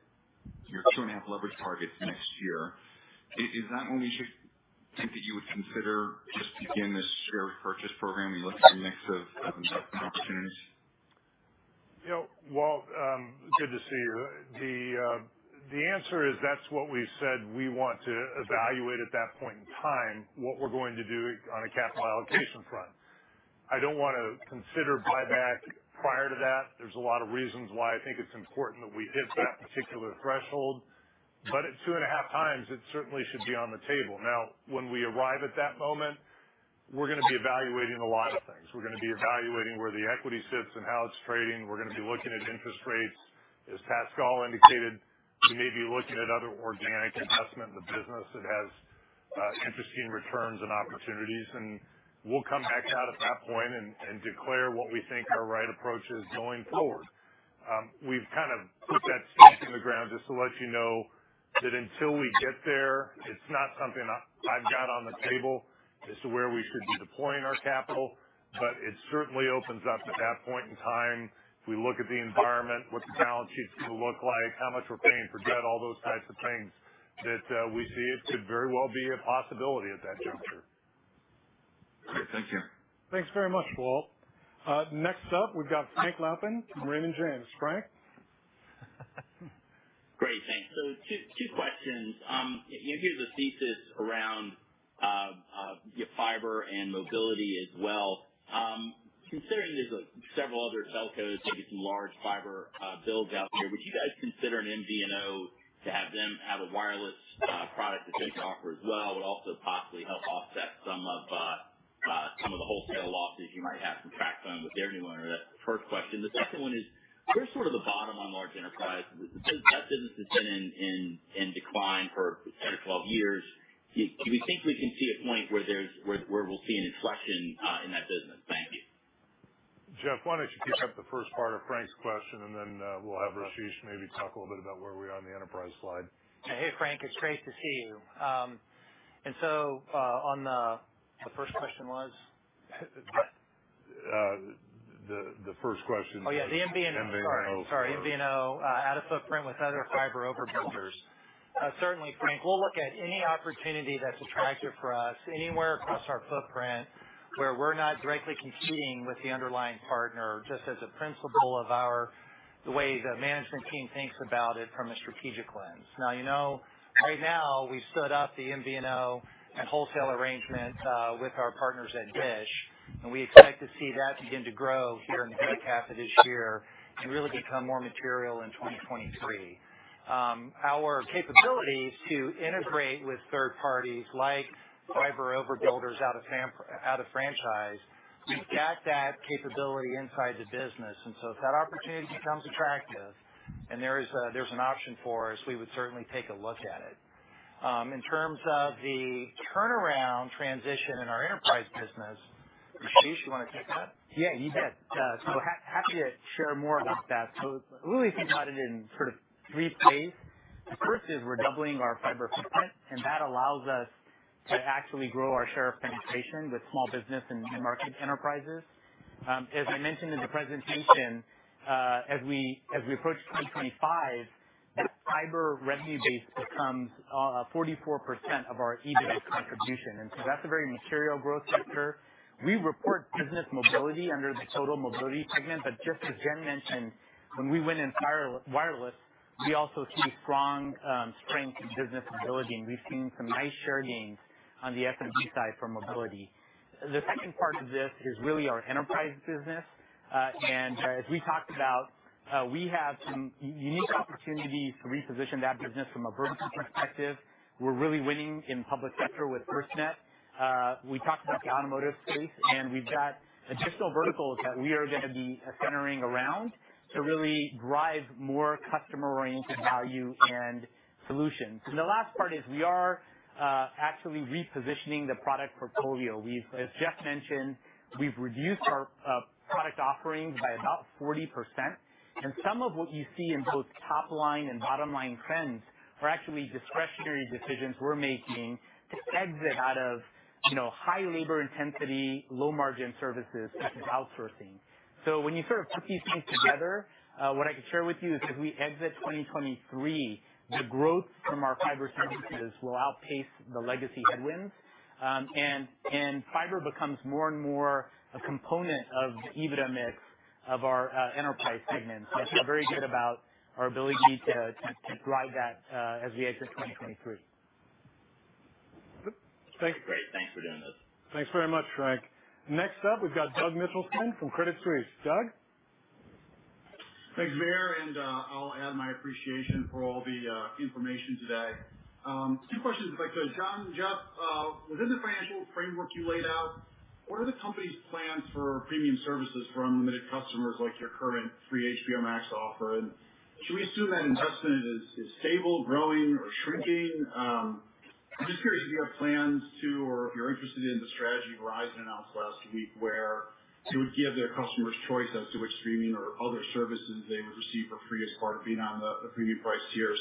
your 2.5 leverage targets next year? Is that when we should think that you would consider just to begin this share repurchase program and look at a mix of M&A opportunities? You know, Walt, good to see you. The answer is that's what we said we want to evaluate at that point in time, what we're going to do on a capital allocation front. I don't wanna consider buyback prior to that. There's a lot of reasons why I think it's important that we hit that particular threshold. But at 2.5x, it certainly should be on the table. Now, when we arrive at that moment, we're gonna be evaluating a lot of things. We're gonna be evaluating where the equity sits and how it's trading. We're gonna be looking at interest rates. As Pascal indicated, we may be looking at other organic investment in the business that has interesting returns and opportunities. We'll come back out at that point and declare what we think our right approach is going forward. We've kind of put that stake in the ground just to let you know that until we get there, it's not something I've got on the table as to where we should be deploying our capital. It certainly opens up at that point in time, we look at the environment, what the balance sheet's gonna look like, how much we're paying for debt, all those types of things, that we see it could very well be a possibility at that juncture. Great. Thank you. Thanks very much, Walt. Next up, we've got Frank Louthan from Raymond James. Frank? Great, thanks. Two questions. You hear the thesis around, you know, fiber and mobility as well. Considering there's, like, several other telcos, maybe some large fiber builds out there, would you guys consider an MVNO to have them have a wireless product that you can offer as well, would also possibly help offset some of the wholesale losses you might have from TracFone with their new owner? That's the first question. The second one is, where's sort of the bottom on large enterprise? That business has been in decline for 10 or 12 years. Do we think we can see a point where we'll see an inflection in that business? Thank you. Jeff, why don't you kick off the first part of Frank's question, and then, we'll have Rasesh maybe talk a little bit about where we are on the enterprise slide. Hey, Frank, it's great to see you. On the first question was? The first question. Oh, yeah, the MVNO. MVNO. Sorry, MVNO, add a footprint with other fiber overbuilders. Certainly, Frank, we'll look at any opportunity that's attractive for us anywhere across our footprint where we're not directly competing with the underlying partner, just as a principle of the way the management team thinks about it from a strategic lens. Now, you know, right now, we've stood up the MVNO and wholesale arrangement with our partners at DISH, and we expect to see that begin to grow here in the back half of this year and really become more material in 2023. Our capability to integrate with third parties like fiber overbuilders out of franchise, we've got that capability inside the business. If that opportunity becomes attractive and there's an option for us, we would certainly take a look at it. In terms of the turnaround transition in our enterprise business, Rasesh, you wanna take that? Yeah, you bet. Happy to share more about that. I would say we can divide it in sort of three phase. The first is we're doubling our fiber footprint, and that allows us to actually grow our share of penetration with small business and mid-market enterprises. As I mentioned in the presentation, as we approach 2025, fiber revenue base becomes 44% of our EBITDA contribution. That's a very material growth sector. We report business mobility under the total mobility segment, but just as Jen mentioned, when we win in fiber-wireless, we also see strong strength in business mobility, and we've seen some nice share gains on the SMB side for mobility. The second part of this is really our enterprise business. As we talked about, we have some unique opportunities to reposition that business from a vertical perspective. We're really winning in public sector with FirstNet. We talked about the automotive space, and we've got additional verticals that we are gonna be centering around to really drive more customer-oriented value and solutions. The last part is we are actually repositioning the product portfolio. As Jeff mentioned, we've reduced our product offerings by about 40%. Some of what you see in both top line and bottom-line trends are actually discretionary decisions we're making to exit out of, you know, high labor intensity, low margin services such as outsourcing. When you sort of put these things together, what I can share with you is as we exit 2023, the growth from our fiber services will outpace the legacy headwinds. Fiber becomes more and more a component of EBITDA mix of our enterprise segment. I feel very good about our ability to drive that as we exit 2023. Great. Thanks for doing this. Thanks very much, Frank. Next up, we've got Doug Mitchelson from Credit Suisse. Doug? Thanks, Amir, and I'll add my appreciation for all the information today. Two questions if I could. John, Jeff, within the financial framework you laid out, what are the company's plans for premium services for unlimited customers like your current free HBO Max offer? And should we assume that investment is stable, growing or shrinking? I'm just curious if you have plans to or if you're interested in the strategy Verizon announced last week where they would give their customers choice as to which streaming or other services they would receive for free as part of being on the premium price tier.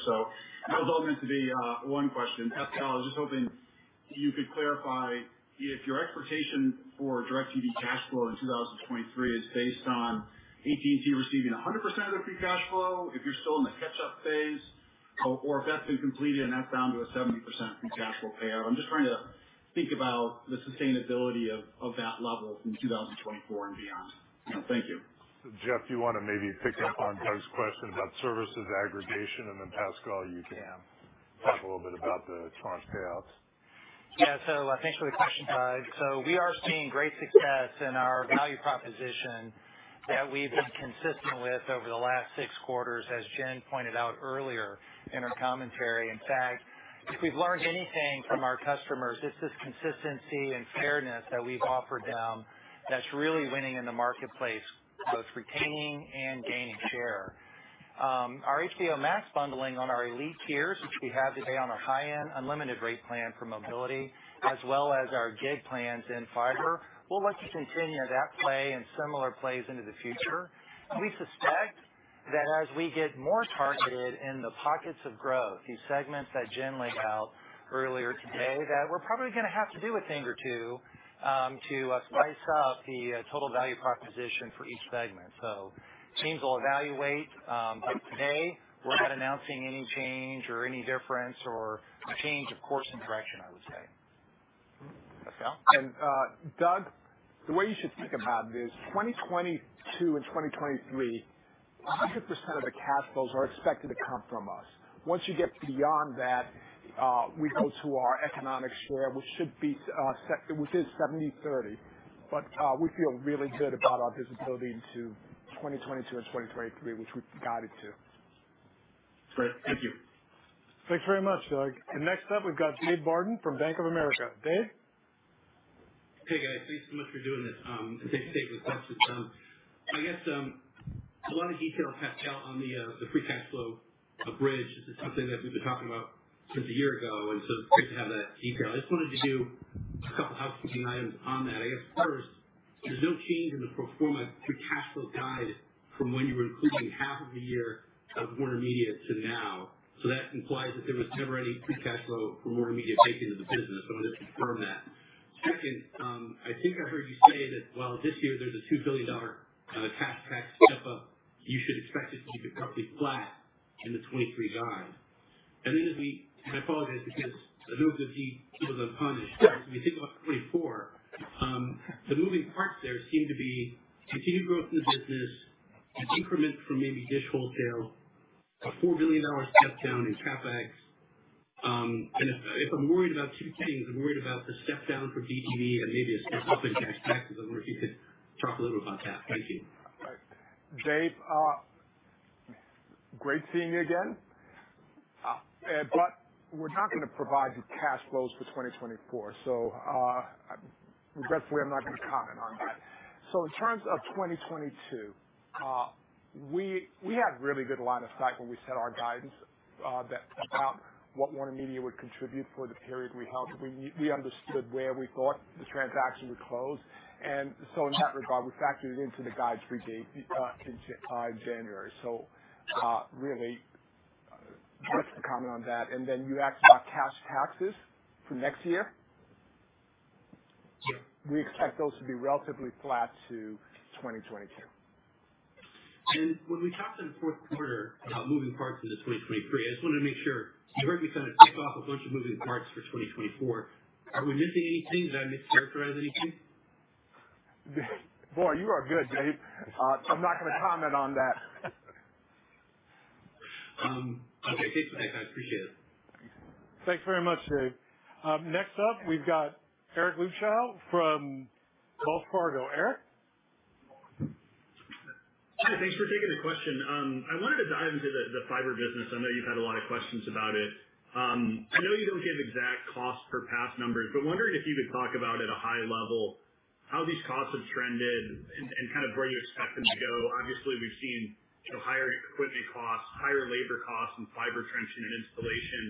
That was all meant to be one question. Pascal, I was just hoping you could clarify if your expectation for DIRECTV cash flow in 2023 is based on AT&T receiving 100% of the free cash flow, if you're still in the catch-up phase or if that's been completed and that's down to a 70% free cash flow payout. I'm just trying to think about the sustainability of that level from 2024 and beyond. Thank you. Jeff, do you wanna maybe pick up on Doug's question about services aggregation, and then, Pascal, you can talk a little bit about the tranche payouts. Thanks for the question, Doug. We are seeing great success in our value proposition that we've been consistent with over the last six quarters, as Jen pointed out earlier in her commentary. In fact, if we've learned anything from our customers, it's this consistency and fairness that we've offered them that's really winning in the marketplace, both retaining and gaining share. Our HBO Max bundling on our elite tiers, which we have today on our high-end unlimited rate plan for mobility, as well as our Gig plans in fiber, we'll let you continue that play and similar plays into the future. We suspect that as we get more targeted in the pockets of growth, these segments that Jen laid out earlier today, that we're probably gonna have to do a thing or two to spice up the total value proposition for each segment. Teams will evaluate, but today we're not announcing any change or any difference or a change of course and direction, I would say. Pascal? Doug, the way you should think about it is 2022 and 2023, 100% of the cash flows are expected to come from us. Once you get beyond that, we go to our economic share, which should be within 70/30. We feel really good about our visibility into 2022 and 2023, which we've guided to. Great. Thank you. Thanks very much, Doug. Next up, we've got Dave Barden from Bank of America. Dave? Hey, guys. Thanks so much for doing this. It's safe to say good luck to Tim. I guess a lot of detail, Pascal, on the free cash flow bridge. This is something that we've been talking about since a year ago, and it's great to have that detail. I just wanted to do a couple housekeeping items on that. I guess first, there's no change in the pro forma free cash flow guide from when you were including half of the year of WarnerMedia to now. That implies that there was never any free cash flow from WarnerMedia baked into the business. I wanna just confirm that. Second, I think I heard you say that while this year there's a $2 billion cash tax step up, you should expect it to be completely flat in the 2023 guide. I apologize because I know it's a repeat of a question. As we think about 2024, the moving parts there seem to be continued growth in the business, an increment from maybe Dish Retail, a $4 billion step down in CapEx, and if I'm worried about two things, I'm worried about the step down for DTV and maybe a step up in tax rate. I was wondering if you could talk a little about that. Thank you. Dave, great seeing you again. We're not gonna provide the cash flows for 2024. Regretfully, I'm not gonna comment on that. In terms of 2022, we had really good line of sight when we set our guidance, that about what WarnerMedia would contribute for the period we held. We understood where we thought this transaction would close. In that regard, we factored it into the guides for January. Really, just to comment on that. Then you asked about cash taxes for next year. We expect those to be relatively flat to 2022. When we talked in the fourth quarter about moving parts into 2023, I just wanted to make sure. You've already kind of ticked off a bunch of moving parts for 2024. Are we missing anything? Did I mischaracterize anything? Boy, you are good, Dave. I'm not gonna comment on that. Okay. Thanks for that. I appreciate it. Thanks very much, Dave. Next up we've got Eric Luebchow from Wells Fargo. Eric? Yeah, thanks for taking the question. I wanted to dive into the fiber business. I know you've had a lot of questions about it. I know you don't give exact cost per pass numbers, but wondering if you could talk about at a high level how these costs have trended and kind of where you expect them to go. Obviously, we've seen, you know, higher equipment costs, higher labor costs in fiber trenching and installation.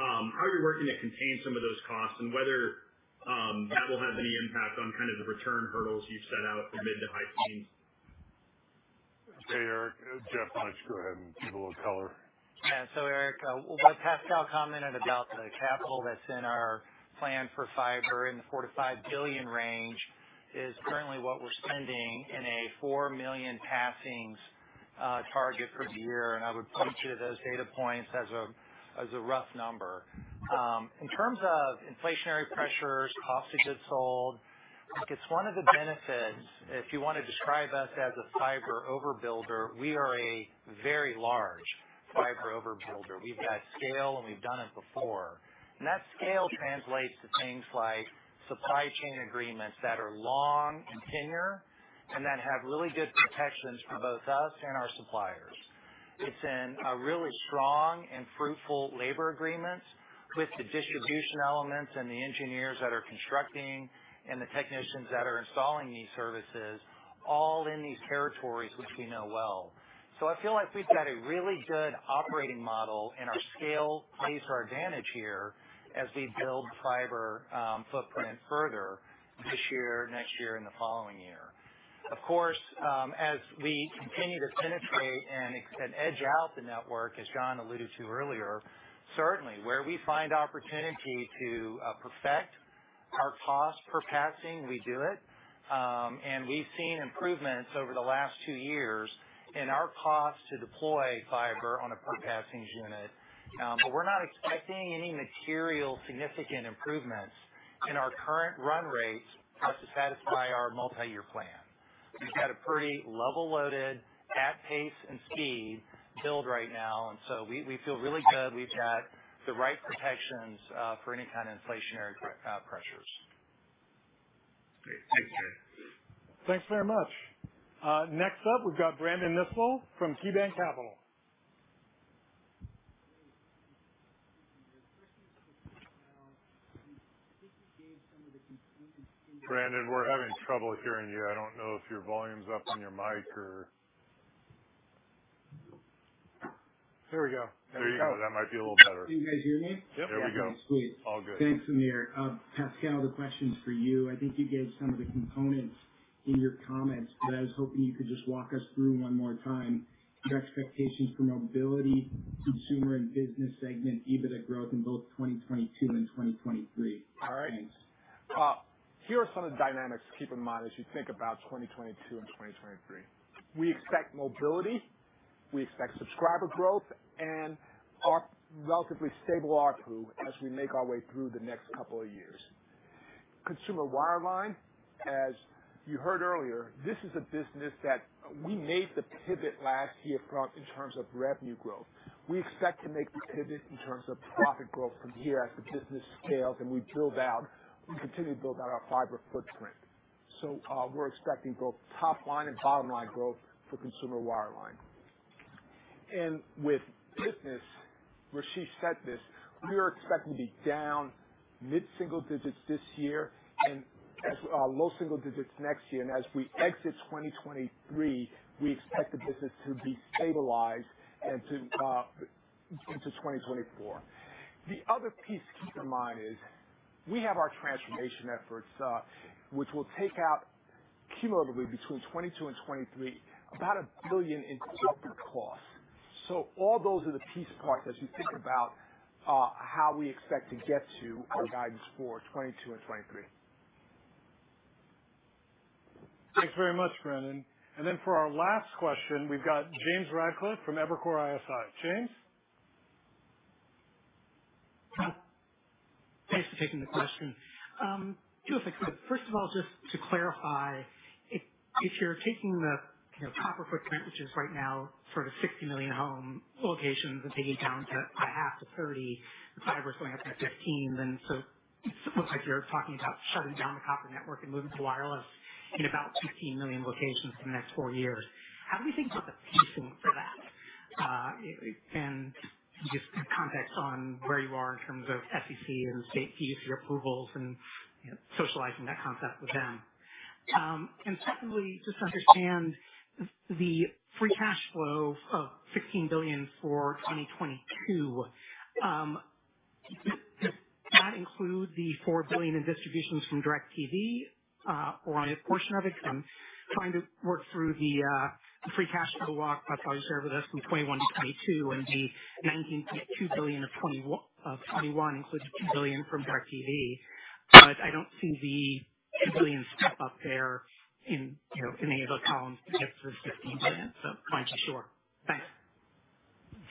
How are you working to contain some of those costs and whether that will have any impact on kind of the return hurdles you've set out for mid to high teens. Hey, Eric, Jeff why dont you just go ahead and give a little color. Yeah. Eric, what Pascal commented about the capital that's in our plan for fiber in the $4 billion-$5 billion range is currently what we're spending in a 4 million passings target per year. I would point to those data points as a rough number. In terms of inflationary pressures, cost of goods sold, look, it's one of the benefits if you want to describe us as a fiber overbuilder, we are a very large fiber overbuilder. We've got scale, and we've done it before. That scale translates to things like supply chain agreements that are long in tenure and that have really good protections for both us and our suppliers. It's in a really strong and fruitful labor agreement with the distribution elements and the engineers that are constructing and the technicians that are installing these services all in these territories, which we know well. I feel like we've got a really good operating model, and our scale plays to our advantage here as we build fiber footprint further this year, next year, and the following year. Of course, as we continue to penetrate and edge out the network, as John alluded to earlier, certainly where we find opportunity to perfect our cost per passing, we do it. We've seen improvements over the last two years in our cost to deploy fiber on a per passing unit. We're not expecting any material significant improvements in our current run rate just to satisfy our multiyear plan. We've got a pretty level loaded at pace and speed build right now, and so we feel really good. We've got the right protections for any kind of inflationary pressures. Great. Thanks, Jeff. Thanks very much. Next up we've got Brandon Nispel from KeyBanc Capital. Brandon, we're having trouble hearing you. I don't know if your volume's up on your mic or. Here we go. There you go. That might be a little better. Can you guys hear me? Yep. There we go. Sweet. All good. Thanks, Amir. Pascal, the question's for you. I think you gave some of the components in your comments, but I was hoping you could just walk us through one more time your expectations for mobility, consumer and business segment EBITDA growth in both 2022 and 2023. All right. Thanks. Here are some of the dynamics to keep in mind as you think about 2022 and 2023. We expect Mobility, we expect subscriber growth and our relatively stable ARPU as we make our way through the next couple of years. Consumer Wireline, as you heard earlier, this is a business that we made the pivot last year from in terms of revenue growth. We expect to make the pivot in terms of profit growth from here as the business scales and we build out, we continue to build out our fiber footprint. We're expecting both top line and bottom line growth for Consumer Wireline. With Business, Rasesh said this, we are expecting to be down mid-single digits this year and low single digits next year. As we exit 2023, we expect the business to be stabilized and to into 2024. The other piece to keep in mind is we have our transformation efforts, which will take out cumulatively between 2022 and 2023, about $1 billion in structural costs. All those are the piece parts as you think about how we expect to get to our guidance for 2022 and 2023. Thanks very much, Brandon. Then for our last question, we've got James Ratcliffe from Evercore ISI. James? Thanks for taking the question. Two if I could. First of all, just to clarify, if you're taking the, you know, copper footprint, which is right now sort of 60 million home locations, and taking it down to half to 30, fiber's going up to 15, then so it looks like you're talking about shutting down the copper network and moving to wireless in about 15 million locations in the next four years. How do we think about the pacing for that? And just context on where you are in terms of FCC and state PSC approvals and, you know, socializing that concept with them. And secondly, just to understand the free cash flow of $16 billion for 2022, does that include the $4 billion in distributions from DIRECTV, or a portion of it? I'm trying to work through the free cash flow walk that y'all shared with us from 2021 to 2022 and the $19.2 billion of 2021 included $2 billion from DIRECTV. I don't see the billions step up there in, you know, in any of those columns to get to this $15 billion. I'm not too sure. Thanks.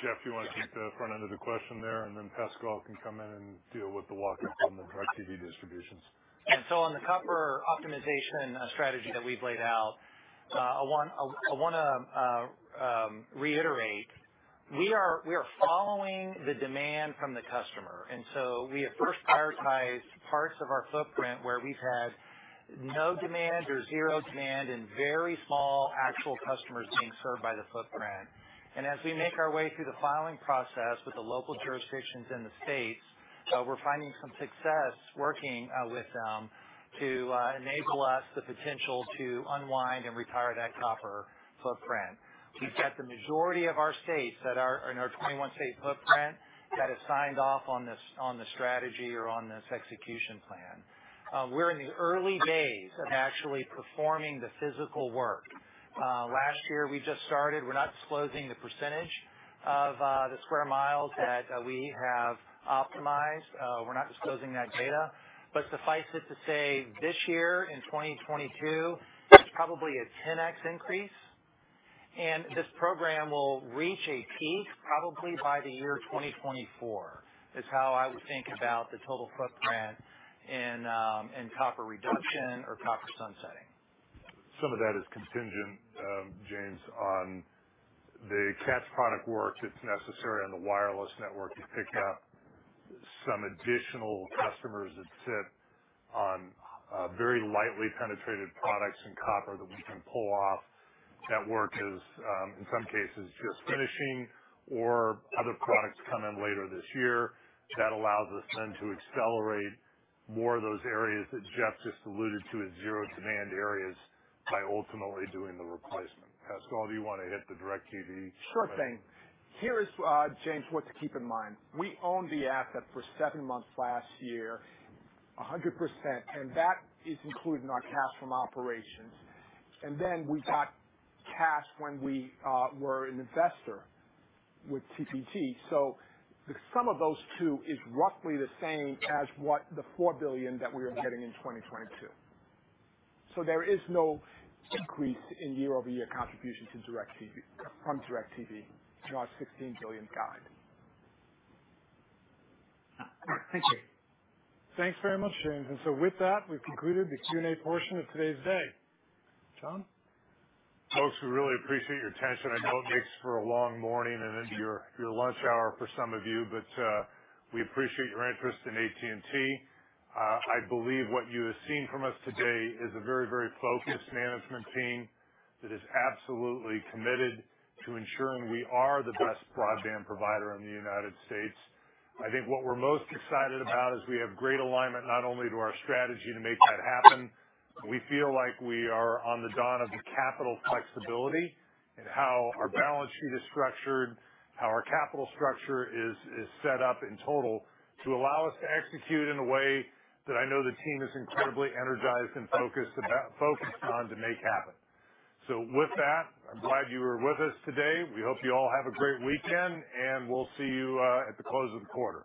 Jeff, do you wanna take the front end of the question there, and then Pascal can come in and deal with the look-in from the DIRECTV distributions? Yeah, on the copper optimization strategy that we've laid out, I want to reiterate we are following the demand from the customer, and we have first prioritized parts of our footprint where we've had no demand or zero demand and very small actual customers being served by the footprint. As we make our way through the filing process with the local jurisdictions in the states, we're finding some success working with them to enable us the potential to unwind and retire that copper footprint. We've got the majority of our states that are in our 21-state footprint that have signed off on this, on the strategy or on this execution plan. We're in the early days of actually performing the physical work. Last year, we just started. We're not disclosing the percentage of the square miles that we have optimized. We're not disclosing that data. Suffice it to say this year, in 2022, it's probably a 10x increase, and this program will reach a peak probably by the year 2024, is how I would think about the total footprint in copper reduction or copper sunsetting. Some of that is contingent, James, on the CaaS product work that's necessary on the wireless network to pick up some additional customers that sit on very lightly penetrated products in copper that we can pull off. That work is, in some cases, just finishing or other products come in later this year. That allows us then to accelerate more of those areas that Jeff just alluded to as zero demand areas by ultimately doing the replacement. Pascal, do you wanna hit the DIRECTV piece? Sure thing. Here is, James, what to keep in mind. We owned the asset for seven months last year, 100%, and that is included in our cash from operations. Then we got cash when we were an investor with TPG. The sum of those two is roughly the same as what the $4 billion that we are getting in 2022. There is no increase in year-over-year contributions to DIRECTV, from DIRECTV to our $16 billion guide. All right. Thank you. Thanks very much, James. With that, we've concluded the Q&A portion of today's day. John? Folks, we really appreciate your attention. I know it makes for a long morning and into your lunch hour for some of you, but we appreciate your interest in AT&T. I believe what you have seen from us today is a very, very focused management team that is absolutely committed to ensuring we are the best broadband provider in the United States. I think what we're most excited about is we have great alignment, not only to our strategy to make that happen. We feel like we are on the dawn of the capital flexibility and how our balance sheet is structured, how our capital structure is set up in total to allow us to execute in a way that I know the team is incredibly energized and focused about, focused on to make happen. With that, I'm glad you were with us today. We hope you all have a great weekend, and we'll see you at the close of the quarter.